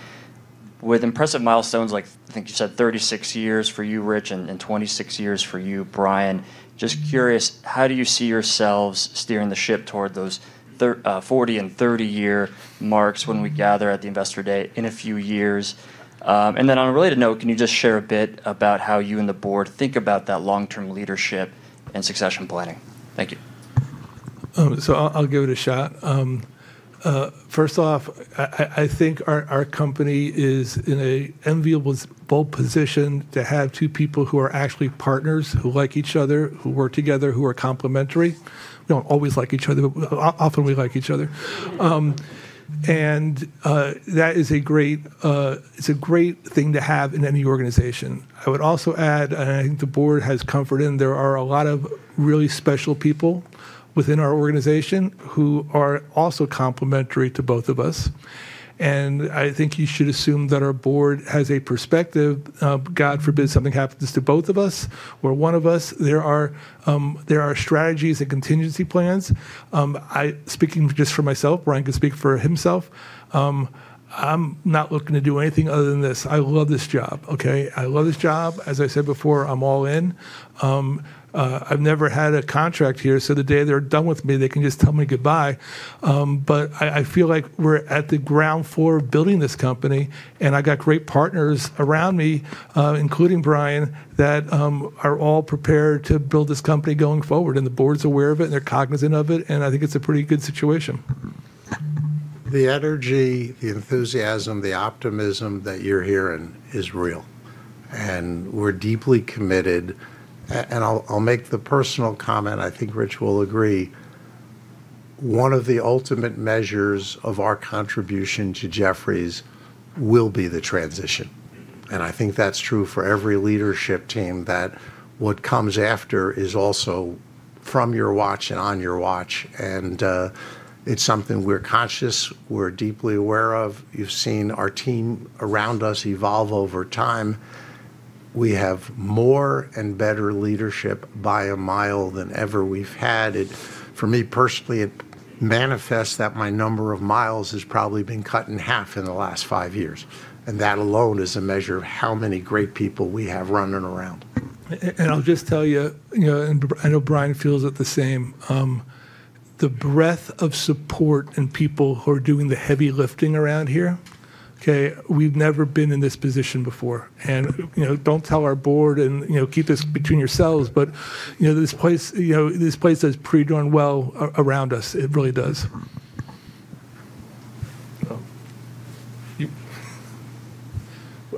With impressive milestones, like I think you said 36 years for you, Rich, and 26 years for you, Brian, just curious, how do you see yourselves steering the ship toward those 40 and 30-year marks when we gather at the Investor Day in a few years? On a related note, can you just share a bit about how you and the board think about that long-term leadership and succession planning? Thank you. I'll give it a shot. First off, I think our company is in an enviable position to have two people who are actually partners, who like each other, who work together, who are complementary. We don't always like each other, but often we like each other. That is a great thing to have in any organization. I would also add, and I think the board has comfort in, there are a lot of really special people within our organization who are also complementary to both of us. I think you should assume that our board has a perspective. God forbid something happens to both of us or one of us, there are strategies and contingency plans. Speaking just for myself, Brian can speak for himself, I'm not looking to do anything other than this. I love this job, okay? I love this job. As I said before, I'm all in. I've never had a contract here, so the day they're done with me, they can just tell me goodbye. I feel like we're at the ground floor of building this company, and I got great partners around me, including Brian, that are all prepared to build this company going forward. The board's aware of it, and they're cognizant of it, and I think it's a pretty good situation. The energy, the enthusiasm, the optimism that you're hearing is real. We're deeply committed. I'll make the personal comment, I think Rich will agree, one of the ultimate measures of our contribution to Jefferies will be the transition. I think that's true for every leadership team, that what comes after is also from your watch and on your watch. It's something we're conscious, we're deeply aware of. You've seen our team around us evolve over time. We have more and better leadership by a mile than ever we've had. For me personally, it manifests that my number of miles has probably been cut in half in the last five years. That alone is a measure of how many great people we have running around. I will just tell you, and I know Brian feels it the same, the breadth of support and people who are doing the heavy lifting around here, okay? We've never been in this position before. Don't tell our board and keep this between yourselves, but this place does pretty darn well around us. It really does.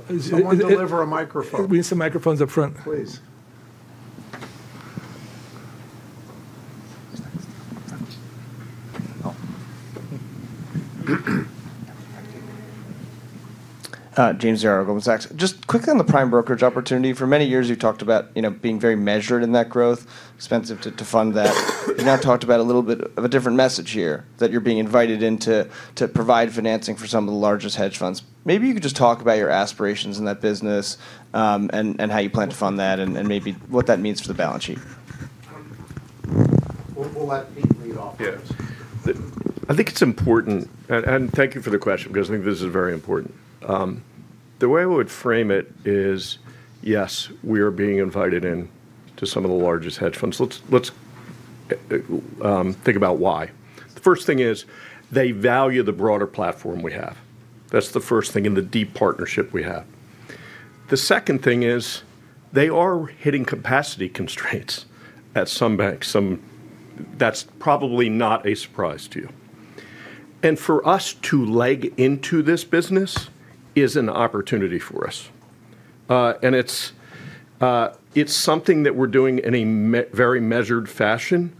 I want to deliver a microphone. We need some microphones up front. Please. James Usher, Goldman Sachs. Just quickly on the prime brokerage opportunity. For many years, you talked about being very measured in that growth, expensive to fund that. You now talked about a little bit of a different message here, that you're being invited in to provide financing for some of the largest hedge funds. Maybe you could just talk about your aspirations in that business and how you plan to fund that and maybe what that means for the balance sheet. Let Pete lead off. Yes. I think it's important, and thank you for the question because I think this is very important. The way I would frame it is, yes, we are being invited in to some of the largest hedge funds. Let's think about why. The first thing is they value the broader platform we have. That's the first thing in the deep partnership we have. The second thing is they are hitting capacity constraints at some banks. That's probably not a surprise to you. For us to leg into this business is an opportunity for us. It's something that we're doing in a very measured fashion.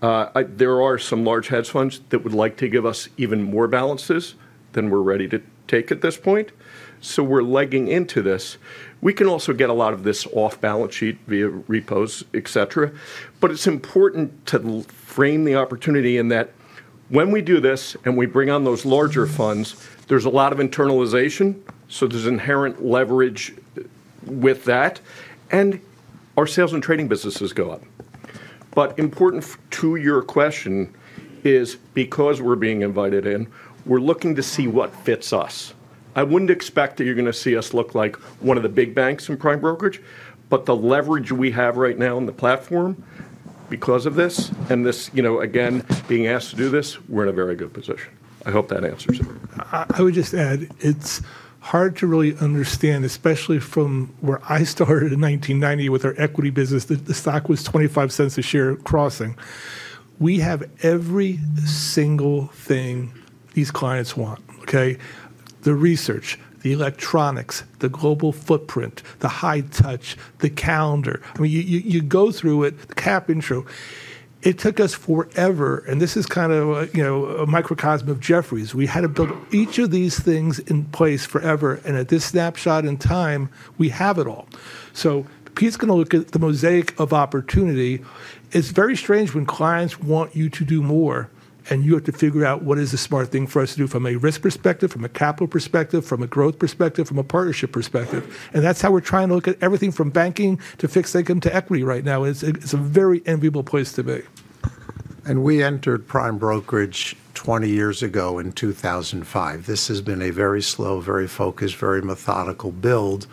There are some large hedge funds that would like to give us even more balances than we're ready to take at this point. We're legging into this. We can also get a lot of this off balance sheet via repos, et cetera. It's important to frame the opportunity in that when we do this and we bring on those larger funds, there's a lot of internalization. There's inherent leverage with that, and our sales and trading businesses go up. Important to your question is because we're being invited in, we're looking to see what fits us. I wouldn't expect that you're going to see us look like one of the big banks in prime brokerage. The leverage we have right now in the platform because of this and this, again, being asked to do this, we're in a very good position. I hope that answers it. I would just add, it's hard to really understand, especially from where I started in 1990 with our equity business, that the stock was $0.25 a share crossing. We have every single thing these clients want, OK? The research, the electronics, the global footprint, the high touch, the calendar. You go through it, the cap intro. It took us forever. This is kind of a microcosm of Jefferies. We had to build each of these things in place forever. At this snapshot in time, we have it all. Pete's going to look at the mosaic of opportunity. It's very strange when clients want you to do more and you have to figure out what is the smart thing for us to do from a risk perspective, from a capital perspective, from a growth perspective, from a partnership perspective. That's how we're trying to look at everything from banking to fixed income to equity right now. It's a very enviable place to be. We entered prime brokerage 20 years ago in 2005. This has been a very slow, very focused, very methodical build.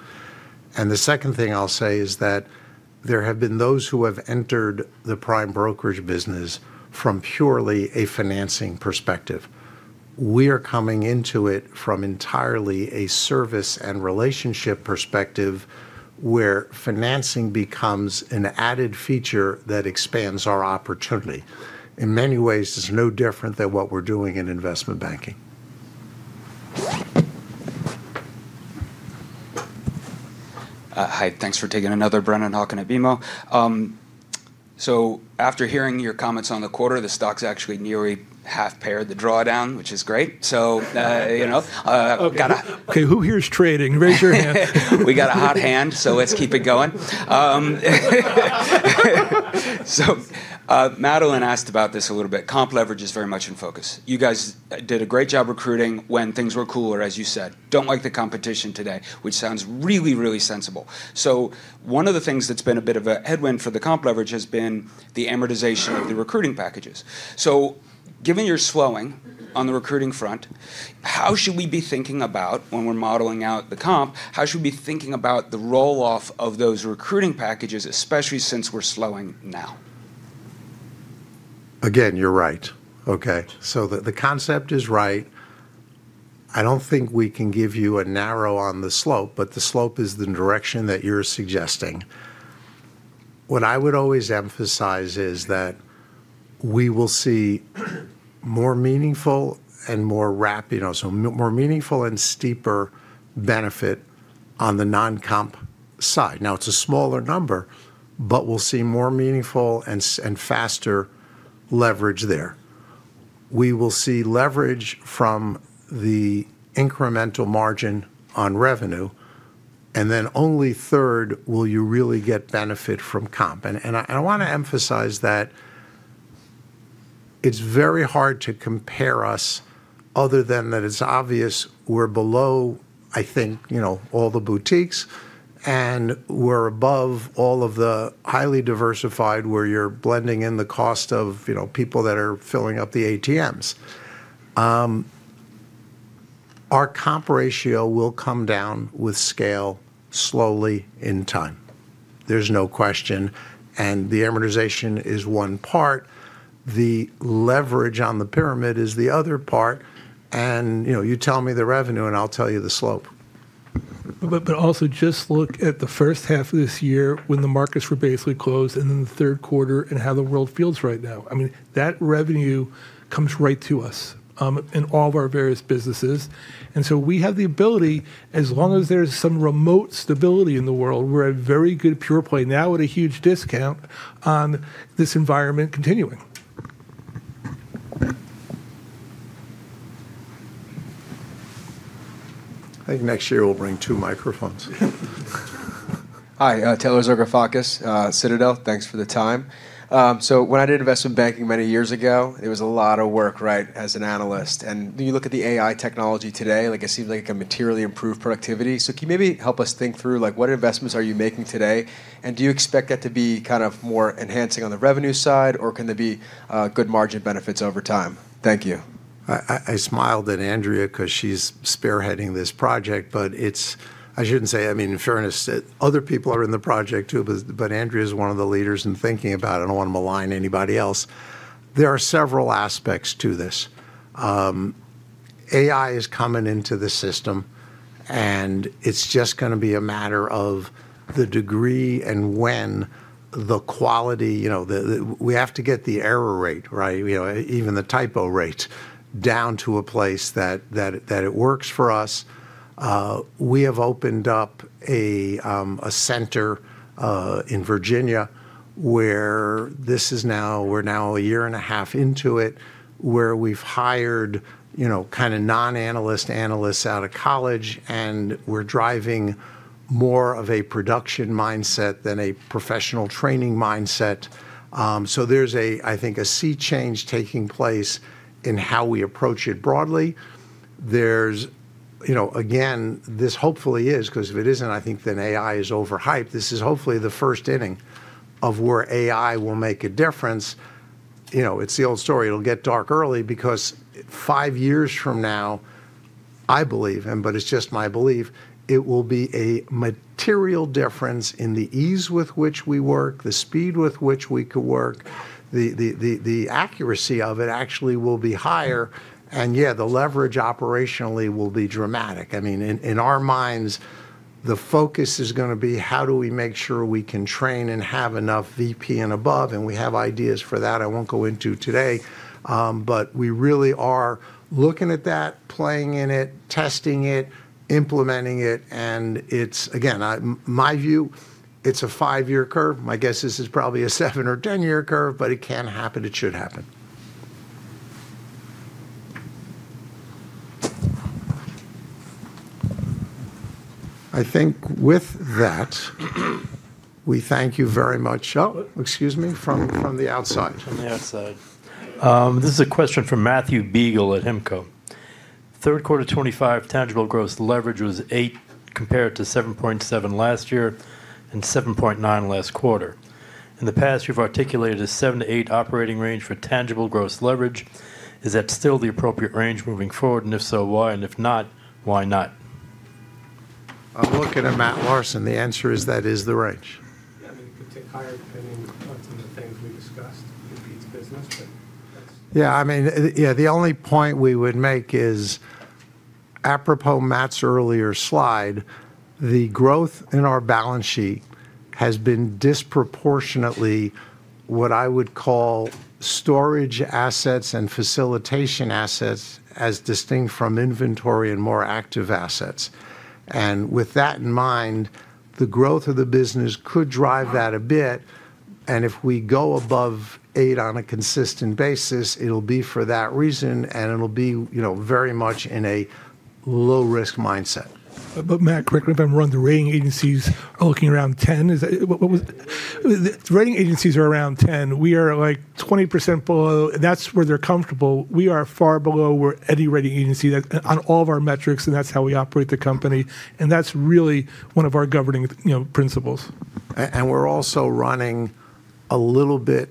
There have been those who have entered the prime brokerage business from purely a financing perspective. We are coming into it from entirely a service and relationship perspective where financing becomes an added feature that expands our opportunity. In many ways, it's no different than what we're doing in investment banking. Hi. Thanks for taking another. Brennan Hawken at BMO. After hearing your comments on the quarter, the stock's actually nearly half-paired the drawdown, which is great. You know. OK, who here is trading? Raise your hand. We got a hot hand. Let's keep it going. Madeline asked about this a little bit. Comp leverage is very much in focus. You guys did a great job recruiting when things were cooler, as you said. Don't like the competition today, which sounds really, really sensible. One of the things that's been a bit of a headwind for the comp leverage has been the amortization of the recruiting packages. Given your slowing on the recruiting front, how should we be thinking about when we're modeling out the comp, how should we be thinking about the roll-off of those recruiting packages, especially since we're slowing now? Again, you're right, OK? The concept is right. I don't think we can give you a narrow on the slope, but the slope is the direction that you're suggesting. What I would always emphasize is that we will see more meaningful and more rapid, so more meaningful and steeper benefit on the non-comp side. Now, it's a smaller number, but we'll see more meaningful and faster leverage there. We will see leverage from the incremental margin on revenue, and then only third will you really get benefit from comp. I want to emphasize that it's very hard to compare us other than that it's obvious we're below, I think, all the boutiques, and we're above all of the highly diversified where you're blending in the cost of people that are filling up the ATMs. Our comp ratio will come down with scale slowly in time. There's no question. The amortization is one part. The leverage on the pyramid is the other part. You tell me the revenue, and I'll tell you the slope. Also, just look at the first half of this year when the markets were basically closed and then the third quarter and how the world feels right now. That revenue comes right to us in all of our various businesses. We have the ability, as long as there's some remote stability in the world, we're a very good pure play now at a huge discount on this environment continuing. I think next year we'll bring two microphones. Hi. Taylor Egri-Thomas, Citadel. Thanks for the time. When I did investment banking many years ago, it was a lot of work, right, as an analyst. You look at the AI technology today, it seems like it can materially improve productivity. Can you maybe help us think through what investments are you making today? Do you expect that to be kind of more enhancing on the revenue side, or can there be good margin benefits over time? Thank you. I smiled at Andrea Lee because she's spearheading this project. I shouldn't say, I mean, in fairness, other people are in the project too. Andrea Lee is one of the leaders in thinking about it. I don't want to malign anybody else. There are several aspects to this. AI is coming into the system. It's just going to be a matter of the degree and when the quality, we have to get the error rate right, even the typo rate down to a place that it works for us. We have opened up a center in Virginia where this is now, we're now a year and a half into it, where we've hired kind of non-analyst analysts out of college. We're driving more of a production mindset than a professional training mindset. I think a sea change is taking place in how we approach it broadly. This hopefully is because if it isn't, I think then AI is overhyped. This is hopefully the first inning of where AI will make a difference. It's the old story. It'll get dark early because five years from now, I believe, but it's just my belief, it will be a material difference in the ease with which we work, the speed with which we could work. The accuracy of it actually will be higher. The leverage operationally will be dramatic. In our minds, the focus is going to be how do we make sure we can train and have enough VP and above. We have ideas for that. I won't go into today. We really are looking at that, playing in it, testing it, implementing it. In my view, it's a five-year curve. My guess is it's probably a seven or ten-year curve. It can happen. It should happen. I think with that, we thank you very much. Oh, excuse me, from the outside. From the outside. This is a question from Matthew Beagle at Himco. Third quarter 2025, tangible gross leverage was 8x compared to 7.7x last year and 7.9x last quarter. In the past, you've articulated a 7x-8x operating range for tangible gross leverage. Is that still the appropriate range moving forward? If so, why? If not, why not? I'll look at Matt Larson. The answer is that is the range. Yeah, I mean, it could tick higher depending on some of the things we discussed. It beats business. That's it. Yeah, the only point we would make is apropos Matt's earlier slide, the growth in our balance sheet has been disproportionately what I would call storage assets and facilitation assets as distinct from inventory and more active assets. With that in mind, the growth of the business could drive that a bit. If we go above 8 on a consistent basis, it'll be for that reason. It'll be very much in a low-risk mindset. Matt, quickly, the rating agencies are looking around 10. The rating agencies are around 10. We are like 20% below, and that's where they're comfortable. We are far below any rating agency on all of our metrics, and that's how we operate the company. That's really one of our governing principles. We're also running a little bit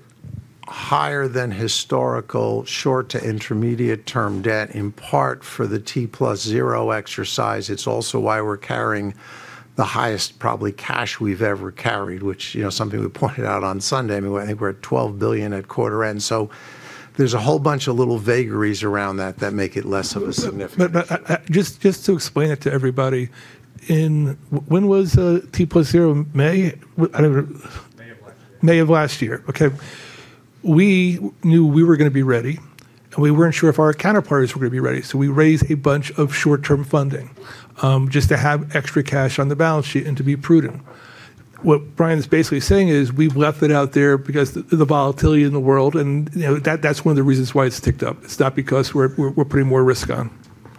higher than historical short to intermediate-term debt, in part for the T+0 exercise. It's also why we're carrying the highest, probably, cash we've ever carried, which is something we pointed out on Sunday. I think we're at $12 billion at quarter end. There are a whole bunch of little vagaries around that that make it less of a significant one. Just to explain it to everybody, when was T+0? May? May of last year, OK. We knew we were going to be ready. We weren't sure if our counterparties were going to be ready. We raised a bunch of short-term funding just to have extra cash on the balance sheet and to be prudent. What Brian is basically saying is we left it out there because of the volatility in the world. That's one of the reasons why it's ticked up. It's not because we're putting more risk on.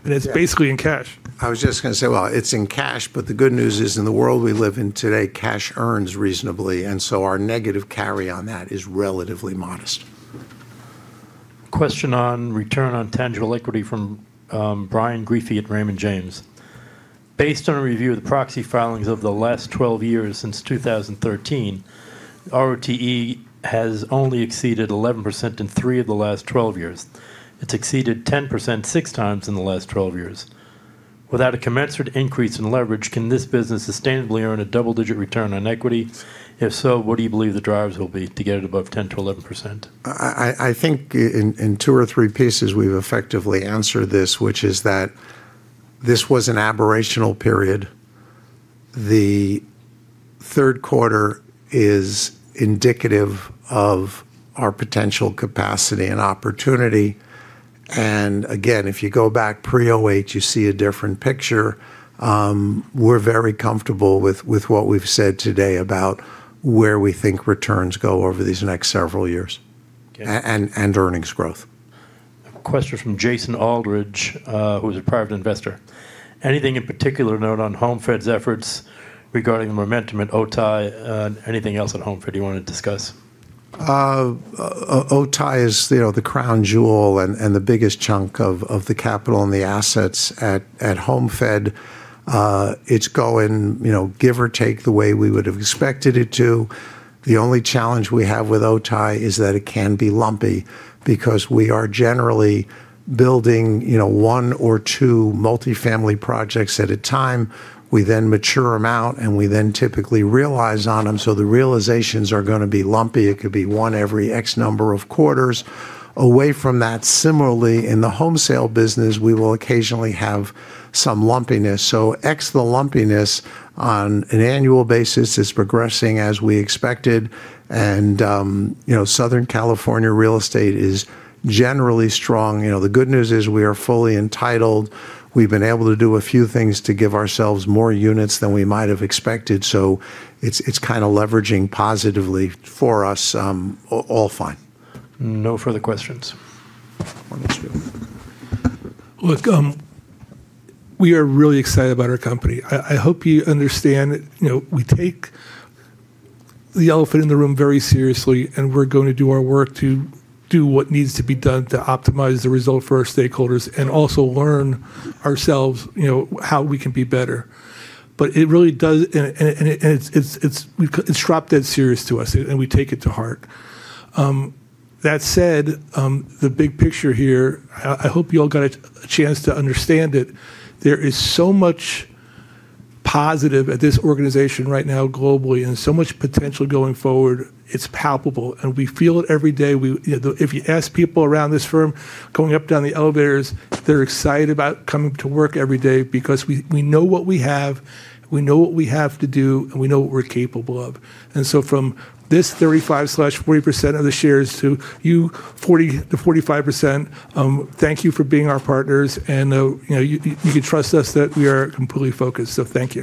It's basically in cash. I was just going to say, it's in cash. The good news is in the world we live in today, cash earns reasonably, and so our negative carry on that is relatively modest. Question on return on tangible equity from Brian Griffey at Raymond James. Based on a review of the proxy filings of the last 12 years since 2013, ROTE has only exceeded 11% in three of the last 12 years. It's exceeded 10% six times in the last 12 years. Without a commensurate increase in leverage, can this business sustainably earn a double-digit return on equity? If so, what do you believe the drivers will be to get it above 10-11%? I think in two or three pieces we've effectively answered this, which is that this was an aberrational period. The third quarter is indicative of our potential capacity and opportunity. If you go back pre 2008, you see a different picture. We're very comfortable with what we've said today about where we think returns go over these next several years and earnings growth. Question from Jason Aldridge, who is a private investor. Anything in particular to note on HomeFed's efforts regarding the momentum at OTAI? Anything else at HomeFed you want to discuss? OTAI is the crown jewel and the biggest chunk of the capital and the assets at HomeFed. It's going, give or take, the way we would have expected it to. The only challenge we have with OTAI is that it can be lumpy because we are generally building one or two multifamily projects at a time. We then mature them out. We then typically realize on them. The realizations are going to be lumpy. It could be one every X number of quarters. Away from that, similarly, in the home sale business, we will occasionally have some lumpiness. X the lumpiness on an annual basis is progressing as we expected. Southern California real estate is generally strong. The good news is we are fully entitled. We've been able to do a few things to give ourselves more units than we might have expected. It's kind of leveraging positively for us, all fine. No further questions. Look, we are really excited about our company. I hope you understand that we take the elephant in the room very seriously. We are going to do our work to do what needs to be done to optimize the result for our stakeholders and also learn ourselves how we can be better. It really does, and it's drop-dead serious to us. We take it to heart. That said, the big picture here, I hope you all got a chance to understand it. There is so much positive at this organization right now globally and so much potential going forward. It's palpable. We feel it every day. If you ask people around this firm going up and down the elevators, they're excited about coming to work every day because we know what we have. We know what we have to do. We know what we're capable of. From this 35%-40% of the shares to you 40%-45%, thank you for being our partners. You can trust us that we are completely focused. Thank you.